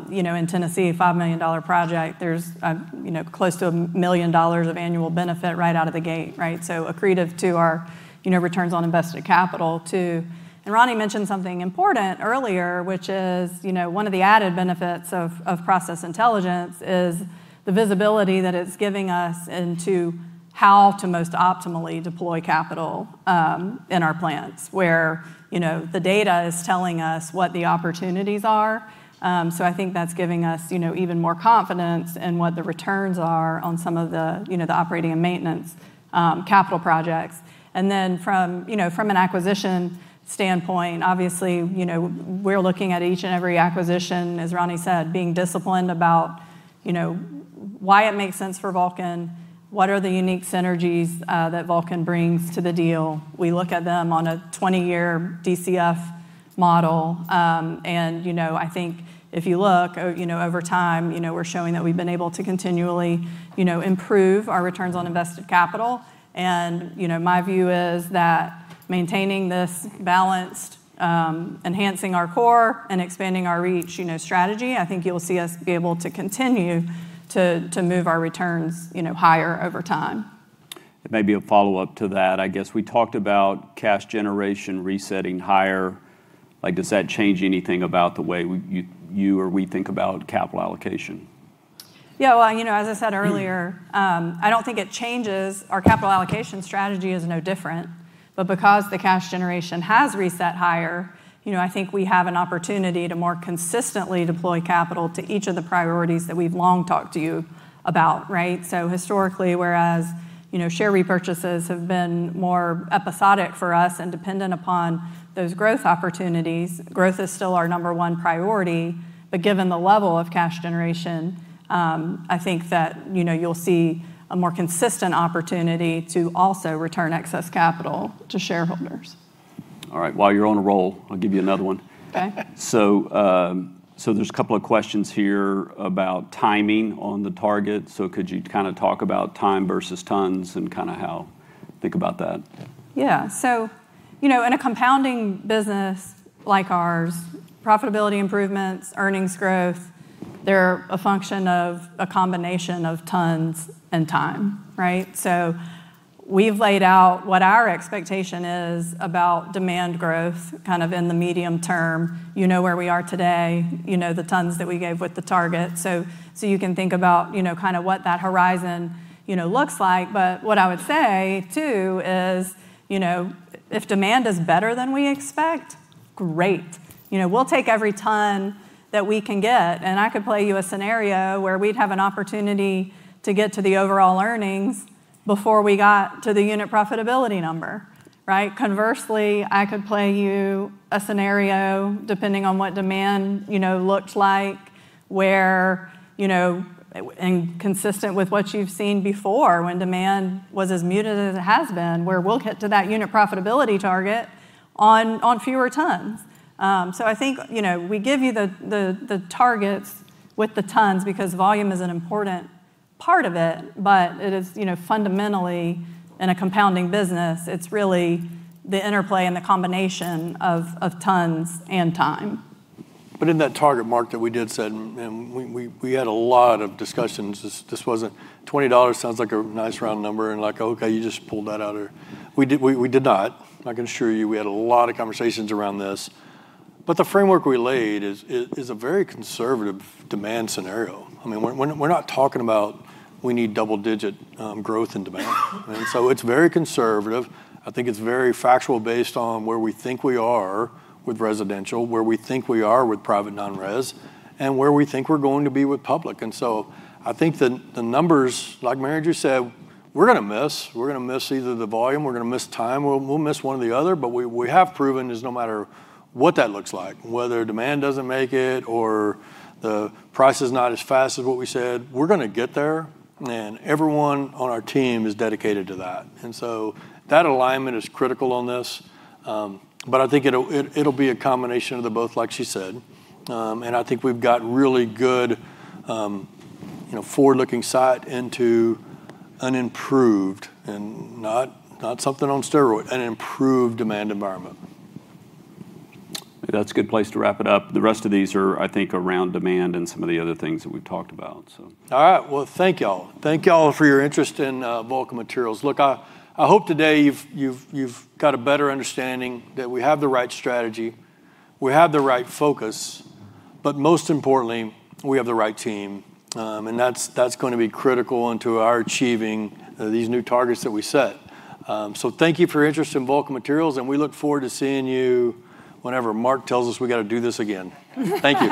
you know, in Tennessee, $5 million project, there's a, you know, close to $1 million of annual benefit right out of the gate, right? Accretive to our, you know, returns on invested capital too. Ronnie mentioned something important earlier, which is, you know, one of the added benefits of process intelligence is the visibility that it's giving us into how to most optimally deploy capital in our plants where, you know, the data is telling us what the opportunities are. I think that's giving us, you know, even more confidence in what the returns are on some of the, you know, the operating and maintenance, capital projects. From, you know, from an acquisition standpoint, obviously, you know, we're looking at each and every acquisition, as Ronnie said, being disciplined about, you know, why it makes sense for Vulcan, what are the unique synergies, that Vulcan brings to the deal. We look at them on a 20-year DCF model. I think if you look, you know, over time, you know, we're showing that we've been able to continually, you know, improve our returns on invested capital. You know, my view is that maintaining this balanced, enhancing our core, and expanding our reach, you know, strategy, I think you'll see us be able to continue to move our returns, you know, higher over time. It may be a follow-up to that. I guess we talked about cash generation resetting higher. Like, does that change anything about the way you or we think about capital allocation? Yeah. Well, you know, as I said earlier, I don't think it changes. Our capital allocation strategy is no different. Because the cash generation has reset higher, you know, I think we have an opportunity to more consistently deploy capital to each of the priorities that we've long talked to you about, right? Historically, whereas, you know, share repurchases have been more episodic for us and dependent upon those growth opportunities, growth is still our number one priority. Given the level of cash generation, I think that, you know, you'll see a more consistent opportunity to also return excess capital to shareholders. All right. While you're on a roll, I'll give you another one. Okay. There's a couple of questions here about timing on the target. Could you kinda talk about time versus tons and kinda how to think about that? Yeah. You know, in a compounding business like ours, profitability improvements, earnings growth, they're a function of a combination of tons and time, right? We've laid out what our expectation is about demand growth kind of in the medium term, you know where we are today, you know the tons that we gave with the target. You can think about, you know, kinda what that horizon, you know, looks like. What I would say too is, you know, if demand is better than we expect, great. You know, we'll take every ton that we can get, and I could play you a scenario where we'd have an opportunity to get to the overall earnings before we got to the unit profitability number, right? Conversely, I could play you a scenario depending on what demand, you know, looked like where, you know, and consistent with what you've seen before when demand was as muted as it has been, where we'll get to that unit profitability target on fewer tons. I think, you know, we give you the targets with the tons because volume is an important part of it. It is, you know, fundamentally in a compounding business, it's really the interplay and the combination of tons and time. In that target mark that we did set, and we had a lot of discussions. This wasn't $20 sounds like a nice round number, and like, okay, you just pulled that out of. We did not. I can assure you, we had a lot of conversations around this. The framework we laid is a very conservative demand scenario. I mean, we're not talking about we need double-digit growth in demand. It's very conservative. I think it's very factual based on where we think we are with residential, where we think we are with private non-res, and where we think we're going to be with public. I think the numbers, like Mary said, we're gonna miss either the volume, timing. We'll miss one or the other, but we have proven this no matter what that looks like, whether demand doesn't make it or the price is not as fast as what we said, we're gonna get there, and everyone on our team is dedicated to that. That alignment is critical on this. I think it'll be a combination of both, like she said. I think we've got really good, you know, forward-looking insight into an improved, and not something on steroids, an improved demand environment. That's a good place to wrap it up. The rest of these are, I think, around demand and some of the other things that we've talked about, so. All right. Well, thank y'all. Thank y'all for your interest in Vulcan Materials. Look, I hope today you've got a better understanding that we have the right strategy, we have the right focus, but most importantly, we have the right team. That's gonna be critical to our achieving these new targets that we set. Thank you for your interest in Vulcan Materials, and we look forward to seeing you whenever Mark tells us we gotta do this again. Thank you.